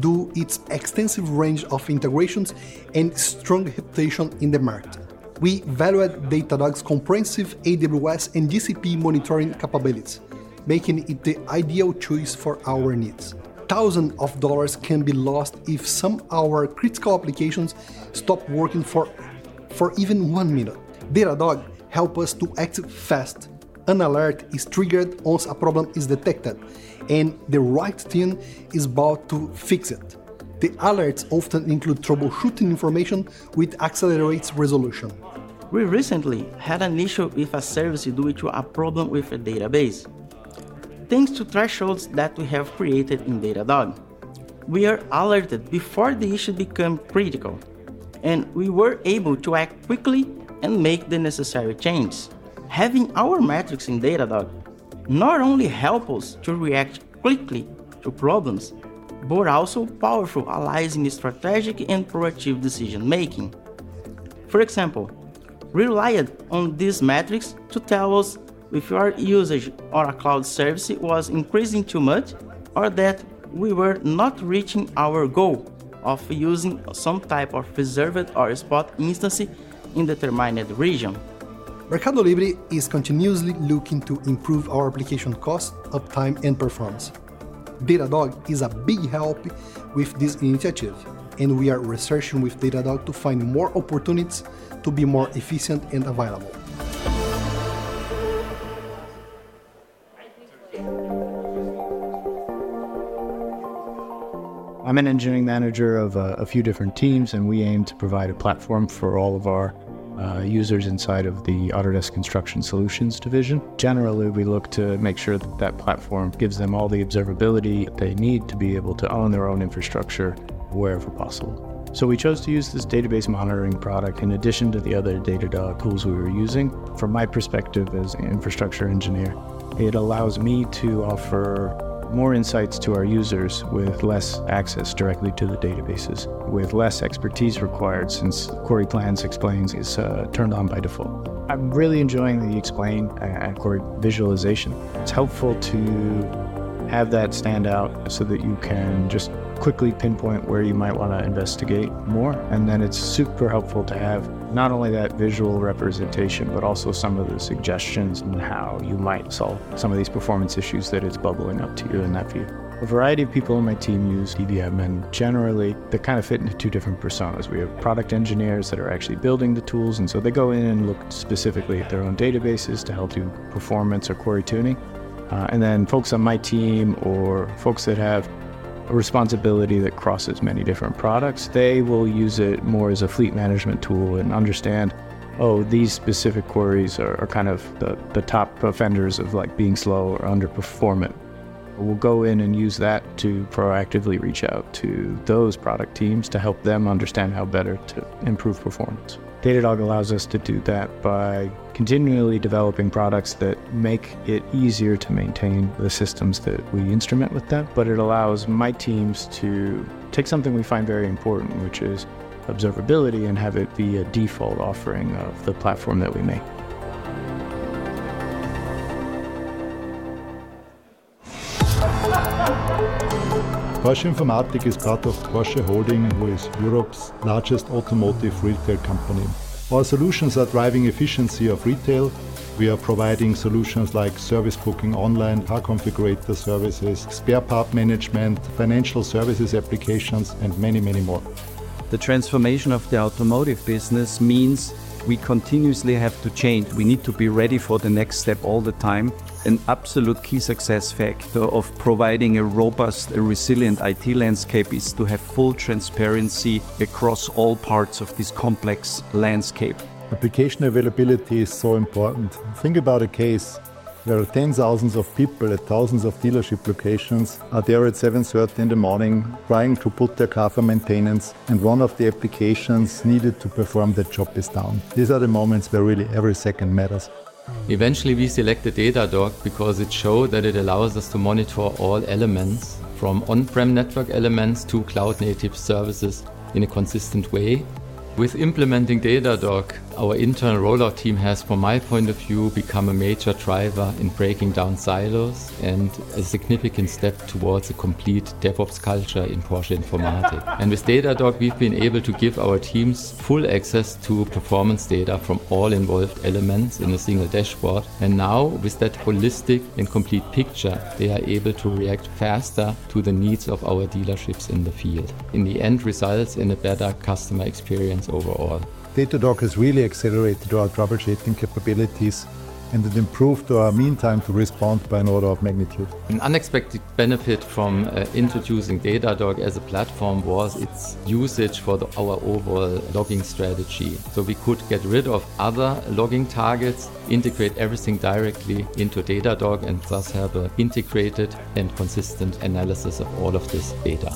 due to its extensive range of integrations and strong reputation in the market. We valued Datadog's comprehensive AWS and GCP monitoring capabilities, making it the ideal choice for our needs. Thousands of dollars can be lost if some of our critical applications stop working for even one minute. Datadog helps us to act fast. An alert is triggered once a problem is detected, and the right team is able to fix it. The alerts often include troubleshooting information, which accelerates resolution. We recently had an issue with a service due to a problem with a database. Thanks to thresholds that we have created in Datadog, we are alerted before the issue become critical, and we were able to act quickly and make the necessary changes. Having our metrics in Datadog not only help us to react quickly to problems, but also powerful allies in strategic and proactive decision-making. For example, we relied on these metrics to tell us if our usage on a cloud service was increasing too much or that we were not reaching our goal of using some type of reserved or spot instance in determined region. Mercado Libre is continuously looking to improve our application cost of time and performance. Datadog is a big help with this initiative, and we are researching with Datadog to find more opportunities to be more efficient and available. I'm an engineering manager of a few different teams, and we aim to provide a platform for all of our users inside of the Autodesk Construction Solutions division. Generally, we look to make sure that that platform gives them all the observability that they need to be able to own their own infrastructure wherever possible. So we chose to use this database monitoring product in addition to the other Datadog tools we were using. From my perspective as an infrastructure engineer, it allows me to offer more insights to our users with less access directly to the databases, with less expertise required, since query plans explains is turned on by default. I'm really enjoying the explain and query visualization. It's helpful to have that stand out so that you can just quickly pinpoint where you might want to investigate more, and then it's super helpful to have not only that visual representation, but also some of the suggestions on how you might solve some of these performance issues that it's bubbling up to you in that view. A variety of people on my team use DBM, and generally, they kind of fit into two different personas. We have product engineers that are actually building the tools, and so they go in and look specifically at their own databases to help do performance or query tuning. And then folks on my team or folks that have a responsibility that crosses many different products, they will use it more as a fleet management tool and understand, "Oh, these specific queries are kind of the top offenders of, like, being slow or underperformant." We'll go in and use that to proactively reach out to those product teams to help them understand how better to improve performance. Datadog allows us to do that by continually developing products that make it easier to maintain the systems that we instrument with them, but it allows my teams to take something we find very important, which is observability, and have it be a default offering of the platform that we make. Porsche Informatik is part of Porsche Holding, who is Europe's largest automotive retail company. Our solutions are driving efficiency of retail. We are providing solutions like service booking online, car configurator services, spare part management, financial services applications, and many, many more. The transformation of the automotive business means we continuously have to change. We need to be ready for the next step all the time. An absolute key success factor of providing a robust and resilient IT landscape is to have full transparency across all parts of this complex landscape. Application availability is so important. Think about a case where tens of thousands of people at thousands of dealership locations are there at 7:30 A.M. trying to book their car for maintenance, and one of the applications needed to perform the job is down. These are the moments where really every second matters. Eventually, we selected Datadog because it showed that it allows us to monitor all elements, from on-prem network elements to cloud-native services, in a consistent way. With implementing Datadog, our internal rollout team has, from my point of view, become a major driver in breaking down silos and a significant step towards a complete DevOps culture in Porsche Informatik. With Datadog, we've been able to give our teams full access to performance data from all involved elements in a single dashboard. Now, with that holistic and complete picture, they are able to react faster to the needs of our dealerships in the field. In the end, results in a better customer experience overall. Datadog has really accelerated our troubleshooting capabilities, and it improved our mean time to respond by an order of magnitude. An unexpected benefit from introducing Datadog as a platform was its usage for our overall logging strategy. So we could get rid of other logging targets, integrate everything directly into Datadog, and thus have a integrated and consistent analysis of all of this data.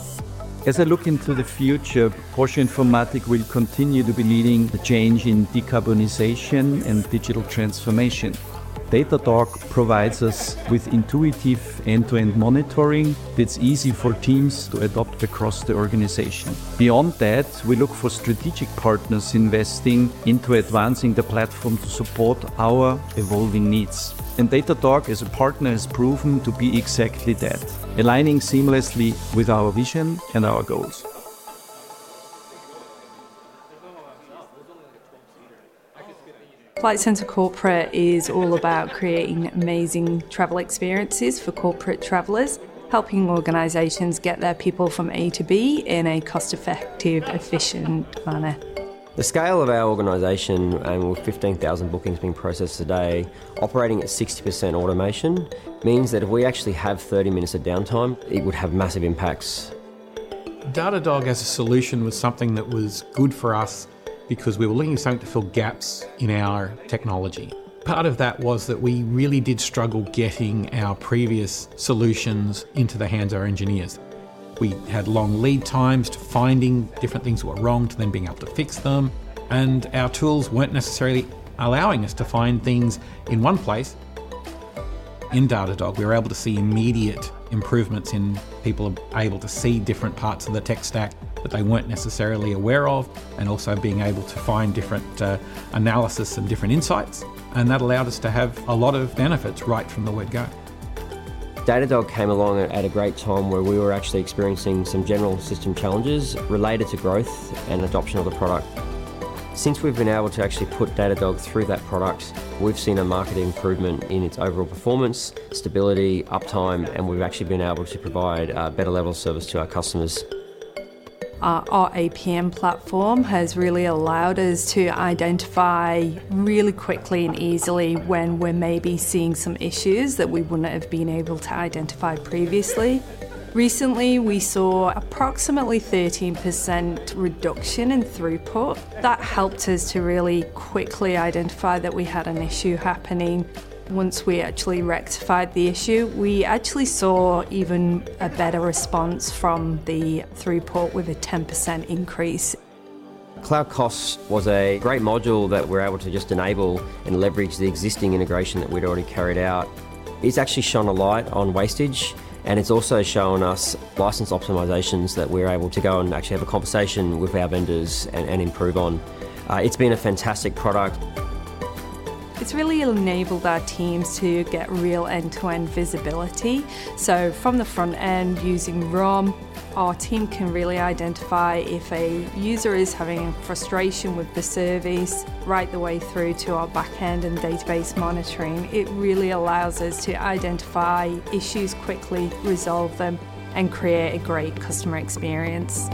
...As I look into the future, Porsche Informatik will continue to be leading the change in decarbonization and digital transformation. Datadog provides us with intuitive end-to-end monitoring that's easy for teams to adopt across the organization. Beyond that, we look for strategic partners investing into advancing the platform to support our evolving needs, and Datadog as a partner, has proven to be exactly that. Aligning seamlessly with our vision and our goals. Flight Centre Corporate is all about creating amazing travel experiences for corporate travelers, helping organizations get their people from A to B in a cost effective, efficient manner. The scale of our organization, and with 15,000 bookings being processed a day, operating at 60% automation, means that if we actually have 30 minutes of downtime, it would have massive impacts. Datadog as a solution was something that was good for us because we were looking for something to fill gaps in our technology. Part of that was that we really did struggle getting our previous solutions into the hands of our engineers. We had long lead times to finding different things were wrong, to then being able to fix them, and our tools weren't necessarily allowing us to find things in one place. In Datadog, we were able to see immediate improvements in people, able to see different parts of the tech stack that they weren't necessarily aware of, and also being able to find different, analysis and different insights. And that allowed us to have a lot of benefits right from the word go. Datadog came along at a great time where we were actually experiencing some general system challenges related to growth and adoption of the product. Since we've been able to actually put Datadog through that product, we've seen a marked improvement in its overall performance, stability, uptime, and we've actually been able to provide a better level of service to our customers. Our APM platform has really allowed us to identify really quickly and easily when we're maybe seeing some issues that we wouldn't have been able to identify previously. Recently, we saw approximately 13% reduction in throughput. That helped us to really quickly identify that we had an issue happening. Once we actually rectified the issue, we actually saw even a better response from the throughput with a 10% increase. Cloud Costs was a great module that we're able to just enable and leverage the existing integration that we'd already carried out. It's actually shone a light on wastage, and it's also shown us license optimizations that we're able to go and actually have a conversation with our vendors and, and improve on. It's been a fantastic product. It's really enabled our teams to get real end-to-end visibility. So from the front end, using RUM, our team can really identify if a user is having frustration with the service, right the way through to our back end and database monitoring. It really allows us to identify issues, quickly, resolve them, and create a great customer experience.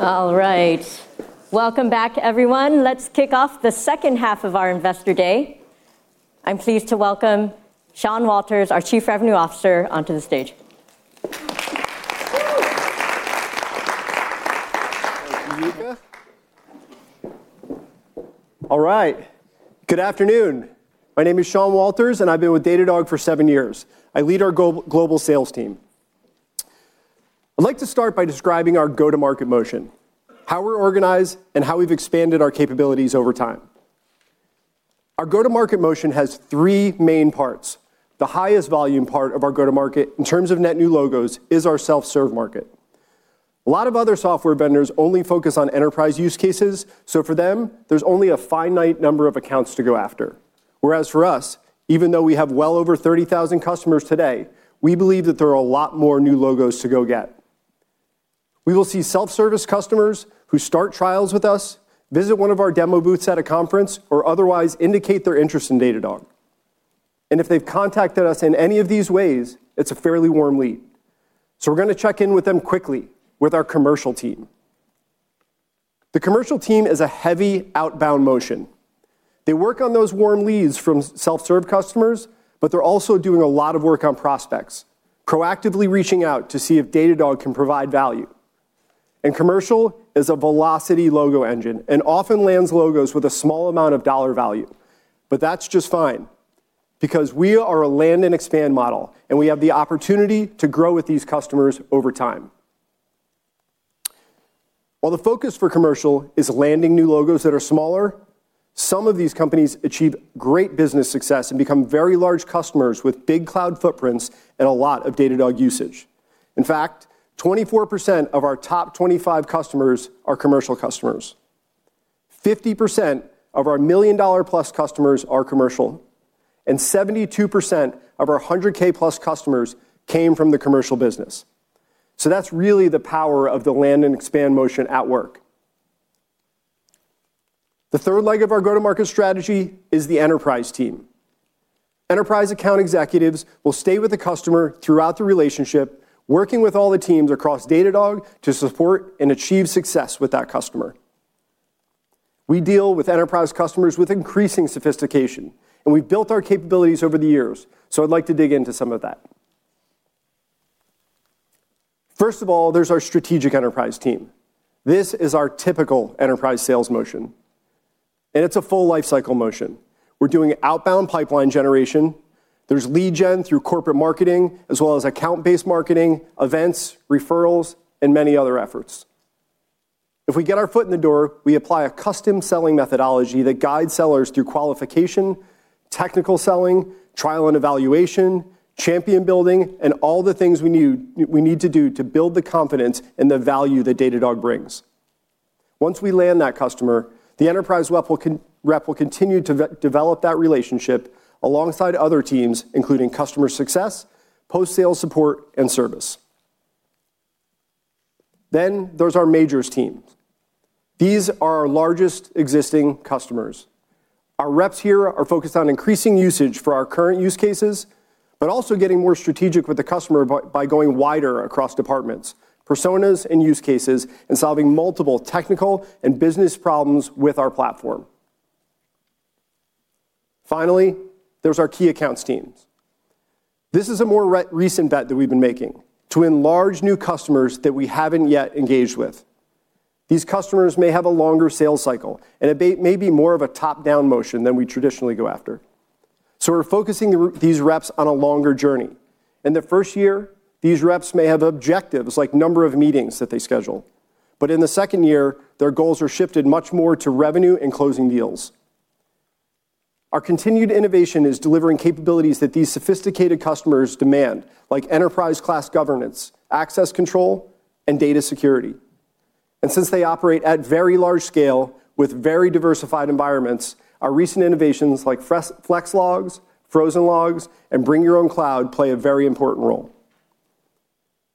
All right. Welcome back, everyone. Let's kick off the second half of our investor day. I'm pleased to welcome Sean Walters, our Chief Revenue Officer, onto the stage. Thank you, Rika. All right. Good afternoon. My name is Sean Walters, and I've been with Datadog for seven years. I lead our global sales team. I'd like to start by describing our go-to-market motion, how we're organized, and how we've expanded our capabilities over time. Our go-to-market motion has three main parts. The highest volume part of our go-to-market, in terms of net new logos, is our self-serve market. A lot of other software vendors only focus on enterprise use cases, so for them, there's only a finite number of accounts to go after. Whereas for us, even though we have well over 30,000 customers today, we believe that there are a lot more new logos to go get. We will see self-service customers who start trials with us, visit one of our demo booths at a conference, or otherwise indicate their interest in Datadog. If they've contacted us in any of these ways, it's a fairly warm lead, so we're gonna check in with them quickly with our commercial team. The commercial team is a heavy outbound motion. They work on those warm leads from self-serve customers, but they're also doing a lot of work on prospects, proactively reaching out to see if Datadog can provide value. And commercial is a velocity logo engine, and often lands logos with a small amount of dollar value. That's just fine, because we are a land-and-expand model, and we have the opportunity to grow with these customers over time. While the focus for commercial is landing new logos that are smaller, some of these companies achieve great business success and become very large customers with big cloud footprints and a lot of Datadog usage. In fact, 24% of our top 25 customers are commercial customers. 50% of our $1 million+ customers are commercial, and 72% of our $100,000+ customers came from the commercial business. So that's really the power of the land-and-expand motion at work. The third leg of our go-to-market strategy is the enterprise team. Enterprise account executives will stay with the customer throughout the relationship, working with all the teams across Datadog to support and achieve success with that customer. We deal with enterprise customers with increasing sophistication, and we've built our capabilities over the years, so I'd like to dig into some of that. First of all, there's our strategic enterprise team. This is our typical enterprise sales motion, and it's a full lifecycle motion. We're doing outbound pipeline generation. There's lead gen through corporate marketing, as well as account-based marketing, events, referrals, and many other efforts. If we get our foot in the door, we apply a custom selling methodology that guides sellers through qualification, technical selling, trial and evaluation, champion building, and all the things we need to do to build the confidence in the value that Datadog brings. Once we land that customer, the enterprise rep will continue to develop that relationship alongside other teams, including customer success, post-sales support, and service. Then, there's our majors teams. These are our largest existing customers. Our reps here are focused on increasing usage for our current use cases, but also getting more strategic with the customer by going wider across departments, personas, and use cases, and solving multiple technical and business problems with our platform. Finally, there's our key accounts teams. This is a more recent bet that we've been making to enlarge new customers that we haven't yet engaged with. These customers may have a longer sales cycle, and it may be more of a top-down motion than we traditionally go after. So we're focusing these reps on a longer journey. In the first year, these reps may have objectives like number of meetings that they schedule, but in the second year, their goals are shifted much more to revenue and closing deals. Our continued innovation is delivering capabilities that these sophisticated customers demand, like enterprise-class governance, access control, and data security. And since they operate at very large scale with very diversified environments, our recent innovations like Flex Logs, Frozen Logs, and Bring Your Own Cloud play a very important role.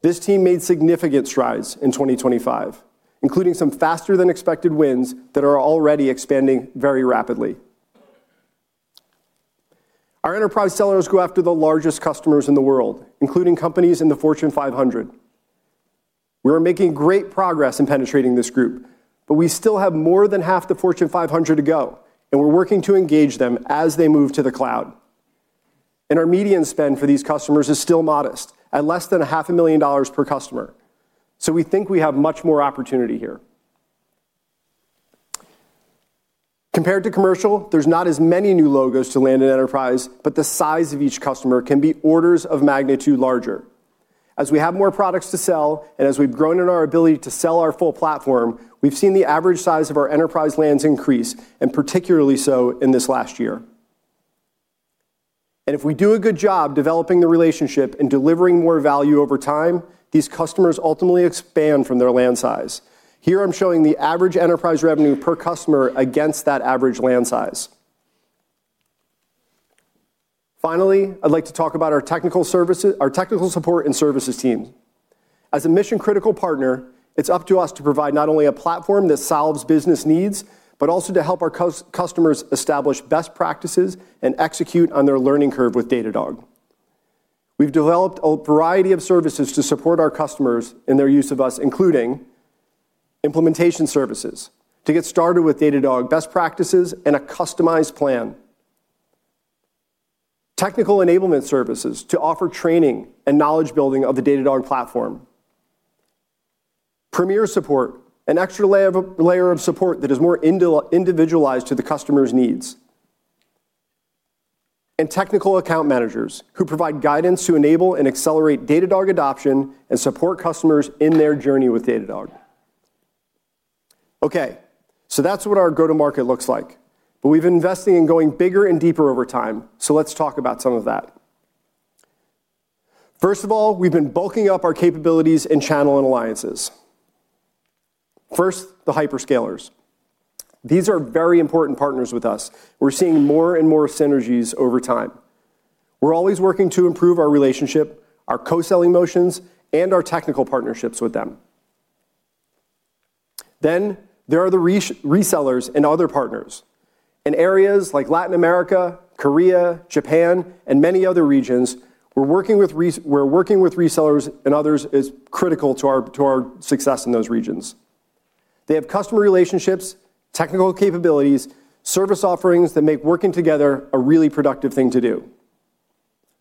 This team made significant strides in 2025, including some faster-than-expected wins that are already expanding very rapidly. Our enterprise sellers go after the largest customers in the world, including companies in the Fortune 500. We are making great progress in penetrating this group, but we still have more than half the Fortune 500 to go, and we're working to engage them as they move to the cloud. And our median spend for these customers is still modest, at less than $500,000 per customer. So we think we have much more opportunity here. Compared to commercial, there's not as many new logos to land in enterprise, but the size of each customer can be orders of magnitude larger. As we have more products to sell, and as we've grown in our ability to sell our full platform, we've seen the average size of our enterprise lands increase, and particularly so in this last year. If we do a good job developing the relationship and delivering more value over time, these customers ultimately expand from their land size. Here I'm showing the average enterprise revenue per customer against that average land size. Finally, I'd like to talk about our technical services, our technical support and services team. As a mission-critical partner, it's up to us to provide not only a platform that solves business needs, but also to help our customers establish best practices and execute on their learning curve with Datadog. We've developed a variety of services to support our customers in their use of us, including implementation services to get started with Datadog best practices and a customized plan. Technical enablement services to offer training and knowledge building of the Datadog platform. Premier support, an extra layer of support that is more individualized to the customer's needs. And technical account managers, who provide guidance to enable and accelerate Datadog adoption and support customers in their journey with Datadog. Okay, so that's what our go-to-market looks like, but we've been investing in going bigger and deeper over time, so let's talk about some of that. First of all, we've been bulking up our capabilities in channel and alliances. First, the hyperscalers. These are very important partners with us. We're seeing more and more synergies over time. We're always working to improve our relationship, our co-selling motions, and our technical partnerships with them. Then there are the resellers and other partners. In areas like Latin America, Korea, Japan, and many other regions, we're working with resellers and others is critical to our success in those regions. They have customer relationships, technical capabilities, service offerings that make working together a really productive thing to do.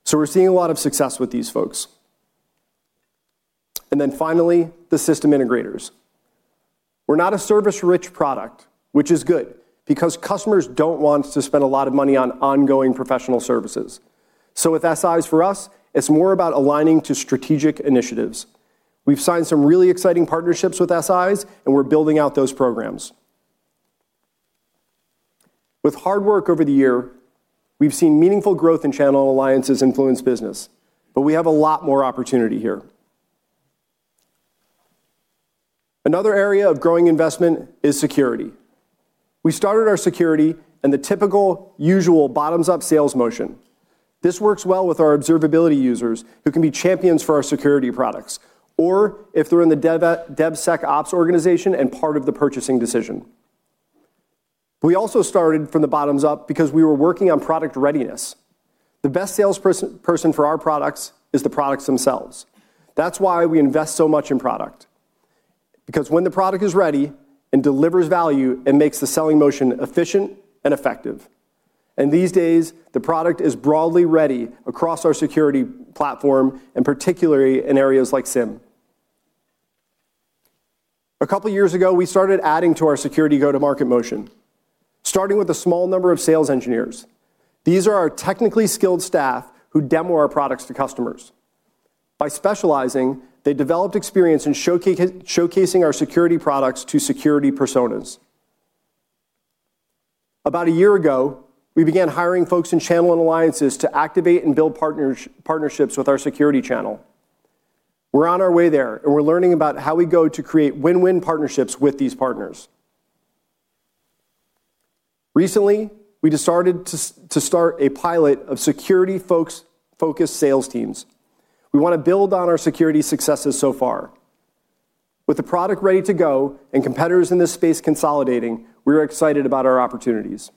So we're seeing a lot of success with these folks. And then finally, the system integrators. We're not a service-rich product, which is good, because customers don't want to spend a lot of money on ongoing professional services. So with SIs for us, it's more about aligning to strategic initiatives. We've signed some really exciting partnerships with SIs, and we're building out those programs. With hard work over the year, we've seen meaningful growth in channel alliances influence business, but we have a lot more opportunity here. Another area of growing investment is security. We started our security in the typical, usual bottoms-up sales motion. This works well with our observability users, who can be champions for our security products, or if they're in the DevSecOps organization and part of the purchasing decision. We also started from the bottoms-up because we were working on product readiness. The best salesperson person for our products is the products themselves. That's why we invest so much in product, because when the product is ready and delivers value, it makes the selling motion efficient and effective. These days, the product is broadly ready across our security platform, and particularly in areas like SIEM. A couple of years ago, we started adding to our security go-to-market motion, starting with a small number of sales engineers. These are our technically skilled staff who demo our products to customers. By specializing, they developed experience in showcasing our security products to security personas. About a year ago, we began hiring folks in channel and alliances to activate and build partnerships with our security channel. We're on our way there, and we're learning about how we go to create win-win partnerships with these partners. Recently, we just started to start a pilot of security focused sales teams. We wanna build on our security successes so far. With the product ready to go and competitors in this space consolidating, we are excited about our opportunities.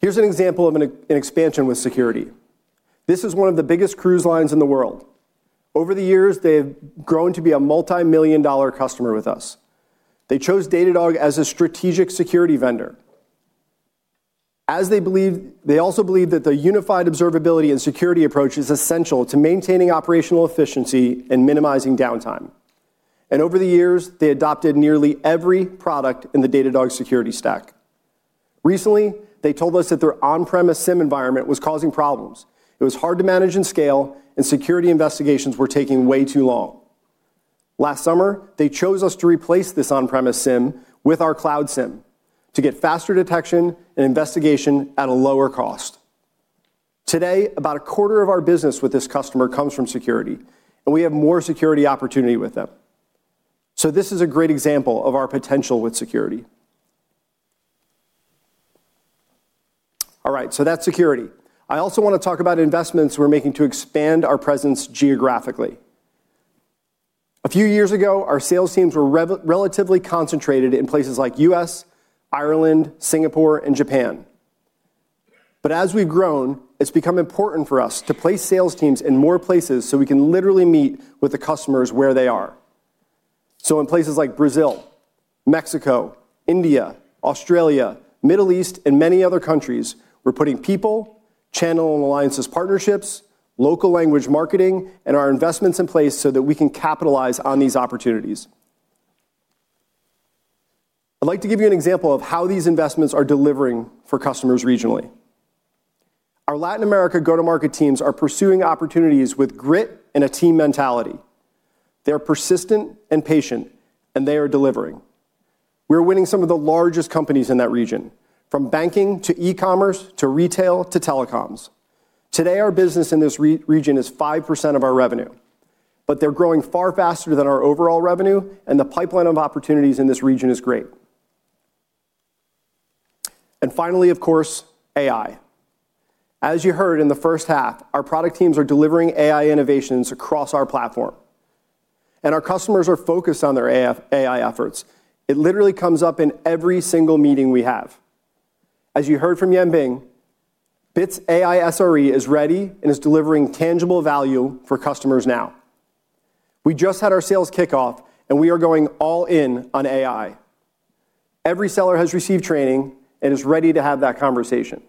Here's an example of an expansion with security. This is one of the biggest cruise lines in the world. Over the years, they've grown to be a multi-million-dollar customer with us. They chose Datadog as a strategic security vendor. As they believe, they also believe that the unified observability and security approach is essential to maintaining operational efficiency and minimizing downtime. Over the years, they adopted nearly every product in the Datadog security stack. Recently, they told us that their on-premise SIEM environment was causing problems. It was hard to manage and scale, and security investigations were taking way too long. Last summer, they chose us to replace this on-premise SIEM with our Cloud SIEM to get faster detection and investigation at a lower cost. Today, about a quarter of our business with this customer comes from security, and we have more security opportunity with them. This is a great example of our potential with security. All right, so that's security. I also wanna talk about investments we're making to expand our presence geographically. A few years ago, our sales teams were relatively concentrated in places like U.S., Ireland, Singapore, and Japan. But as we've grown, it's become important for us to place sales teams in more places so we can literally meet with the customers where they are. So in places like Brazil, Mexico, India, Australia, Middle East, and many other countries, we're putting people, channel and alliances partnerships, local language marketing, and our investments in place so that we can capitalize on these opportunities. I'd like to give you an example of how these investments are delivering for customers regionally. Our Latin America go-to-market teams are pursuing opportunities with grit and a team mentality. They're persistent and patient, and they are delivering. We're winning some of the largest companies in that region, from banking to e-commerce, to retail, to telecoms. Today, our business in this region is 5% of our revenue, but they're growing far faster than our overall revenue, and the pipeline of opportunities in this region is great. And finally, of course, AI. As you heard in the first half, our product teams are delivering AI innovations across our platform, and our customers are focused on their AI efforts. It literally comes up in every single meeting we have. As you heard from Yanbing, Bits AI SRE is ready and is delivering tangible value for customers now. We just had our sales kickoff, and we are going all in on AI. Every seller has received training and is ready to have that conversation.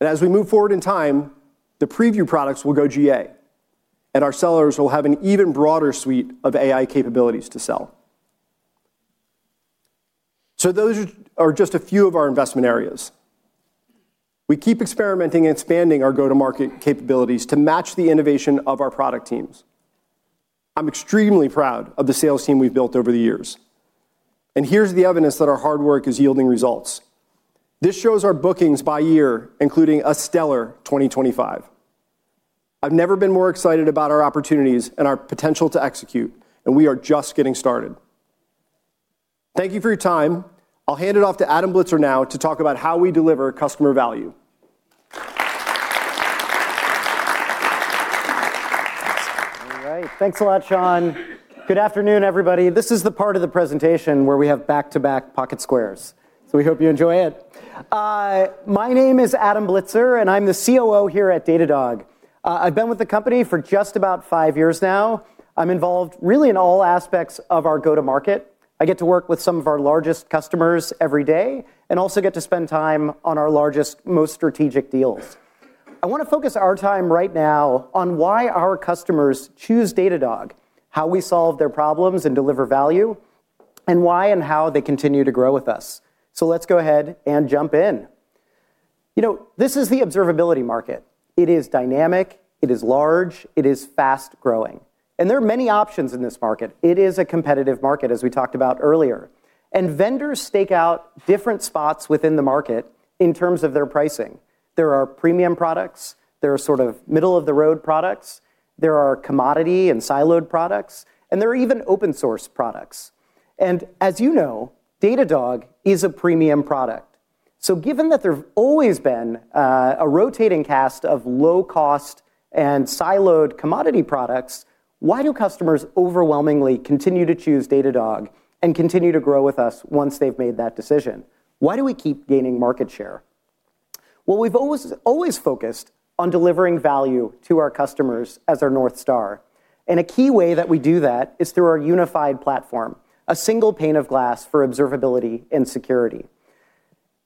As we move forward in time, the preview products will go GA, and our sellers will have an even broader suite of AI capabilities to sell. So those are just a few of our investment areas. We keep experimenting and expanding our go-to-market capabilities to match the innovation of our product teams. I'm extremely proud of the sales team we've built over the years, and here's the evidence that our hard work is yielding results. This shows our bookings by year, including a stellar 2025. I've never been more excited about our opportunities and our potential to execute, and we are just getting started. Thank you for your time. I'll hand it off to Adam Blitzer now to talk about how we deliver customer value. All right. Thanks a lot, Sean. Good afternoon, everybody. This is the part of the presentation where we have back-to-back pocket squares, so we hope you enjoy it. My name is Adam Blitzer, and I'm the COO here at Datadog. I've been with the company for just about five years now. I'm involved really in all aspects of our go-to-market. I get to work with some of our largest customers every day, and also get to spend time on our largest, most strategic deals. I wanna focus our time right now on why our customers choose Datadog, how we solve their problems and deliver value, and why and how they continue to grow with us. So let's go ahead and jump in. You know, this is the observability market. It is dynamic, it is large, it is fast-growing, and there are many options in this market. It is a competitive market, as we talked about earlier, and vendors stake out different spots within the market in terms of their pricing. There are premium products, there are sort of middle-of-the-road products, there are commodity and siloed products, and there are even open source products. And as you know, Datadog is a premium product. So given that there have always been a rotating cast of low-cost and siloed commodity products, why do customers overwhelmingly continue to choose Datadog and continue to grow with us once they've made that decision? Why do we keep gaining market share? Well, we've always, always focused on delivering value to our customers as our North Star, and a key way that we do that is through our unified platform, a single pane of glass for observability and security.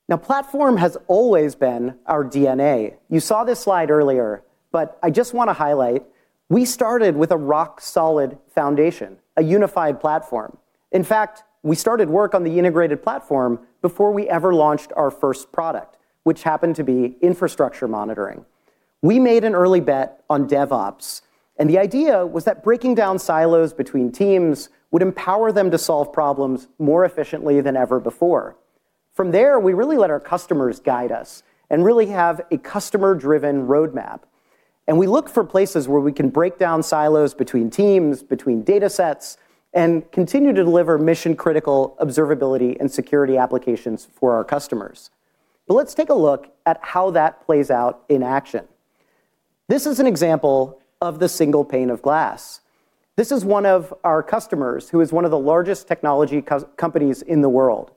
Now, platform has always been our DNA. You saw this slide earlier, but I just wanna highlight, we started with a rock-solid foundation, a unified platform. In fact, we started work on the integrated platform before we ever launched our first product, which happened to be Infrastructure Monitoring. We made an early bet on DevOps, and the idea was that breaking down silos between teams would empower them to solve problems more efficiently than ever before. From there, we really let our customers guide us and really have a customer-driven roadmap, and we look for places where we can break down silos between teams, between datasets, and continue to deliver mission-critical observability and security applications for our customers. But let's take a look at how that plays out in action. This is an example of the single pane of glass. This is one of our customers, who is one of the largest technology companies in the world,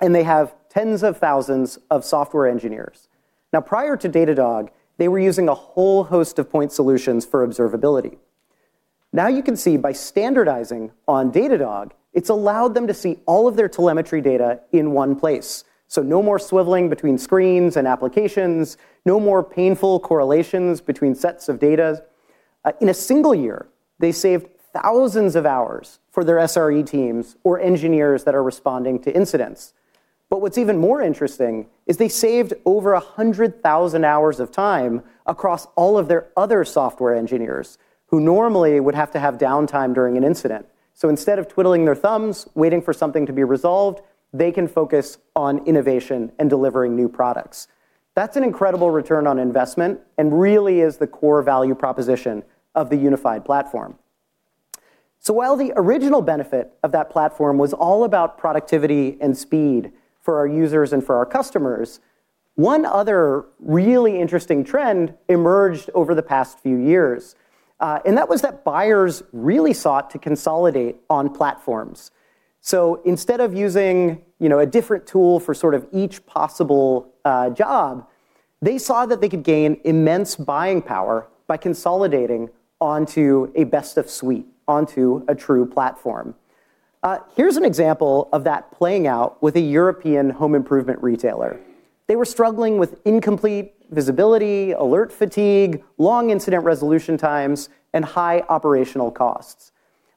and they have tens of thousands of software engineers. Now, prior to Datadog, they were using a whole host of point solutions for observability. Now, you can see by standardizing on Datadog, it's allowed them to see all of their telemetry data in one place. So no more swiveling between screens and applications, no more painful correlations between sets of data. In a single year, they saved thousands of hours for their SRE teams or engineers that are responding to incidents. But what's even more interesting is they saved over 100,000 hours of time across all of their other software engineers, who normally would have to have downtime during an incident. So instead of twiddling their thumbs, waiting for something to be resolved, they can focus on innovation and delivering new products. That's an incredible return on investment and really is the core value proposition of the unified platform. So while the original benefit of that platform was all about productivity and speed for our users and for our customers, one other really interesting trend emerged over the past few years, and that was that buyers really sought to consolidate on platforms. So instead of using, you know, a different tool for sort of each possible job. They saw that they could gain immense buying power by consolidating onto a best-of-suite, onto a true platform. Here's an example of that playing out with a European home improvement retailer. They were struggling with incomplete visibility, alert fatigue, long incident resolution times, and high operational costs.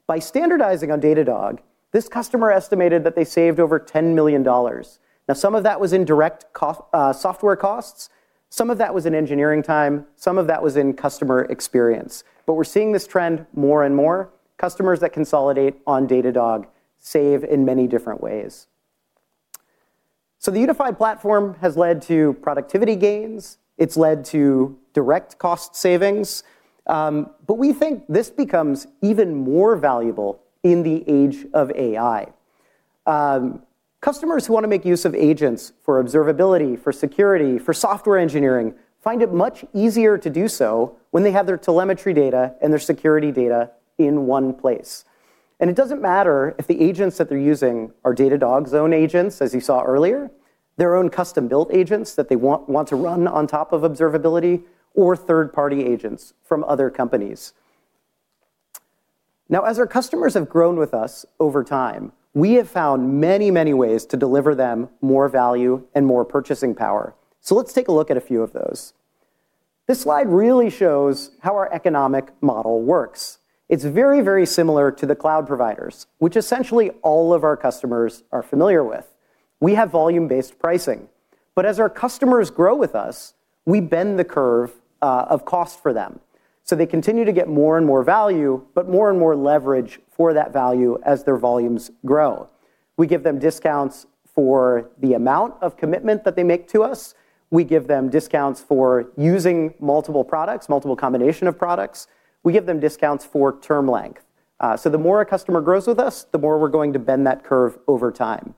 By standardizing on Datadog, this customer estimated that they saved over $10 million. Now, some of that was in direct cost, software costs, some of that was in engineering time, some of that was in customer experience. But we're seeing this trend more and more. Customers that consolidate on Datadog save in many different ways. So the unified platform has led to productivity gains, it's led to direct cost savings, but we think this becomes even more valuable in the age of AI. Customers who wanna make use of agents for observability, for security, for software engineering, find it much easier to do so when they have their telemetry data and their security data in one place. It doesn't matter if the agents that they're using are Datadog's own agents, as you saw earlier, their own custom-built agents that they want to run on top of observability, or third-party agents from other companies. Now, as our customers have grown with us over time, we have found many, many ways to deliver them more value and more purchasing power. So let's take a look at a few of those. This slide really shows how our economic model works. It's very, very similar to the cloud providers, which essentially all of our customers are familiar with. We have volume-based pricing, but as our customers grow with us, we bend the curve of cost for them. So they continue to get more and more value, but more and more leverage for that value as their volumes grow. We give them discounts for the amount of commitment that they make to us. We give them discounts for using multiple products, multiple combination of products. We give them discounts for term length. So the more a customer grows with us, the more we're going to bend that curve over time.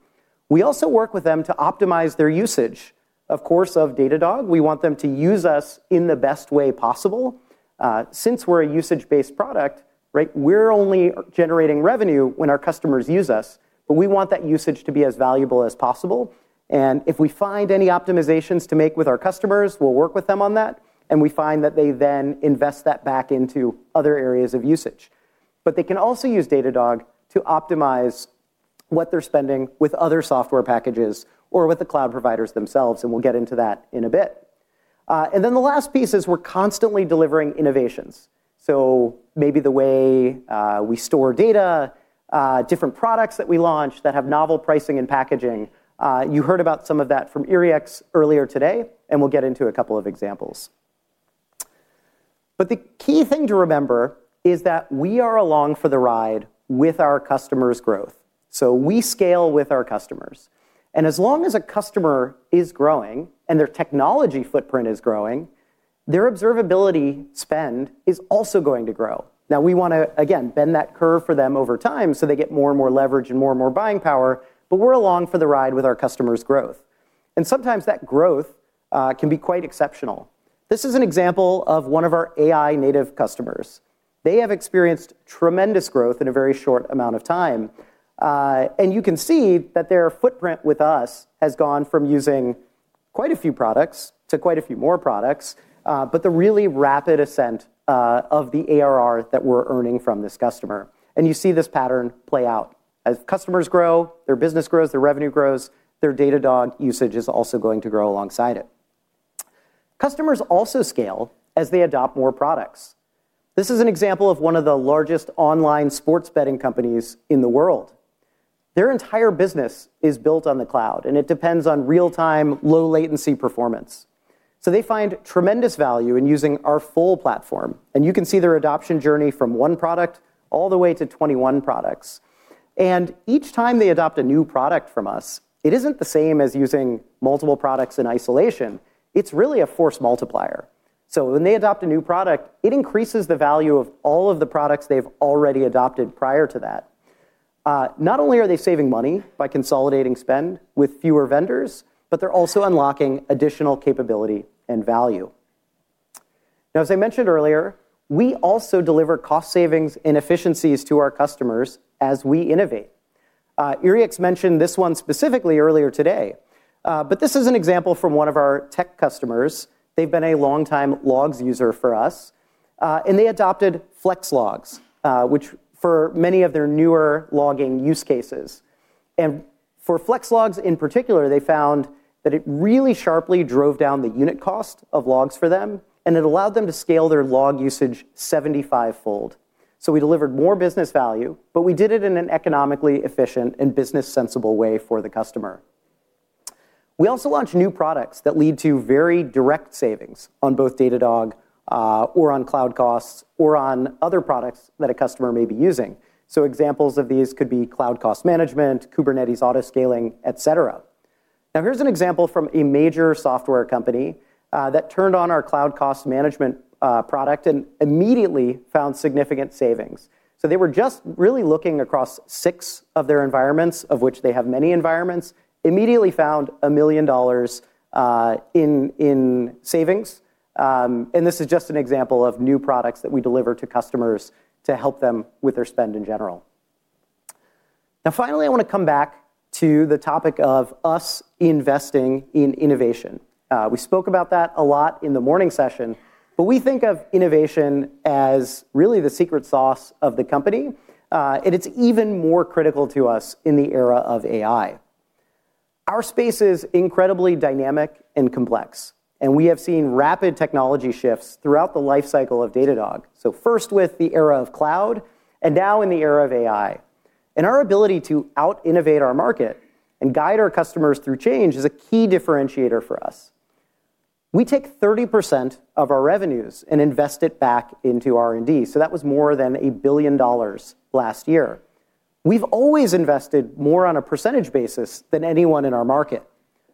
We also work with them to optimize their usage, of course, of Datadog. We want them to use us in the best way possible. Since we're a usage-based product, right, we're only generating revenue when our customers use us, but we want that usage to be as valuable as possible, and if we find any optimizations to make with our customers, we'll work with them on that, and we find that they then invest that back into other areas of usage. But they can also use Datadog to optimize what they're spending with other software packages or with the cloud providers themselves, and we'll get into that in a bit. And then the last piece is we're constantly delivering innovations. So maybe the way we store data, different products that we launch that have novel pricing and packaging. You heard about some of that from Yrieix earlier today, and we'll get into a couple of examples. But the key thing to remember is that we are along for the ride with our customers' growth, so we scale with our customers. And as long as a customer is growing and their technology footprint is growing, their observability spend is also going to grow. Now, we wanna, again, bend that curve for them over time so they get more and more leverage and more and more buying power, but we're along for the ride with our customers' growth. And sometimes that growth can be quite exceptional. This is an example of one of our AI-native customers. They have experienced tremendous growth in a very short amount of time. And you can see that their footprint with us has gone from using quite a few products to quite a few more products, but the really rapid ascent of the ARR that we're earning from this customer. And you see this pattern play out. As customers grow, their business grows, their revenue grows, their Datadog usage is also going to grow alongside it. Customers also scale as they adopt more products. This is an example of one of the largest online sports betting companies in the world. Their entire business is built on the cloud, and it depends on real-time, low-latency performance. So they find tremendous value in using our full platform, and you can see their adoption journey from one product all the way to 21 products. And each time they adopt a new product from us, it isn't the same as using multiple products in isolation, it's really a force multiplier. So when they adopt a new product, it increases the value of all of the products they've already adopted prior to that. Not only are they saving money by consolidating spend with fewer vendors, but they're also unlocking additional capability and value. Now, as I mentioned earlier, we also deliver cost savings and efficiencies to our customers as we innovate. Yrieix mentioned this one specifically earlier today, but this is an example from one of our tech customers. They've been a longtime Logs user for us, and they adopted Flex Logs, which for many of their newer logging use cases. For Flex Logs in particular, they found that it really sharply drove down the unit cost of logs for them, and it allowed them to scale their log usage 75-fold. We delivered more business value, but we did it in an economically efficient and business-sensible way for the customer. We also launched new products that lead to very direct savings on both Datadog or on cloud costs, or on other products that a customer may be using. Examples of these could be Cloud Cost Management, Kubernetes Autoscaling, et cetera. Now, here's an example from a major software company that turned on our Cloud Cost Management product and immediately found significant savings. So they were just really looking across six of their environments, of which they have many environments, immediately found $1 million in savings. And this is just an example of new products that we deliver to customers to help them with their spend in general. Now, finally, I wanna come back to the topic of us investing in innovation. We spoke about that a lot in the morning session, but we think of innovation as really the secret sauce of the company, and it's even more critical to us in the era of AI. Our space is incredibly dynamic and complex, and we have seen rapid technology shifts throughout the life cycle of Datadog. So first with the era of cloud, and now in the era of AI. And our ability to out-innovate our market and guide our customers through change is a key differentiator for us. We take 30% of our revenues and invest it back into R&D, so that was more than $1 billion last year. We've always invested more on a percentage basis than anyone in our market.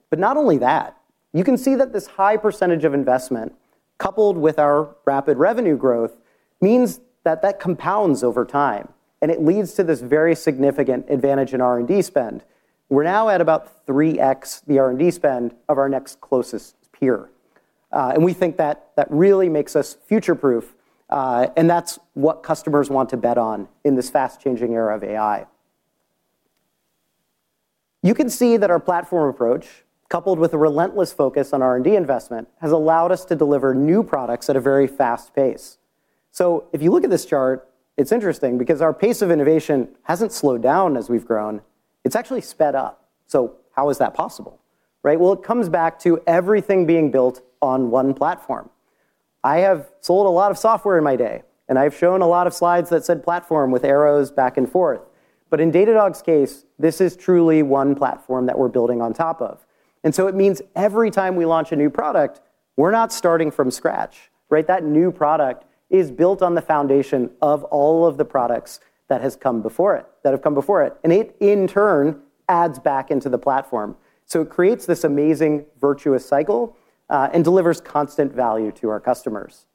But not only that, you can see that this high percentage of investment, coupled with our rapid revenue growth, means that that compounds over time, and it leads to this very significant advantage in R&D spend. We're now at about 3x the R&D spend of our next closest peer. And we think that that really makes us future-proof, and that's what customers want to bet on in this fast-changing era of AI. You can see that our platform approach, coupled with a relentless focus on R&D investment, has allowed us to deliver new products at a very fast pace. So if you look at this chart, it's interesting because our pace of innovation hasn't slowed down as we've grown. It's actually sped up. So how is that possible, right? Well, it comes back to everything being built on one platform. I have sold a lot of software in my day, and I've shown a lot of slides that said "platform" with arrows back and forth, but in Datadog's case, this is truly one platform that we're building on top of. So it means every time we launch a new product, we're not starting from scratch, right? That new product is built on the foundation of all of the products that have come before it, and it, in turn, adds back into the platform. So it creates this amazing virtuous cycle, and delivers constant value to our customers.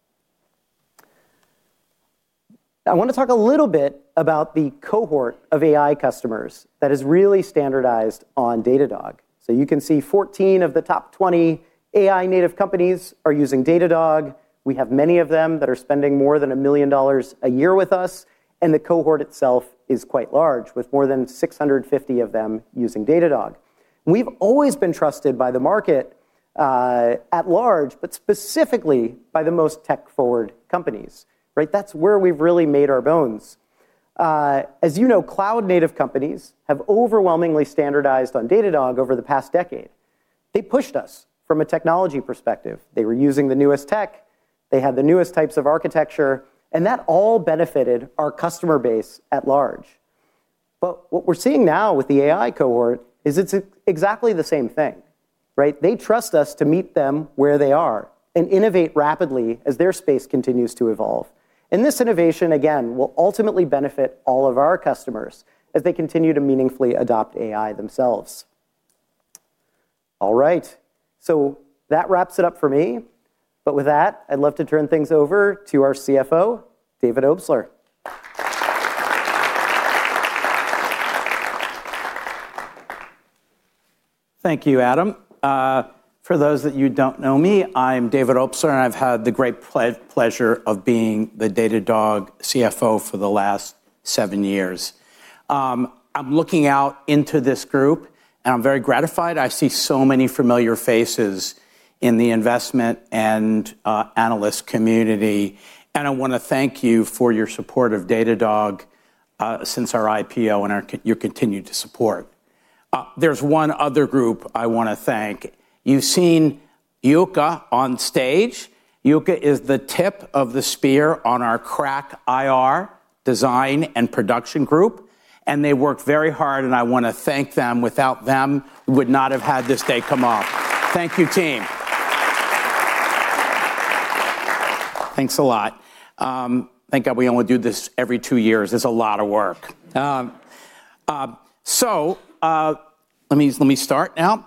I want to talk a little bit about the cohort of AI customers that has really standardized on Datadog. So you can see 14 of the top 20 AI-native companies are using Datadog. We have many of them that are spending more than $1 million a year with us, and the cohort itself is quite large, with more than 650 of them using Datadog. We've always been trusted by the market at large, but specifically by the most tech-forward companies, right? That's where we've really made our bones. As you know, cloud-native companies have overwhelmingly standardized on Datadog over the past decade. They pushed us from a technology perspective. They were using the newest tech, they had the newest types of architecture, and that all benefited our customer base at large. But what we're seeing now with the AI cohort is it's exactly the same thing, right? They trust us to meet them where they are and innovate rapidly as their space continues to evolve. And this innovation, again, will ultimately benefit all of our customers as they continue to meaningfully adopt AI themselves. All right, so that wraps it up for me, but with that, I'd love to turn things over to our CFO, David Obstler. Thank you, Adam. For those that you don't know me, I'm David Obstler, and I've had the great pleasure of being the Datadog CFO for the last seven years. I'm looking out into this group, and I'm very gratified. I see so many familiar faces in the investment and analyst community, and I wanna thank you for your support of Datadog since our IPO and your continued support. There's one other group I wanna thank. You've seen Yuka on stage. Yuka is the tip of the spear on our crack IR design and production group, and they work very hard, and I wanna thank them. Without them, we would not have had this day come off. Thank you, team. Thanks a lot. Thank God we only do this every two years. It's a lot of work. So, let me start now.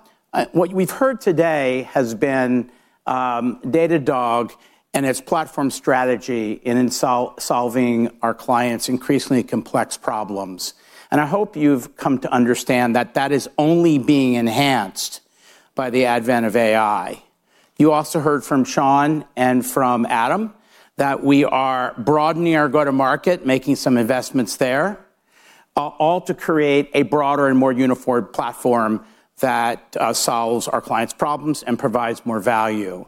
What we've heard today has been Datadog and its platform strategy in solving our clients' increasingly complex problems, and I hope you've come to understand that that is only being enhanced by the advent of AI. You also heard from Sean and from Adam that we are broadening our go-to-market, making some investments there, all to create a broader and more unified platform that solves our clients' problems and provides more value.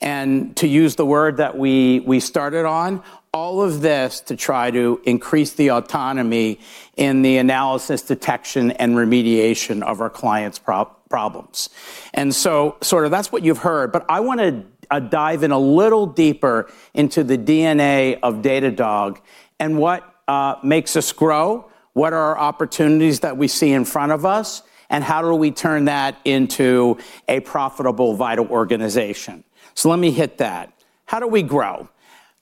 And to use the word that we started on, all of this to try to increase the autonomy in the analysis, detection, and remediation of our clients' problems. And so sort of that's what you've heard, but I wanna dive in a little deeper into the DNA of Datadog and what makes us grow, what are our opportunities that we see in front of us, and how do we turn that into a profitable, vital organization? So let me hit that. How do we grow?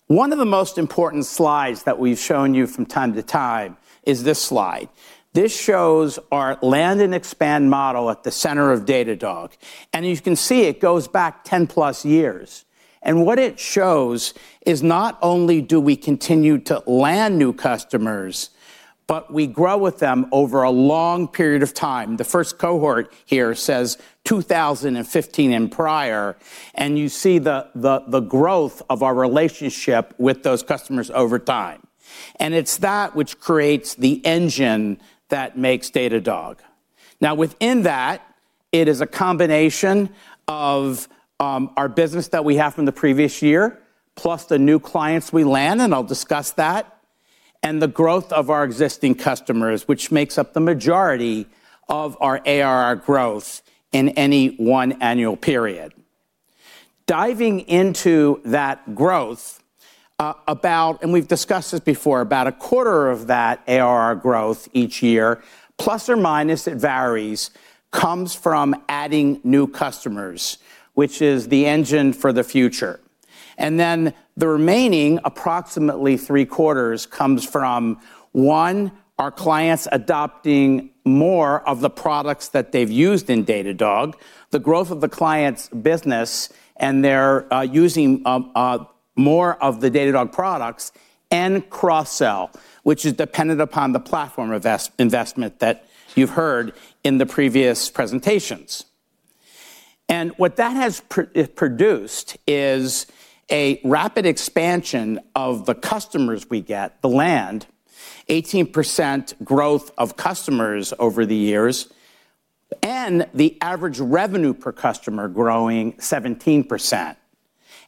One of the most important slides that we've shown you from time to time is this slide. This shows our land and expand model at the center of Datadog, and you can see it goes back 10+ years. And what it shows is not only do we continue to land new customers, but we grow with them over a long period of time. The first cohort here says 2015 and prior, and you see the growth of our relationship with those customers over time. It's that which creates the engine that makes Datadog. Now, within that, it is a combination of our business that we have from the previous year, plus the new clients we land, and I'll discuss that, and the growth of our existing customers, which makes up the majority of our ARR growth in any one annual period. Diving into that growth, and we've discussed this before, about a quarter of that ARR growth each year, plus or minus, it varies, comes from adding new customers, which is the engine for the future. Then the remaining approximately three quarters comes from, one, our clients adopting more of the products that they've used in Datadog, the growth of the client's business, and they're using more of the Datadog products, and cross-sell, which is dependent upon the platform investment that you've heard in the previous presentations. And what that has produced is a rapid expansion of the customers we get, the land, 18% growth of customers over the years, and the average revenue per customer growing 17%.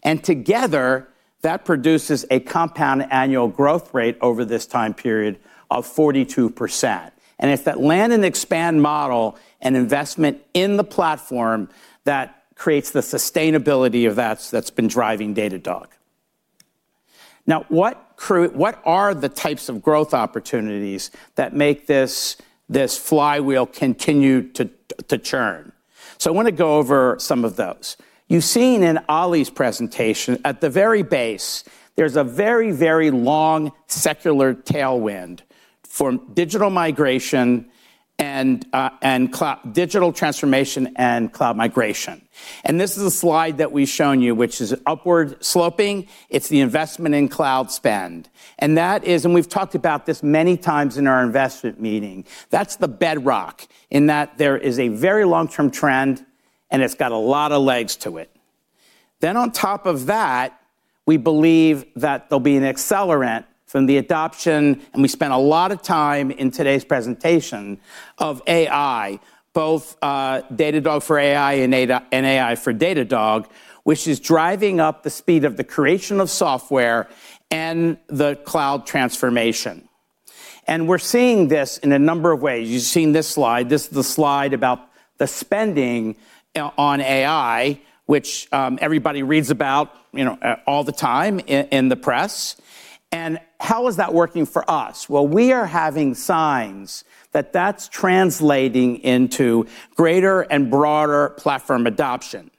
And together, that produces a compound annual growth rate over this time period of 42%. And it's that land and expand model and investment in the platform that creates the sustainability of that that's been driving Datadog. Now, what are the types of growth opportunities that make this flywheel continue to churn? So I want to go over some of those. You've seen in Ollie's presentation, at the very base, there's a very, very long secular tailwind for digital migration and digital transformation and cloud migration. And this is a slide that we've shown you, which is upward sloping. It's the investment in cloud spend. And that is, and we've talked about this many times in our investment meeting, that's the bedrock, in that there is a very long-term trend, and it's got a lot of legs to it. Then on top of that, we believe that there'll be an accelerant from the adoption, and we spent a lot of time in today's presentation, of AI, both Datadog for AI and AI for Datadog, which is driving up the speed of the creation of software and the cloud transformation. We're seeing this in a number of ways. You've seen this slide. This is the slide about the spending on AI, which everybody reads about, you know, all the time in the press. And how is that working for us? Well, we are having signs that that's translating into greater and broader platform adoption.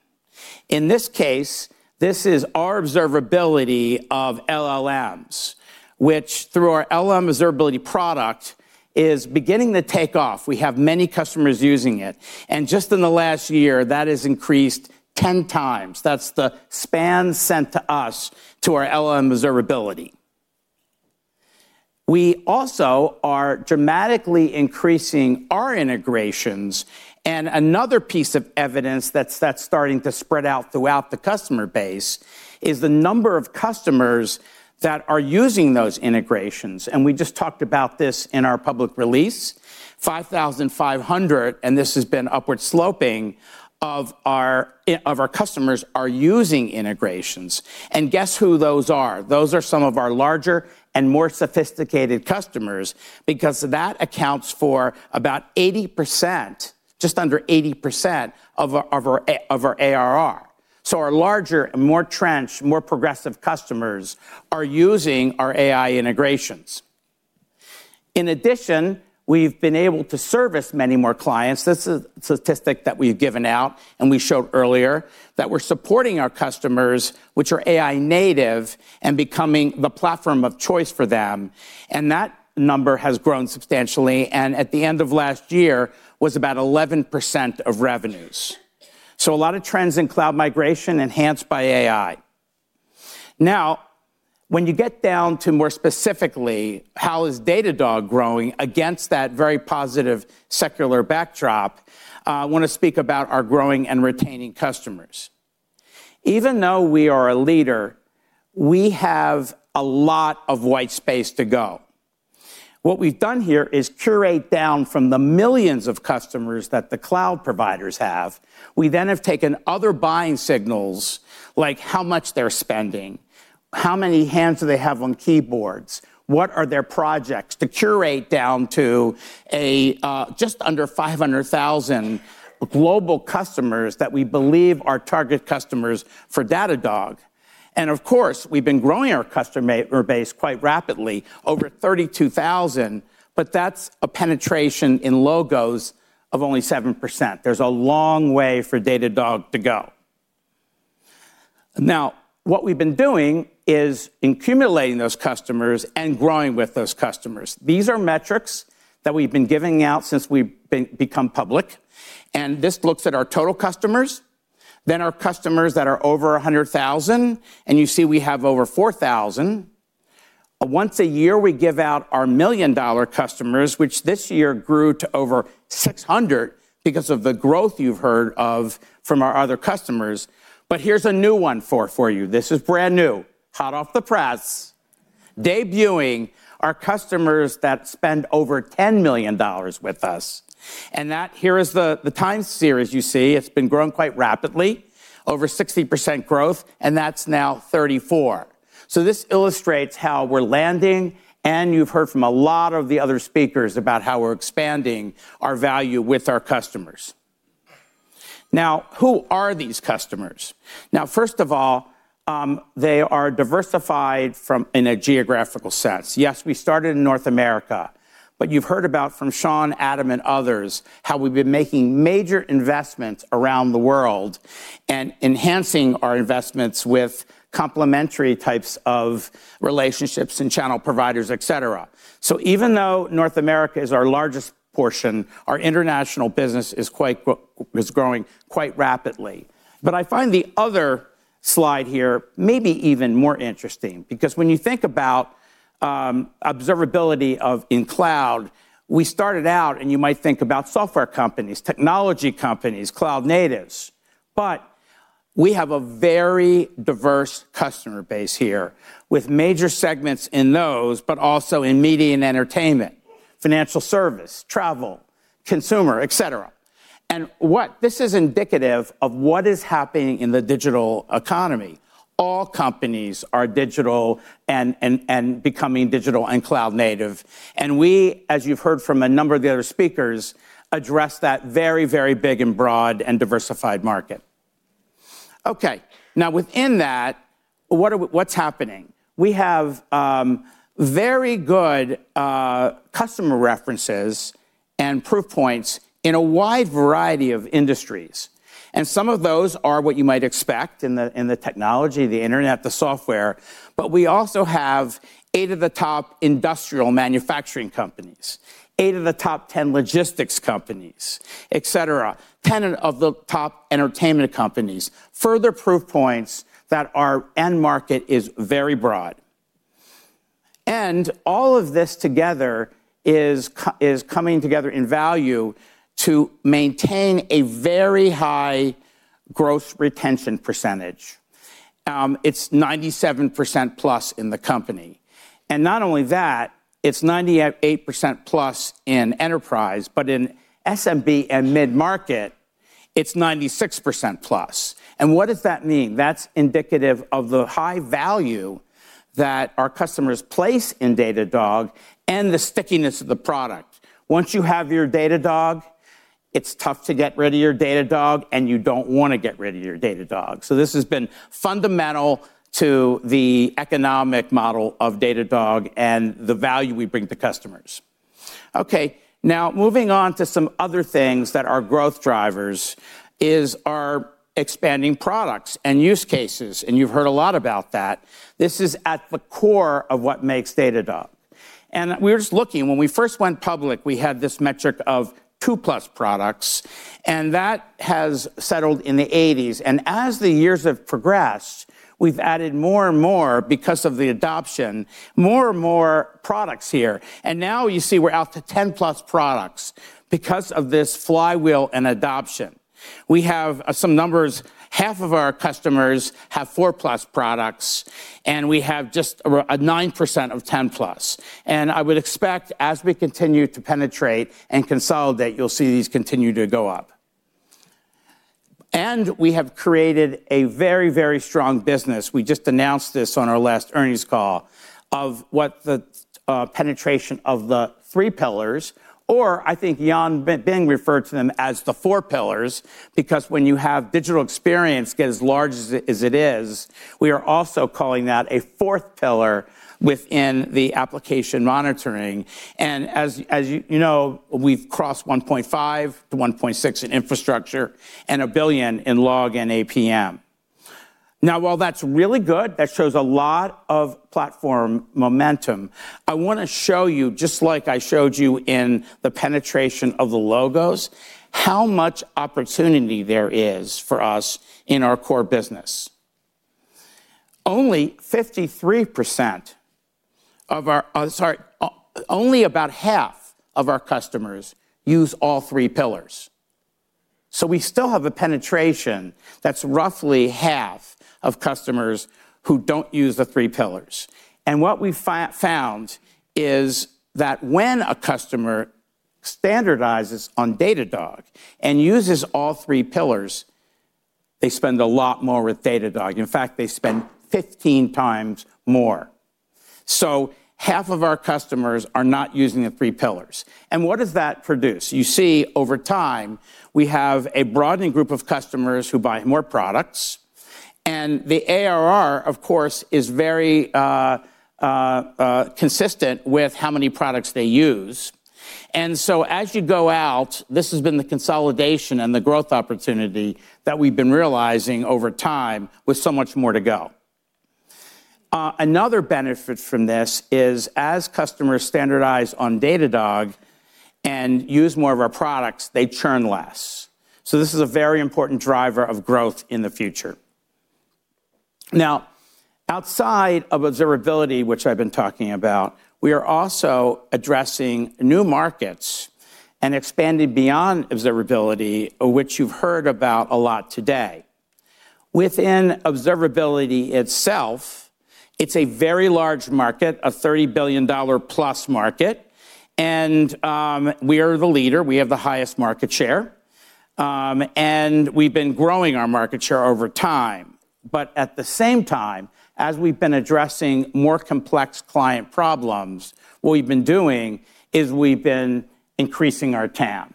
In this case, this is our observability of LLMs, which through our LLM Observability product, is beginning to take off. We have many customers using it, and just in the last year, that has increased 10x. That's the spans sent to us to our LLM Observability. We also are dramatically increasing our integrations, and another piece of evidence that's starting to spread out throughout the customer base is the number of customers that are using those integrations, and we just talked about this in our public release. 5,500, and this has been upward sloping, of our customers are using integrations. And guess who those are? Those are some of our larger and more sophisticated customers, because that accounts for about 80%, just under 80% of our ARR. So our larger and more entrenched, more progressive customers are using our AI integrations. In addition, we've been able to service many more clients. This is a statistic that we've given out, and we showed earlier, that we're supporting our customers, which are AI native, and becoming the platform of choice for them, and that number has grown substantially, and at the end of last year, was about 11% of revenues. So a lot of trends in cloud migration enhanced by AI. Now, when you get down to more specifically, how is Datadog growing against that very positive secular backdrop, I want to speak about our growing and retaining customers. Even though we are a leader, we have a lot of white space to go. What we've done here is curate down from the millions of customers that the cloud providers have. We then have taken other buying signals, like how much they're spending, how many hands do they have on keyboards, what are their projects, to curate down to a, just under 500,000 global customers that we believe are target customers for Datadog. And of course, we've been growing our customer base quite rapidly, over 32,000, but that's a penetration in logos of only 7%. There's a long way for Datadog to go. Now, what we've been doing is accumulating those customers and growing with those customers. These are metrics that we've been giving out since we've become public, and this looks at our total customers, then our customers that are over $100,000, and you see we have over 4,000. Once a year, we give out our million-dollar customers, which this year grew to over 600 because of the growth you've heard of from our other customers. But here's a new one for you. This is brand new, hot off the press, debuting our customers that spend over $10 million with us. And that, here is the time series you see, it's been growing quite rapidly, over 60% growth, and that's now 34. So this illustrates how we're landing, and you've heard from a lot of the other speakers about how we're expanding our value with our customers. Now, who are these customers? Now, first of all, they are diversified from in a geographical sense. Yes, we started in North America, but you've heard about from Sean, Adam, and others, how we've been making major investments around the world and enhancing our investments with complementary types of relationships and channel providers, et cetera. So even though North America is our largest portion, our international business is quite is growing quite rapidly. But I find the other slide here maybe even more interesting, because when you think about observability in cloud, we started out, and you might think about software companies, technology companies, cloud natives, but we have a very diverse customer base here, with major segments in those, but also in media and entertainment, financial service, travel, consumer, et cetera. And what this is indicative of what is happening in the digital economy. All companies are digital and becoming digital and cloud native. And we, as you've heard from a number of the other speakers, address that very, very big and broad and diversified market. Okay, now, within that, what are we... what's happening? We have very good customer references and proof points in a wide variety of industries, and some of those are what you might expect in the technology, the internet, the software, but we also have eight of the top industrial manufacturing companies, eight of the top 10 logistics companies, et cetera, 10 of the top entertainment companies. Further proof points that our end market is very broad. All of this together is coming together in value to maintain a very high growth retention percentage. It's 97%+ in the company. And not only that, it's 98%+ in enterprise, but in SMB and mid-market, it's 96%+. And what does that mean? That's indicative of the high value that our customers place in Datadog and the stickiness of the product. Once you have your Datadog, it's tough to get rid of your Datadog, and you don't wanna get rid of your Datadog. So this has been fundamental to the economic model of Datadog and the value we bring to customers. Okay, now moving on to some other things that are growth drivers is our expanding products and use cases, and you've heard a lot about that. This is at the core of what makes Datadog. And we're just looking. When we first went public, we had this metric of 2+ products, and that has settled in the 1980s. And as the years have progressed, we've added more and more because of the adoption, more and more products here. And now you see we're out to 10+ products because of this flywheel and adoption. We have some numbers. Half of our customers have 4+ products, and we have just nine percent of 10+. I would expect, as we continue to penetrate and consolidate, you'll see these continue to go up. We have created a very, very strong business. We just announced this on our last earnings call, of what the penetration of the three pillars, or I think Yanbing referred to them as the four pillars, because when you have digital experience get as large as it, as it is, we are also calling that a fourth pillar within the application monitoring. As you know, we've crossed 1.5-1.6 in infrastructure and $1 billion in log and APM. Now, while that's really good, that shows a lot of platform momentum. I wanna show you, just like I showed you in the penetration of the logos, how much opportunity there is for us in our core business. Only 53% of our customers use all three pillars. So we still have a penetration that's roughly half of customers who don't use the three pillars. And what we found is that when a customer standardizes on Datadog and uses all three pillars, they spend a lot more with Datadog. In fact, they spend 15x more. So half of our customers are not using the three pillars. And what does that produce? You see, over time, we have a broadening group of customers who buy more products, and the ARR, of course, is very consistent with how many products they use. So as you go out, this has been the consolidation and the growth opportunity that we've been realizing over time with so much more to go. Another benefit from this is, as customers standardize on Datadog and use more of our products, they churn less. So this is a very important driver of growth in the future. Now, outside of observability, which I've been talking about, we are also addressing new markets and expanding beyond observability, which you've heard about a lot today. Within observability itself, it's a very large market, a $30 billion+ market, and we are the leader. We have the highest market share, and we've been growing our market share over time. But at the same time, as we've been addressing more complex client problems, what we've been doing is we've been increasing our TAM.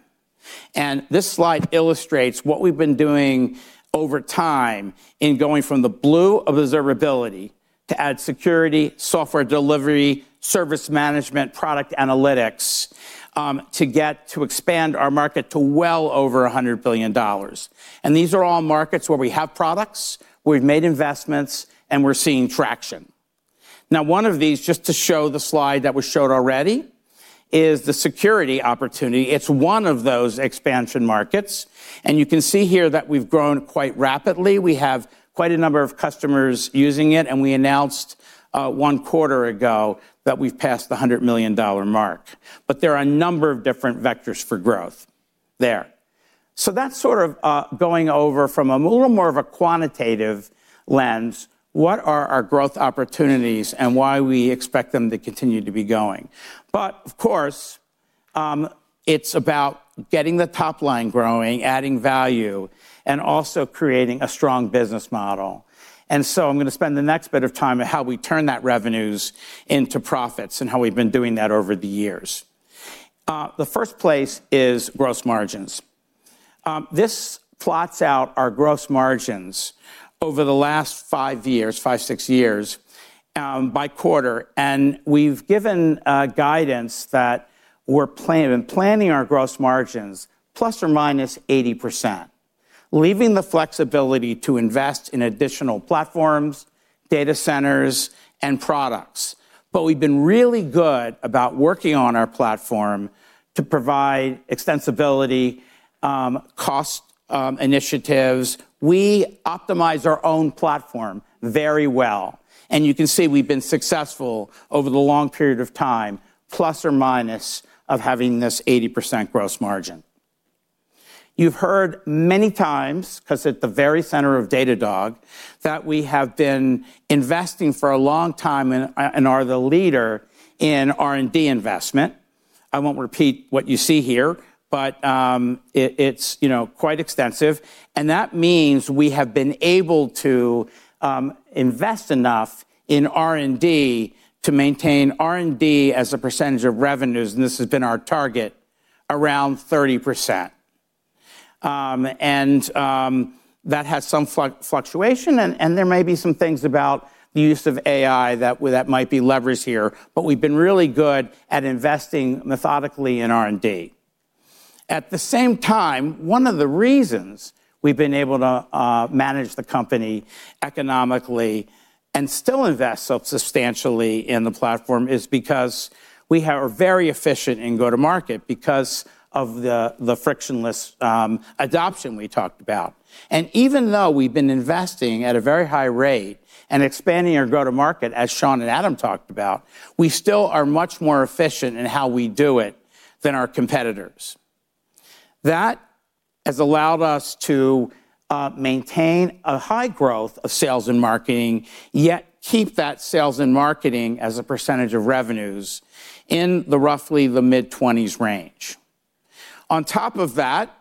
This slide illustrates what we've been doing over time in going from the blue of observability to add security, software delivery, service management, product analytics, to get to expand our market to well over $100 billion. These are all markets where we have products, we've made investments, and we're seeing traction. Now, one of these, just to show the slide that was showed already, is the security opportunity. It's one of those expansion markets, and you can see here that we've grown quite rapidly. We have quite a number of customers using it, and we announced one quarter ago that we've passed the $100 million mark. There are a number of different vectors for growth there. So that's sort of going over from a little more of a quantitative lens, what are our growth opportunities and why we expect them to continue to be going. But of course, it's about getting the top line growing, adding value, and also creating a strong business model. So I'm going to spend the next bit of time on how we turn that revenues into profits and how we've been doing that over the years. The first place is gross margins. This plots out our gross margins over the last five years, five, six years, by quarter, and we've given guidance that we're planning our gross margins ±80%, leaving the flexibility to invest in additional platforms, data centers, and products. But we've been really good about working on our platform to provide extensibility, cost initiatives. We optimize our own platform very well, and you can see we've been successful over the long period of time, ±80% gross margin. You've heard many times, 'cause it's at the very center of Datadog, that we have been investing for a long time and are the leader in R&D investment. I won't repeat what you see here, but it's, you know, quite extensive, and that means we have been able to invest enough in R&D to maintain R&D as a percentage of revenues, and this has been our target, around 30%. And that has some fluctuation, and there may be some things about the use of AI that might be leveraged here, but we've been really good at investing methodically in R&D. At the same time, one of the reasons we've been able to manage the company economically and still invest substantially in the platform is because we are very efficient in go-to-market because of the, the frictionless adoption we talked about. And even though we've been investing at a very high rate and expanding our go-to-market, as Sean and Adam talked about, we still are much more efficient in how we do it than our competitors. That has allowed us to maintain a high growth of sales and marketing, yet keep that sales and marketing as a percentage of revenues in the roughly the mid-twenties range. On top of that,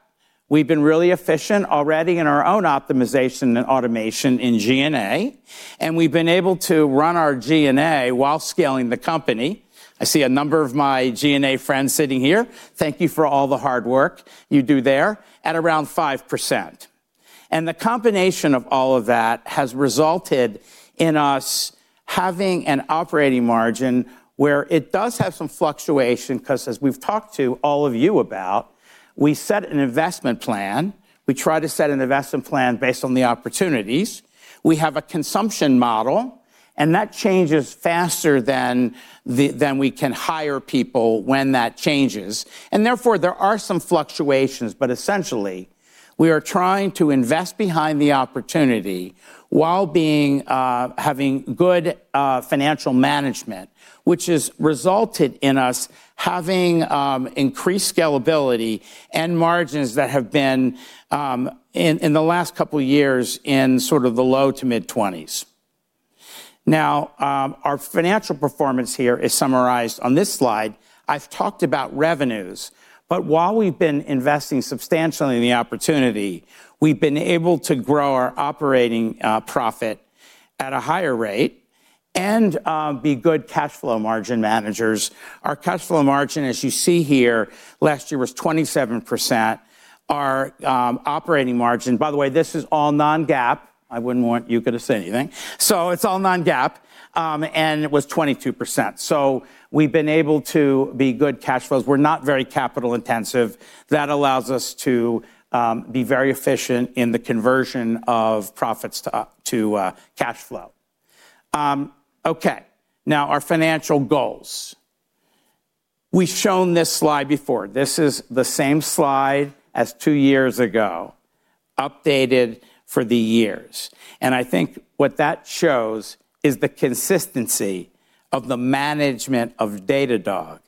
we've been really efficient already in our own optimization and automation in G&A, and we've been able to run our G&A while scaling the company. I see a number of my G&A friends sitting here. Thank you for all the hard work you do there, at around 5%. The combination of all of that has resulted in us having an operating margin where it does have some fluctuation, 'cause as we've talked to all of you about, we set an investment plan. We try to set an investment plan based on the opportunities. We have a consumption model, and that changes faster than we can hire people when that changes. Therefore, there are some fluctuations, but essentially, we are trying to invest behind the opportunity while being having good financial management, which has resulted in us having increased scalability and margins that have been in the last couple of years, in sort of the low- to mid-20s. Now, our financial performance here is summarized on this slide. I've talked about revenues, but while we've been investing substantially in the opportunity, we've been able to grow our operating profit at a higher rate and be good cash flow margin managers. Our cash flow margin, as you see here, last year, was 27%. Our operating margin... By the way, this is all Non-GAAP. I wouldn't want you to say anything. So it's all Non-GAAP, and it was 22%. So we've been able to be good cash flows. We're not very capital intensive. That allows us to be very efficient in the conversion of profits to cash flow. Okay, now our financial goals. We've shown this slide before. This is the same slide as two years ago, updated for the years, and I think what that shows is the consistency-... of the management of Datadog,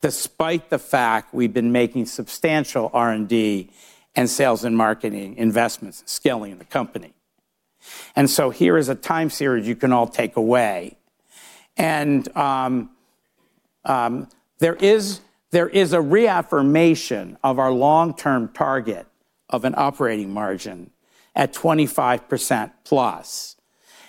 despite the fact we've been making substantial R&D and sales and marketing investments, scaling the company. And so here is a time series you can all take away. And, there is, there is a reaffirmation of our long-term target of an operating margin at 25%+,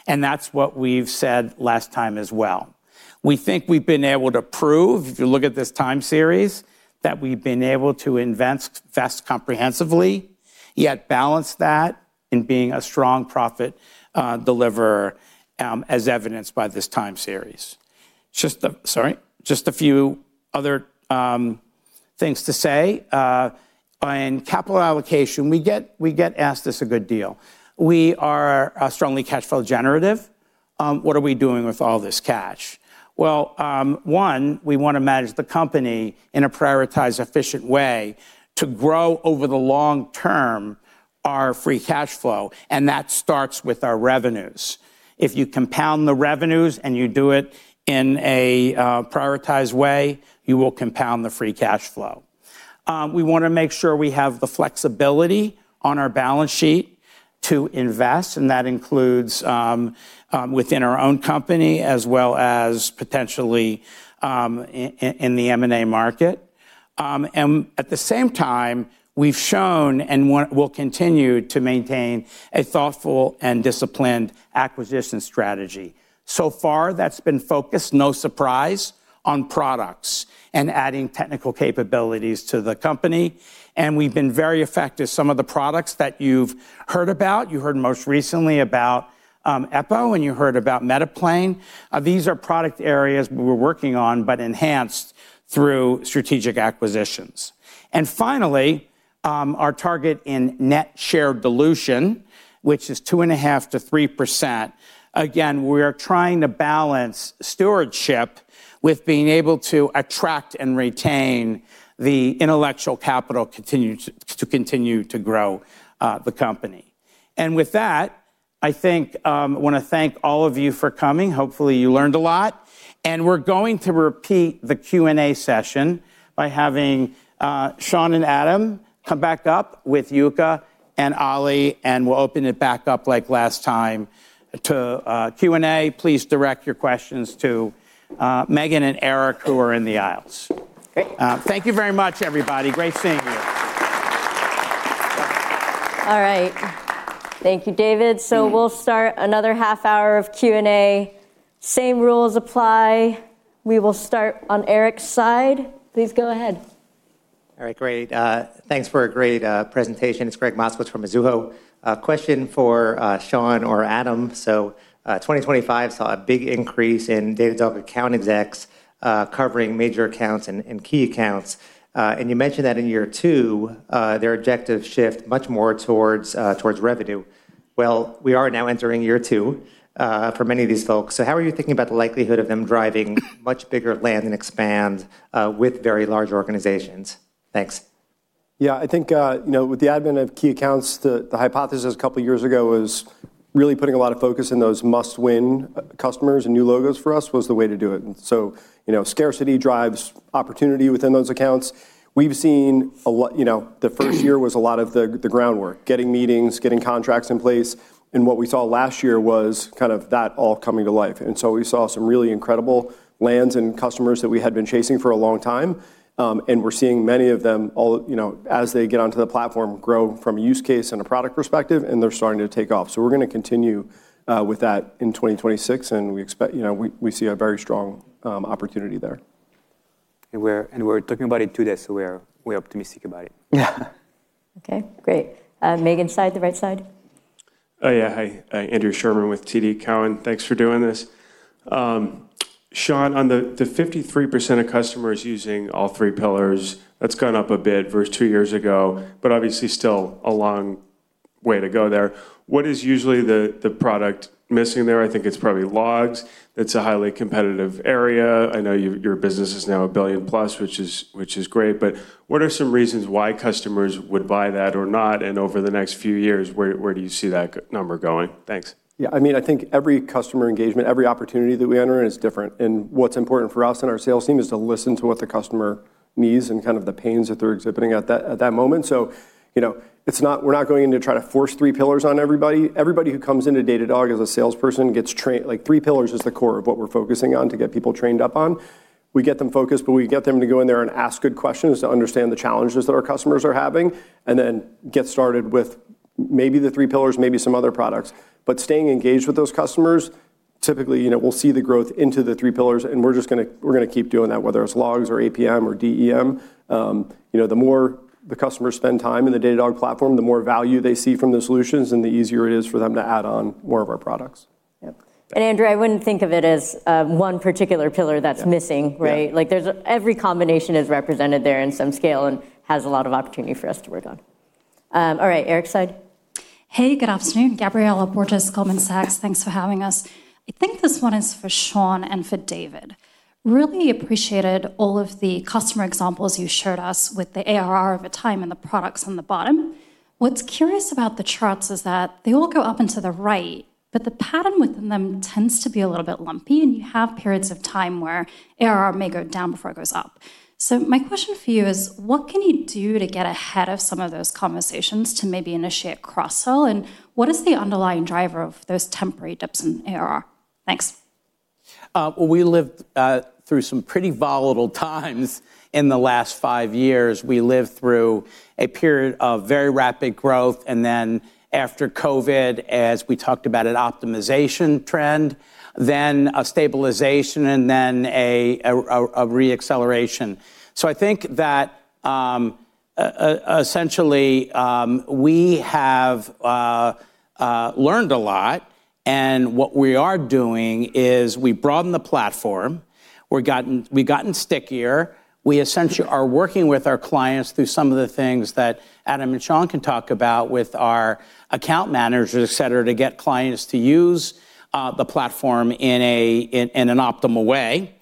and that's what we've said last time as well. We think we've been able to prove, if you look at this time series, that we've been able to invest comprehensively, yet balance that in being a strong profit, deliverer, as evidenced by this time series. Just a- sorry, just a few other, things to say. On capital allocation, we get, we get asked this a good deal. We are, strongly cash flow generative. What are we doing with all this cash? Well, one, we want to manage the company in a prioritized, efficient way to grow over the long term our free cash flow, and that starts with our revenues. If you compound the revenues, and you do it in a prioritized way, you will compound the free cash flow. We wanna make sure we have the flexibility on our balance sheet to invest, and that includes, within our own company, as well as potentially, in the M&A market. And at the same time, we've shown and will continue to maintain a thoughtful and disciplined acquisition strategy. So far, that's been focused, no surprise, on products and adding technical capabilities to the company, and we've been very effective. Some of the products that you've heard about, you heard most recently about, Eppo, and you heard about Metaplane. These are product areas we're working on, but enhanced through strategic acquisitions. Finally, our target in net share dilution, which is 2.5%-3%. Again, we are trying to balance stewardship with being able to attract and retain the intellectual capital continue to, to continue to grow the company. With that, I think, I wanna thank all of you for coming. Hopefully, you learned a lot. We're going to repeat the Q&A session by having Sean and Adam come back up with Yuka and Ali, and we'll open it back up like last time to Q&A. Please direct your questions to Megan and Eric, who are in the aisles. Great. Thank you very much, everybody. Great seeing you. All right. Thank you, David. So we'll start another half hour of Q&A. Same rules apply. We will start on Eric's side. Please go ahead. All right, great. Thanks for a great presentation. It's Gregg Moskowitz from Mizuho. A question for Sean or Adam: so, 2025 saw a big increase in Datadog account execs covering major accounts and key accounts. And you mentioned that in year two, their objectives shift much more towards revenue. Well, we are now entering year two for many of these folks. So how are you thinking about the likelihood of them driving much bigger land and expand with very large organizations? Thanks. Yeah, I think, you know, with the advent of key accounts, the hypothesis a couple of years ago was really putting a lot of focus in those must-win customers and new logos for us was the way to do it. So, you know, scarcity drives opportunity within those accounts. We've seen a lot... You know, the first year was a lot of the groundwork, getting meetings, getting contracts in place, and what we saw last year was kind of that all coming to life. And so we saw some really incredible lands and customers that we had been chasing for a long time, and we're seeing many of them all, you know, as they get onto the platform, grow from a use case and a product perspective, and they're starting to take off. So we're gonna continue with that in 2026, and we expect... You know, we, we see a very strong opportunity there. We're talking about it today, so we're optimistic about it. Yeah. Okay, great. Megan's side, the right side. Oh, yeah. Hi, Andrew Sherman with TD Cowen. Thanks for doing this. Sean, on the 53% of customers using all three pillars, that's gone up a bit versus two years ago, but obviously still a long way to go there. What is usually the product missing there? I think it's probably logs. It's a highly competitive area. I know your business is now $1 billion+, which is great, but what are some reasons why customers would buy that or not? And over the next few years, where do you see that number going? Thanks. Yeah, I mean, I think every customer engagement, every opportunity that we enter is different, and what's important for us and our sales team is to listen to what the customer needs and kind of the pains that they're exhibiting at that, at that moment. So, you know, it's not- we're not going in to try to force three pillars on everybody. Everybody who comes into Datadog as a salesperson gets trained- like, three pillars is the core of what we're focusing on to get people trained up on. We get them focused, but we get them to go in there and ask good questions to understand the challenges that our customers are having, and then get started with maybe the three pillars, maybe some other products. But staying engaged with those customers, typically, you know, we'll see the growth into the three pillars, and we're just gonna keep doing that, whether it's Logs or APM or DEM. You know, the more the customers spend time in the Datadog platform, the more value they see from the solutions and the easier it is for them to add on more of our products. Yep. And Andrew, I wouldn't think of it as one particular pillar that's missing- Yeah... right? Yeah. Like, there's every combination is represented there in some scale and has a lot of opportunity for us to work on. All right, Eric's side. Hey, good afternoon. Gabriela Borges, Goldman Sachs. Thanks for having us. I think this one is for Sean and for David. ...really appreciated all of the customer examples you shared with us, the ARR over time and the products on the bottom. What's curious about the charts is that they all go up and to the right, but the pattern within them tends to be a little bit lumpy, and you have periods of time where ARR may go down before it goes up. So my question for you is, what can you do to get ahead of some of those conversations to maybe initiate cross-sell, and what is the underlying driver of those temporary dips in ARR? Thanks. Well, we lived through some pretty volatile times in the last five years. We lived through a period of very rapid growth, and then after COVID, as we talked about an optimization trend, then a stabilization, and then a re-acceleration. So I think that essentially we have learned a lot, and what we are doing is we broadened the platform. We've gotten stickier. We essentially are working with our clients through some of the things that Adam and Sean can talk about with our account managers, et cetera, to get clients to use the platform in an optimal way,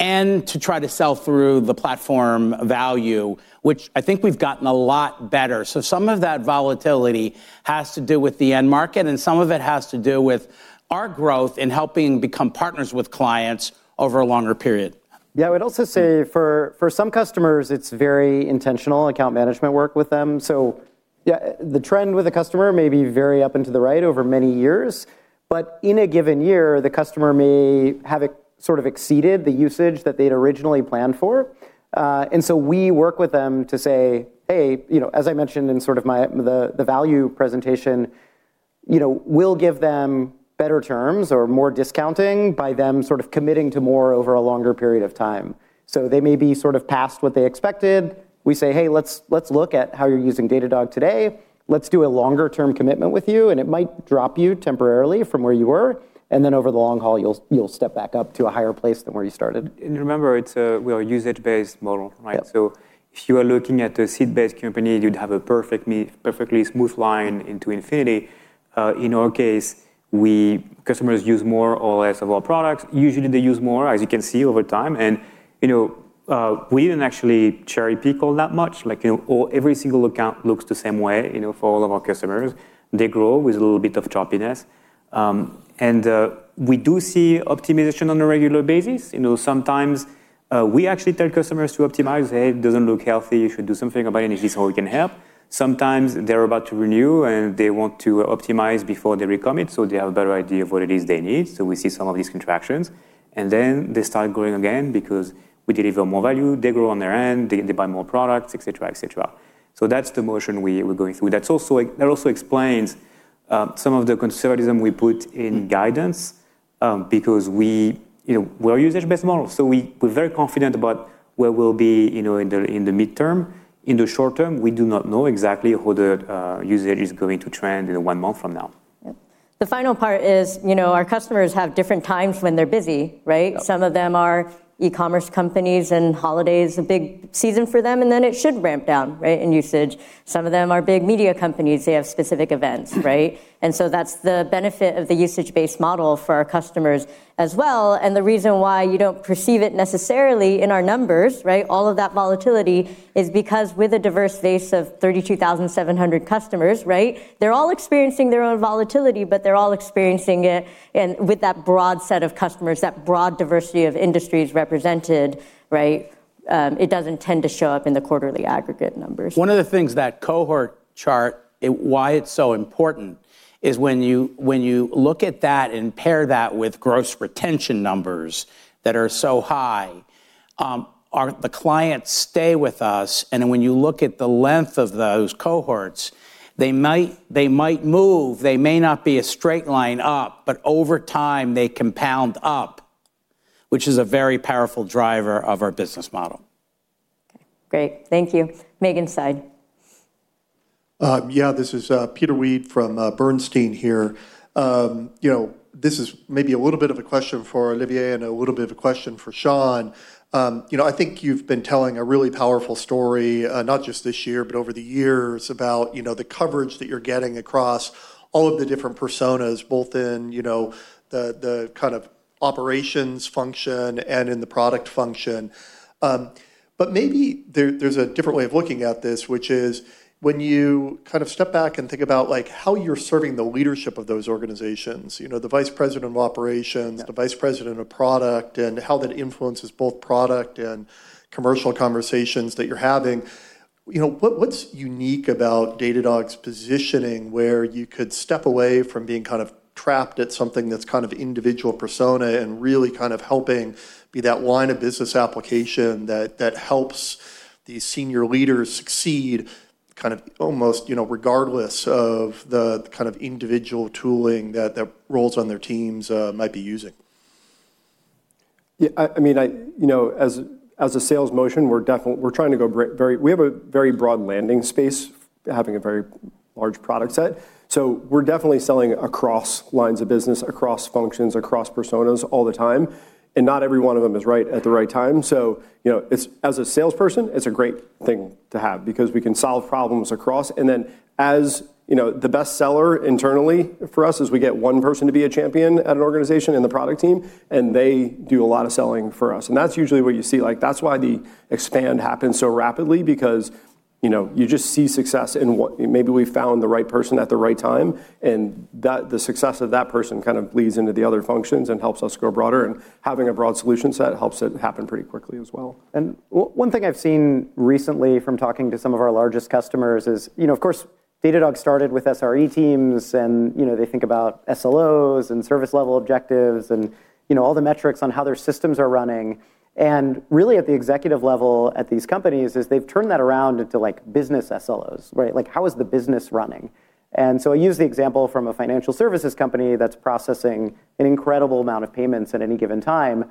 and to try to sell through the platform value, which I think we've gotten a lot better. Some of that volatility has to do with the end market, and some of it has to do with our growth in helping become partners with clients over a longer period. Yeah, I would also say for some customers, it's very intentional account management work with them. So, yeah, the trend with a customer may be very up and to the right over many years, but in a given year, the customer may have sort of exceeded the usage that they'd originally planned for. And so we work with them to say, "Hey," you know, as I mentioned in sort of the value presentation, you know, we'll give them better terms or more discounting by them sort of committing to more over a longer period of time. So they may be sort of past what they expected. We say: "Hey, let's look at how you're using Datadog today. Let's do a longer-term commitment with you, and it might drop you temporarily from where you were, and then over the long haul, you'll, you'll step back up to a higher place than where you started. Remember, it's we are a usage-based model, right? Yeah. So if you are looking at a seat-based company, you'd have a perfectly smooth line into infinity. In our case, customers use more or less of our products. Usually, they use more, as you can see, over time, and, you know, we didn't actually cherry-pick all that much. Like, you know, every single account looks the same way, you know, for all of our customers. They grow with a little bit of choppiness, and we do see optimization on a regular basis. You know, sometimes we actually tell customers to optimize. "Hey, it doesn't look healthy. You should do something about it, and this is how we can help." Sometimes they're about to renew, and they want to optimize before they recommit, so they have a better idea of what it is they need, so we see some of these contractions. Then they start growing again because we deliver more value. They grow on their end. They, they buy more products, et cetera, et cetera. So that's the motion we're going through. That also explains some of the conservatism we put in guidance, because we, you know, we're a usage-based model, so we're very confident about where we'll be, you know, in the midterm. In the short term, we do not know exactly how the usage is going to trend, you know, one month from now. Yeah. The final part is, you know, our customers have different times when they're busy, right? Yeah. Some of them are e-commerce companies, and holiday is a big season for them, and then it should ramp down, right, in usage. Some of them are big media companies. They have specific events, right? And so that's the benefit of the usage-based model for our customers as well, and the reason why you don't perceive it necessarily in our numbers, right, all of that volatility, is because with a diverse base of 32,700 customers, right, they're all experiencing their own volatility, but they're all experiencing it. And with that broad set of customers, that broad diversity of industries represented, right, it doesn't tend to show up in the quarterly aggregate numbers. One of the things that cohort chart, why it's so important is when you, when you look at that and pair that with Gross Retention numbers that are so high, the clients stay with us, and when you look at the length of those cohorts, they might, they might move. They may not be a straight line up, but over time, they compound up, which is a very powerful driver of our business model. Okay, great. Thank you. Megan Side. Yeah, this is Peter Weed from Bernstein here. You know, this is maybe a little bit of a question for Olivier and a little bit of a question for Sean. You know, I think you've been telling a really powerful story, not just this year, but over the years about, you know, the coverage that you're getting across all of the different personas, both in, you know, the kind of operations function and in the product function. But maybe there's a different way of looking at this, which is when you kind of step back and think about, like, how you're serving the leadership of those organizations, you know, the vice president of operations- Yeah... the vice president of product, and how that influences both product and commercial conversations that you're having. You know, what, what's unique about Datadog's positioning, where you could step away from being kind of trapped at something that's kind of individual persona and really kind of helping be that line of business application that, that helps these senior leaders succeed kind of almost, you know, regardless of the kind of individual tooling that the roles on their teams might be using? Yeah, I mean, you know, as a sales motion, we're definitely trying to go very. We have a very broad landing space, having a very large product set. So we're definitely selling across lines of business, across functions, across personas all the time, and not every one of them is right at the right time. So, you know, it's a great thing to have as a salesperson because we can solve problems across, and then, you know, the best seller internally for us is we get one person to be a champion at an organization in the product team, and they do a lot of selling for us, and that's usually what you see. Like, that's why the expand happens so rapidly because-... you know, you just see success in what—maybe we found the right person at the right time, and that, the success of that person kind of bleeds into the other functions and helps us grow broader, and having a broad solution set helps it happen pretty quickly as well. One thing I've seen recently from talking to some of our largest customers is, you know, of course, Datadog started with SRE teams, and, you know, they think about SLOs and service level objectives, and, you know, all the metrics on how their systems are running. Really, at the executive level at these companies, is they've turned that around into, like, business SLOs, right? Like, how is the business running? So I use the example from a financial services company that's processing an incredible amount of payments at any given time.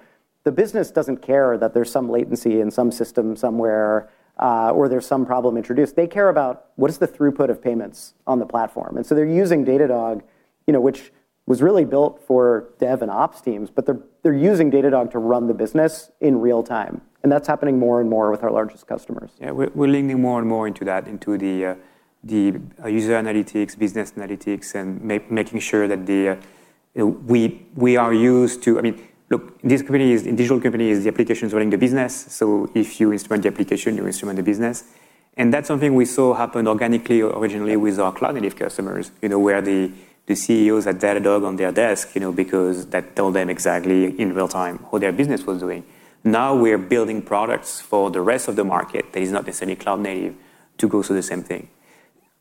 The business doesn't care that there's some latency in some system somewhere, or there's some problem introduced. They care about what is the throughput of payments on the platform. They're using Datadog, you know, which was really built for dev and ops teams, but they're, they're using Datadog to run the business in real time, and that's happening more and more with our largest customers. Yeah, we're leaning more and more into that, into the user analytics, business analytics, and making sure that, you know, we are used to—I mean, look, these companies, in digital companies, the applications are in the business, so if you instrument the application, you instrument the business. And that's something we saw happen organically or originally with our cloud-native customers, you know, where the CEO is at Datadog on their desk, you know, because that tell them exactly in real time how their business was doing. Now, we are building products for the rest of the market that is not necessarily cloud-native to go through the same thing.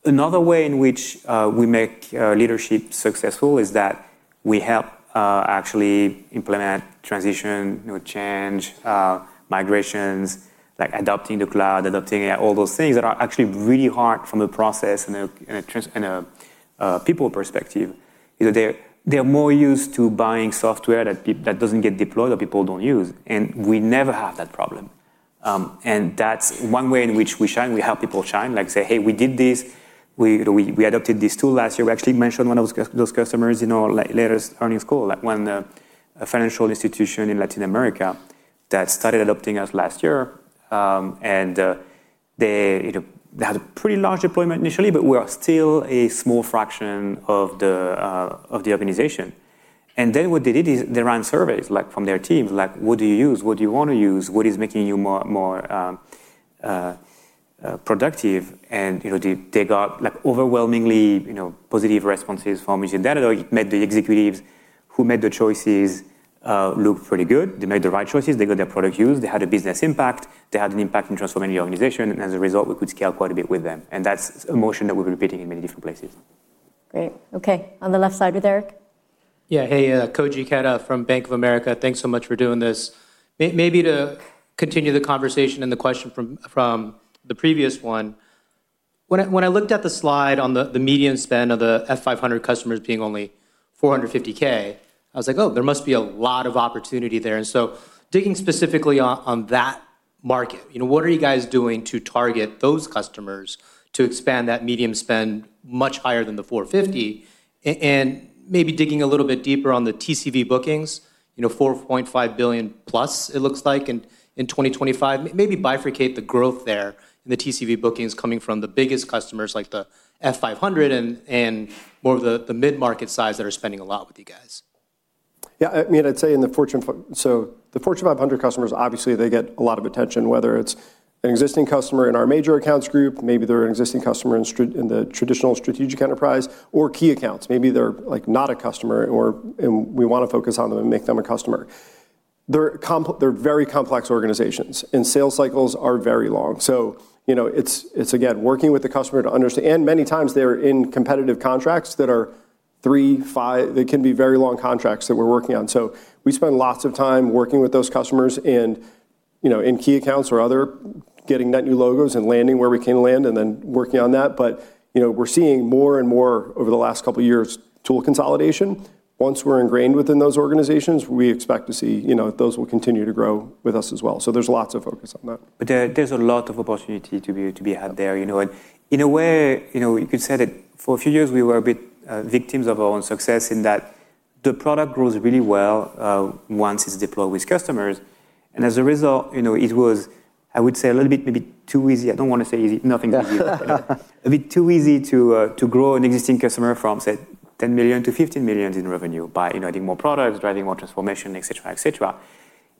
Another way in which we make leadership successful is that we help actually implement transition, you know, change, migrations, like adopting the cloud, adopting all those things that are actually really hard from a process and a transition and a people perspective. You know, they're more used to buying software that doesn't get deployed or people don't use, and we never have that problem. And that's one way in which we shine. We help people shine, like say: Hey, we did this. We adopted this tool last year. We actually mentioned one of those customers in our latest earnings call, like one, a financial institution in Latin America that started adopting us last year. And, they, you know, they had a pretty large deployment initially, but we are still a small fraction of the organization. And then what they did is, they ran surveys, like, from their teams, like: What do you use? What do you want to use? What is making you more, more productive? And, you know, they, they got, like, overwhelmingly, you know, positive responses from using Datadog. It made the executives who made the choices look pretty good. They made the right choices. They got their product used. They had a business impact. They had an impact in transforming the organization, and as a result, we could scale quite a bit with them, and that's a motion that we're repeating in many different places. Great. Okay, on the left side with Eric. Yeah. Hey, Koji Ikeda from Bank of America. Thanks so much for doing this. Maybe to continue the conversation and the question from the previous one, when I looked at the slide on the median spend of the F500 customers being only $450K, I was like: Oh, there must be a lot of opportunity there. And so digging specifically on that market, you know, what are you guys doing to target those customers to expand that median spend much higher than the $450K? And maybe digging a little bit deeper on the TCV bookings, you know, $4.5 billion+, it looks like in 2025. Maybe bifurcate the growth there in the TCV bookings coming from the biggest customers like the Fortune 500 and more of the mid-market size that are spending a lot with you guys. Yeah, I mean, I'd say in the Fortune 500 customers, obviously, they get a lot of attention, whether it's an existing customer in our major accounts group, maybe they're an existing customer in the traditional strategic enterprise or key accounts. Maybe they're, like, not a customer, and we want to focus on them and make them a customer. They're very complex organizations, and sales cycles are very long. So, you know, it's again working with the customer to understand, and many times they're in competitive contracts that are three, five. They can be very long contracts that we're working on. So we spend lots of time working with those customers and, you know, in key accounts or other getting net new logos and landing where we can land, and then working on that. You know, we're seeing more and more over the last couple of years, tool consolidation. Once we're ingrained within those organizations, we expect to see, you know, those will continue to grow with us as well. There's lots of focus on that. But there, there's a lot of opportunity to be had there, you know. And in a way, you know, you could say that for a few years, we were a bit victims of our own success, in that the product grows really well once it's deployed with customers. And as a result, you know, it was, I would say, a little bit, maybe too easy. I don't want to say easy. Nothing's easy. A bit too easy to grow an existing customer from, say, $10 million to $15 million in revenue by adding more products, driving more transformation, et cetera, et cetera.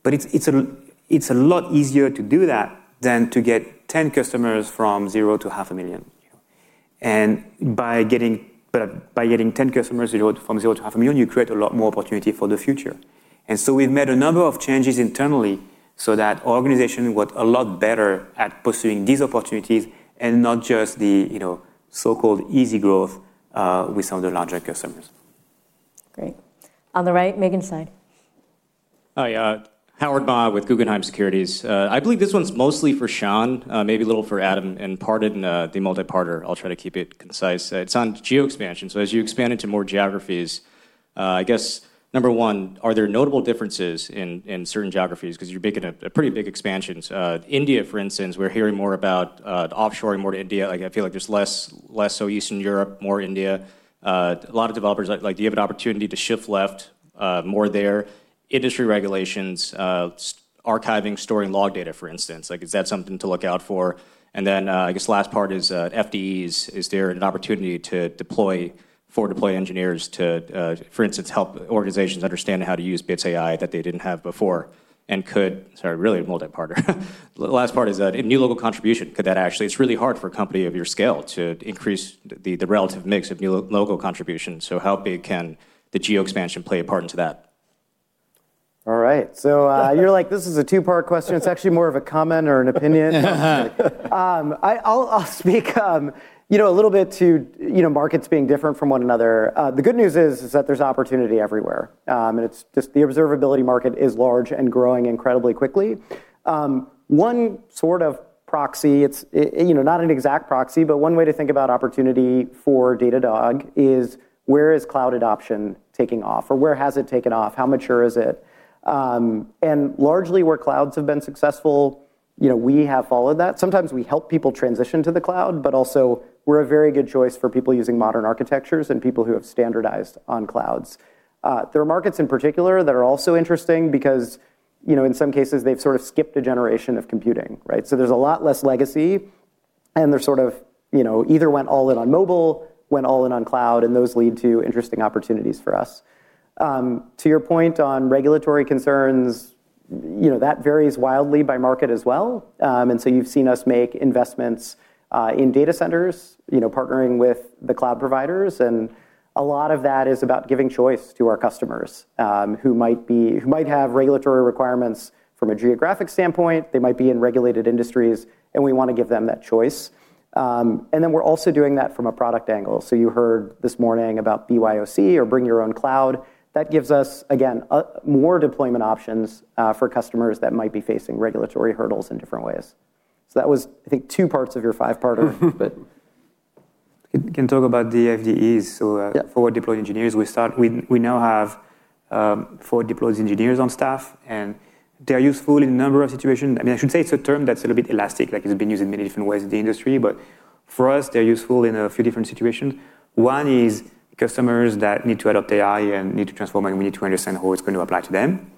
But it's, it's a, it's a lot easier to do that than to get 10 customers from zero to $500,000. By getting 10 customers, you know, from 0 to $500,000, you create a lot more opportunity for the future. We've made a number of changes internally so that our organization got a lot better at pursuing these opportunities and not just the, you know, so-called easy growth with some of the larger customers. Great. On the right, Megan Side. Hi, Howard Ma with Guggenheim Securities. I believe this one's mostly for Sean, maybe a little for Adam, and part in the multi-parter. I'll try to keep it concise. It's on geo expansion. So as you expand into more geographies, I guess, number one, are there notable differences in certain geographies? 'Cause you're making a pretty big expansion. India, for instance, we're hearing more about offshoring more to India. Like, I feel like there's less so Eastern Europe, more India. A lot of developers like, do you have an opportunity to shift left more there? Industry regulations, such as archiving, storing log data, for instance, like, is that something to look out for? Then, I guess last part is, FDEs, is there an opportunity to deploy, four deploy engineers to, for instance, help organizations understand how to use Bits AI that they didn't have before? And could... Sorry, really a multi-parter. The last part is that, a new logo contribution, could that actually... It's really hard for a company of your scale to increase the, the relative mix of new logo contributions. So how big can the geo expansion play a part into that? ... All right, so, you're like, "This is a two-part question." It's actually more of a comment or an opinion. I'll speak, you know, a little bit to, you know, markets being different from one another. The good news is that there's opportunity everywhere. And it's just the observability market is large and growing incredibly quickly. One sort of proxy, you know, not an exact proxy, but one way to think about opportunity for Datadog is where is cloud adoption taking off or where has it taken off? How mature is it? And largely, where clouds have been successful, you know, we have followed that. Sometimes we help people transition to the cloud, but also we're a very good choice for people using modern architectures and people who have standardized on clouds. There are markets in particular that are also interesting because, you know, in some cases they've sort of skipped a generation of computing, right? So there's a lot less legacy, and they're sort of, you know, either went all in on mobile, went all in on cloud, and those lead to interesting opportunities for us. To your point on regulatory concerns, you know, that varies wildly by market as well. And so you've seen us make investments in data centers, you know, partnering with the cloud providers, and a lot of that is about giving choice to our customers, who might be- who might have regulatory requirements from a geographic standpoint. They might be in regulated industries, and we want to give them that choice. And then we're also doing that from a product angle. So you heard this morning about BYOC or bring your own cloud. That gives us, again, more deployment options, for customers that might be facing regulatory hurdles in different ways. So that was, I think, two parts of your five-parter. We can talk about the FDEs- Yeah... so, forward deploy engineers. We now have forward deploy engineers on staff, and they're useful in a number of situations. I mean, I should say it's a term that's a little bit elastic, like it's been used in many different ways in the industry, but for us, they're useful in a few different situations. One is customers that need to adopt AI and need to transform, and we need to understand how it's going to apply to them.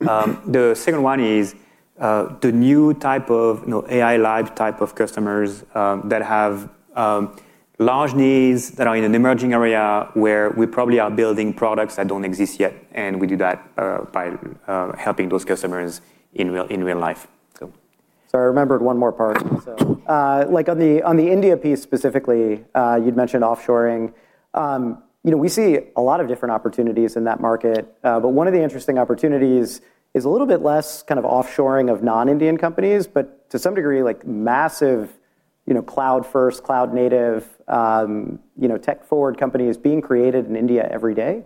The second one is the new type of, you know, AI live type of customers that have large needs that are in an emerging area where we probably are building products that don't exist yet, and we do that by helping those customers in real life, so. So I remembered one more part. So, like on the, on the India piece specifically, you'd mentioned offshoring. You know, we see a lot of different opportunities in that market, but one of the interesting opportunities is a little bit less kind of offshoring of non-Indian companies, but to some degree, like massive, you know, cloud-first, cloud-native, you know, tech-forward companies being created in India every day.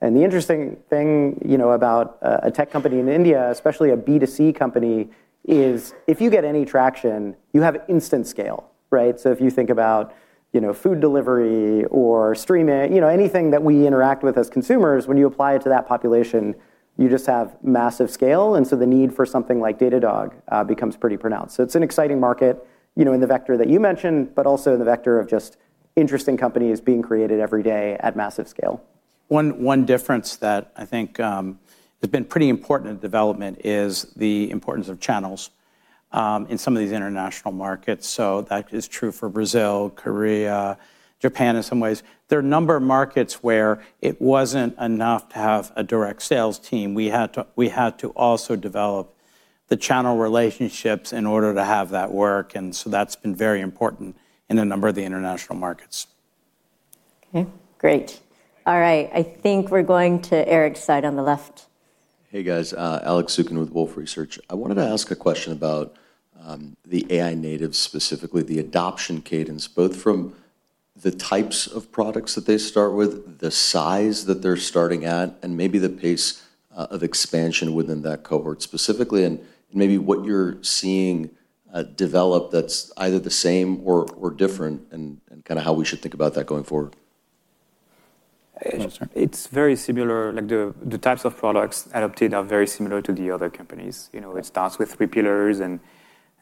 And the interesting thing, you know, about a, a tech company in India, especially a B2C company, is if you get any traction, you have instant scale, right? So if you think about, you know, food delivery or streaming, you know, anything that we interact with as consumers, when you apply it to that population, you just have massive scale, and so the need for something like Datadog becomes pretty pronounced. It's an exciting market, you know, in the vector that you mentioned, but also in the vector of just interesting companies being created every day at massive scale. One difference that I think has been pretty important in development is the importance of channels in some of these international markets. That is true for Brazil, Korea, Japan in some ways. There are a number of markets where it wasn't enough to have a direct sales team. We had to also develop the channel relationships in order to have that work, and so that's been very important in a number of the international markets. Okay, great. All right, I think we're going to Eric's side on the left. Hey, guys, Alex Zukin with Wolfe Research. I wanted to ask a question about the AI natives, specifically the adoption cadence, both from the types of products that they start with, the size that they're starting at, and maybe the pace of expansion within that cohort specifically, and maybe what you're seeing develop that's either the same or, or different and, and kind of how we should think about that going forward. It's very similar, like the types of products adopted are very similar to the other companies. You know, it starts with three pillars, and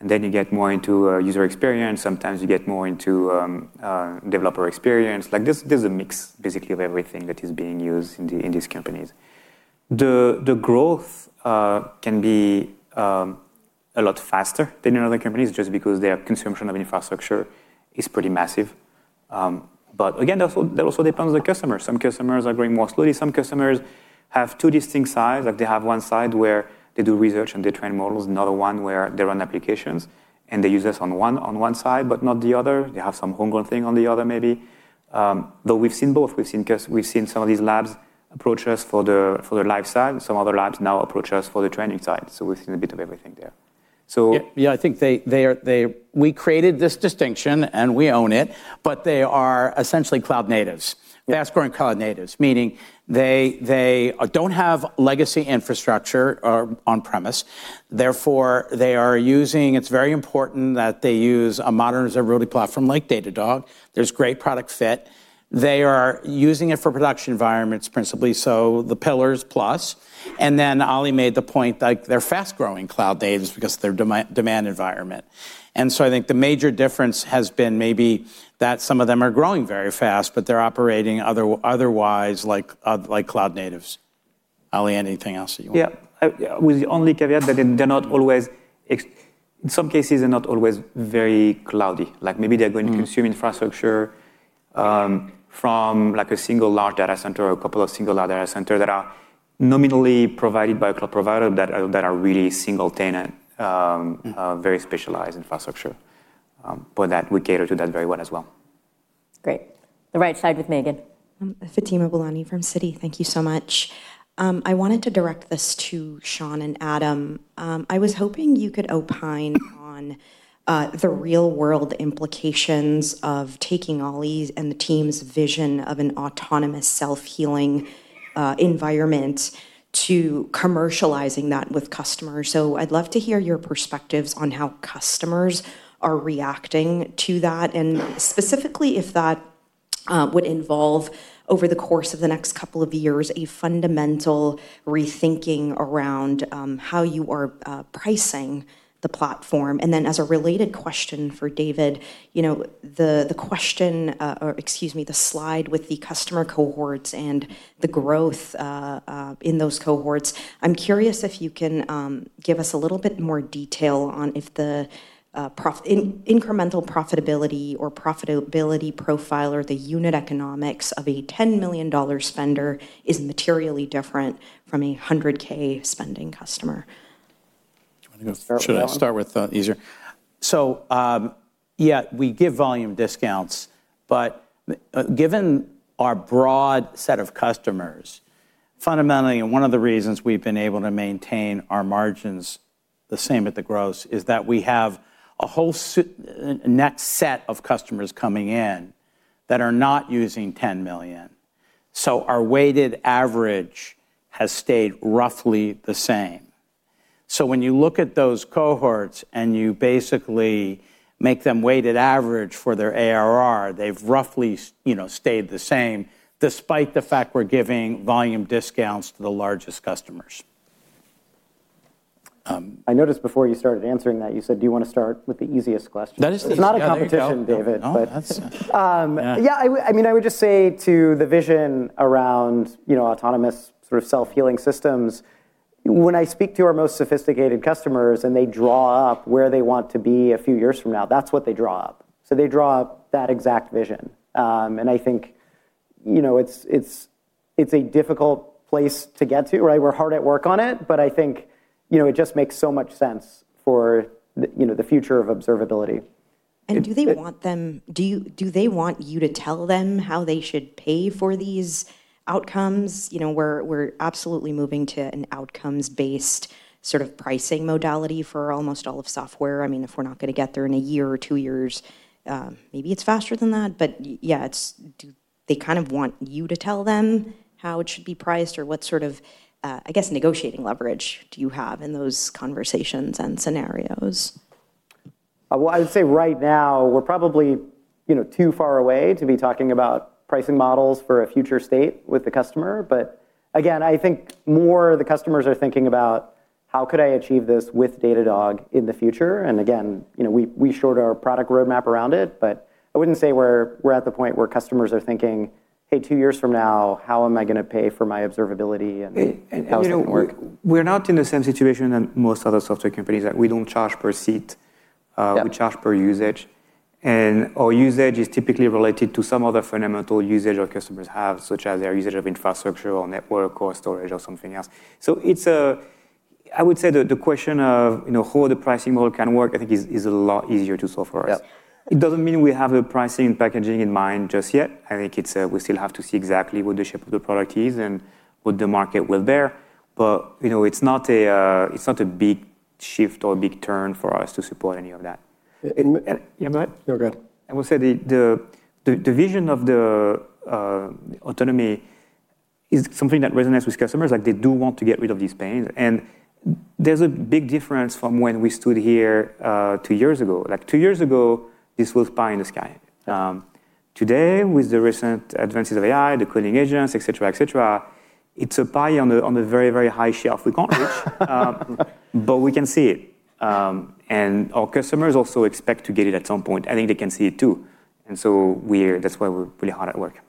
then you get more into user experience. Sometimes you get more into developer experience. Like, there's a mix, basically, of everything that is being used in these companies. The growth can be a lot faster than in other companies just because their consumption of infrastructure is pretty massive. But again, that also depends on the customer. Some customers are growing more slowly. Some customers have two distinct sides. Like, they have one side where they do research, and they train models, and another one where they run applications, and they use us on one side, but not the other. They have some homegrown thing on the other maybe. But we've seen both. We've seen some of these labs approach us for the live side, and some other labs now approach us for the training side. So we've seen a bit of everything there. So, yeah, I think they are. We created this distinction, and we own it, but they are essentially cloud natives- Yeah... fast-growing cloud natives, meaning they don't have legacy infrastructure or on-premise. Therefore, they are using—it's very important that they use a modern observability platform like Datadog. There's great product fit. They are using it for production environments principally, so the pillars plus, and then Ali made the point, like, they're fast-growing cloud natives because of their demand environment. And so I think the major difference has been maybe that some of them are growing very fast, but they're operating otherwise like cloud natives. Ali, anything else that you want? Yeah. With the only caveat that they're not always. In some cases, they're not always very cloudy. Like, maybe they're going- Mm... to consume infrastructure from, like, a single large data center or a couple of single large data centers that are nominally provided by a cloud provider that are really single tenant. Mm... very specialized infrastructure, but that we cater to that very well as well.... Great. The right side with Megan. Fatima Boolani from Citi. Thank you so much. I wanted to direct this to Sean and Adam. I was hoping you could opine on the real-world implications of taking Olivier's and the team's vision of an autonomous self-healing environment to commercializing that with customers. So I'd love to hear your perspectives on how customers are reacting to that, and specifically, if that would involve, over the course of the next couple of years, a fundamental rethinking around how you are pricing the platform. And then, as a related question for David, you know, the question, or excuse me, the slide with the customer cohorts and the growth in those cohorts, I'm curious if you can give us a little bit more detail on if the incremental profitability or profitability profile or the unit economics of a $10 million spender is materially different from a $100,000 spending customer? Do you wanna go...? Should I start with easier? So, yeah, we give volume discounts, but, given our broad set of customers, fundamentally, and one of the reasons we've been able to maintain our margins the same at the gross, is that we have a whole next set of customers coming in that are not using $10 million. So our weighted average has stayed roughly the same. So when you look at those cohorts, and you basically make them weighted average for their ARR, they've roughly you know, stayed the same, despite the fact we're giving volume discounts to the largest customers. Um- I noticed before you started answering that, you said, "Do you wanna start with the easiest question? That is the- It's not a competition, David. No, that's... Yeah, I mean, I would just say to the vision around, you know, autonomous sort of self-healing systems, when I speak to our most sophisticated customers, and they draw up where they want to be a few years from now, that's what they draw up. So they draw up that exact vision. I think, you know, it's a difficult place to get to, right? We're hard at work on it, but I think, you know, it just makes so much sense for the, you know, the future of observability. Do they want them—do you—do they want you to tell them how they should pay for these outcomes? You know, we're absolutely moving to an outcomes-based sort of pricing modality for almost all of software. I mean, if we're not gonna get there in a year or two years, maybe it's faster than that. But yeah, it's, do they kind of want you to tell them how it should be priced, or what sort of, I guess, negotiating leverage do you have in those conversations and scenarios? Well, I'd say right now, we're probably, you know, too far away to be talking about pricing models for a future state with the customer. But again, I think more the customers are thinking about: How could I achieve this with Datadog in the future? And again, you know, we, we short our product roadmap around it, but I wouldn't say we're, we're at the point where customers are thinking, "Hey, two years from now, how am I gonna pay for my observability and, and how does it work? We're not in the same situation as most other software companies, that we don't charge per seat. Yeah. We charge per usage, and our usage is typically related to some other fundamental usage our customers have, such as their usage of infrastructure or network or storage or something else. So it's a... I would say that the question of, you know, how the pricing model can work, I think, is, is a lot easier to solve for us. Yeah. It doesn't mean we have a pricing packaging in mind just yet. I think it's, we still have to see exactly what the shape of the product is and what the market will bear, but, you know, it's not a, it's not a big shift or a big turn for us to support any of that. Yeah, Matt? No, go ahead. I will say the vision of the autonomy is something that resonates with customers, like they do want to get rid of these pains. There's a big difference from when we stood here two years ago. Like, two years ago, this was pie in the sky. Today, with the recent advances of AI, the coding agents, et cetera, et cetera, it's a pie on a very, very high shelf we can't reach, but we can see it. And our customers also expect to get it at some point. I think they can see it too, and so we're—that's why we're pretty hard at work.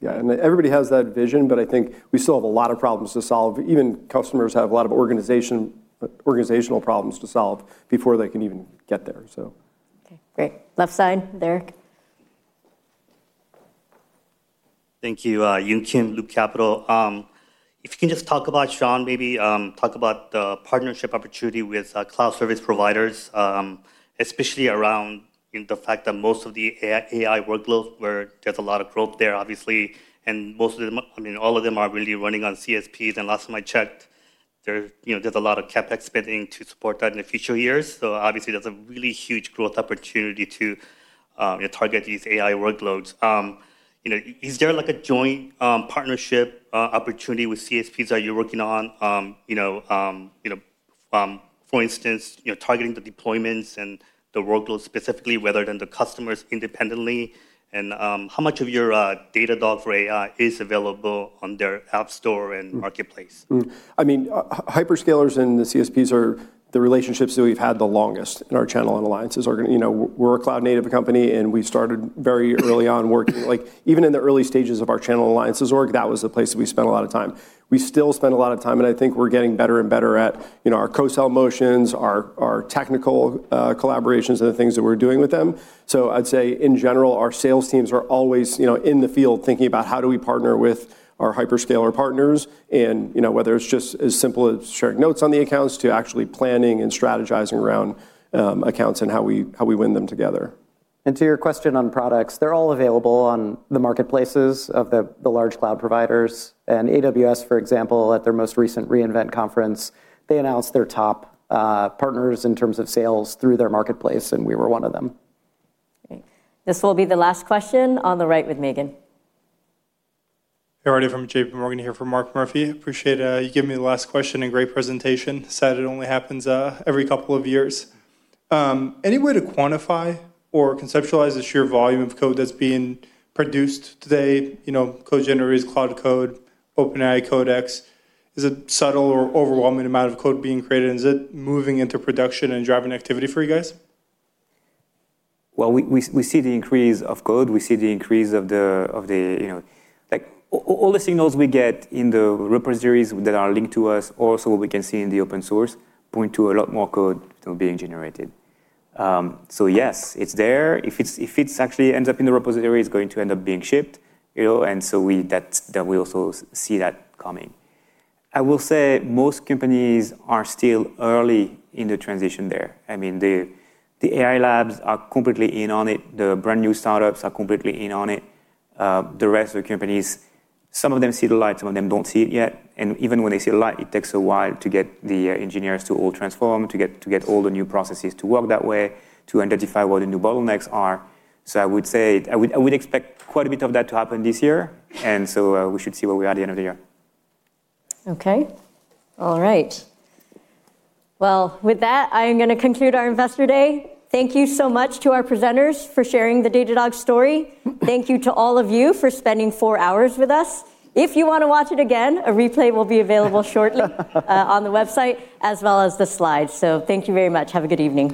Yeah, and everybody has that vision, but I think we still have a lot of problems to solve. Even customers have a lot of organizational problems to solve before they can even get there, so... Okay, great. Left side, there. Thank you. Yun Kim, Loop Capital. If you can just talk about, Sean, maybe, talk about the partnership opportunity with cloud service providers, especially around in the fact that most of the AI, AI workloads where there's a lot of growth there, obviously, and most of them, I mean, all of them are really running on CSPs. And last time I checked, there, you know, there's a lot of CapEx spending to support that in the future years. So obviously, there's a really huge growth opportunity to target these AI workloads. You know, is there, like, a joint partnership opportunity with CSPs that you're working on? You know, you know, for instance, you know, targeting the deployments and the workloads specifically, rather than the customers independently, and, how much of your, Datadog for AI is available on their app store and marketplace? I mean, hyperscalers and the CSPs are the relationships that we've had the longest in our channel, and alliances are gonna, you know, we're a cloud-native company, and we started very early on working like, even in the early stages of our channel alliances org, that was the place that we spent a lot of time. We still spend a lot of time, and I think we're getting better and better at, you know, our co-sell motions, our technical collaborations, and the things that we're doing with them. So I'd say, in general, our sales teams are always, you know, in the field thinking about: How do we partner with our hyperscaler partners? And, you know, whether it's just as simple as sharing notes on the accounts to actually planning and strategizing around accounts and how we win them together.... To your question on products, they're all available on the marketplaces of the large cloud providers. AWS, for example, at their most recent re:Invent conference, they announced their top partners in terms of sales through their marketplace, and we were one of them. Great. This will be the last question on the right with Megan. Hey, Arthi from JPMorgan here for Mark Murphy. Appreciate you giving me the last question and great presentation. Sad it only happens every couple of years. Any way to quantify or conceptualize the sheer volume of code that's being produced today? You know, code generators, cloud code, OpenAI Codex. Is it subtle or overwhelming amount of code being created, and is it moving into production and driving activity for you guys? Well, we see the increase of code. We see the increase of the... You know, like, all the signals we get in the repositories that are linked to us or so we can see in the open source, point to a lot more code to being generated. So yes, it's there. If it actually ends up in the repository, it's going to end up being shipped, you know, and so we also see that coming. I will say most companies are still early in the transition there. I mean, the AI labs are completely in on it, the brand-new startups are completely in on it. The rest of the companies, some of them see the light, some of them don't see it yet, and even when they see the light, it takes a while to get the engineers to all transform, to get all the new processes to work that way, to identify what the new bottlenecks are. So I would say I would expect quite a bit of that to happen this year, and so we should see where we are at the end of the year. Okay. All right. Well, with that, I am gonna conclude our Investor Day. Thank you so much to our presenters for sharing the Datadog story. Thank you to all of you for spending four hours with us. If you wanna watch it again, a replay will be available shortly on the website, as well as the slides. So thank you very much. Have a good evening.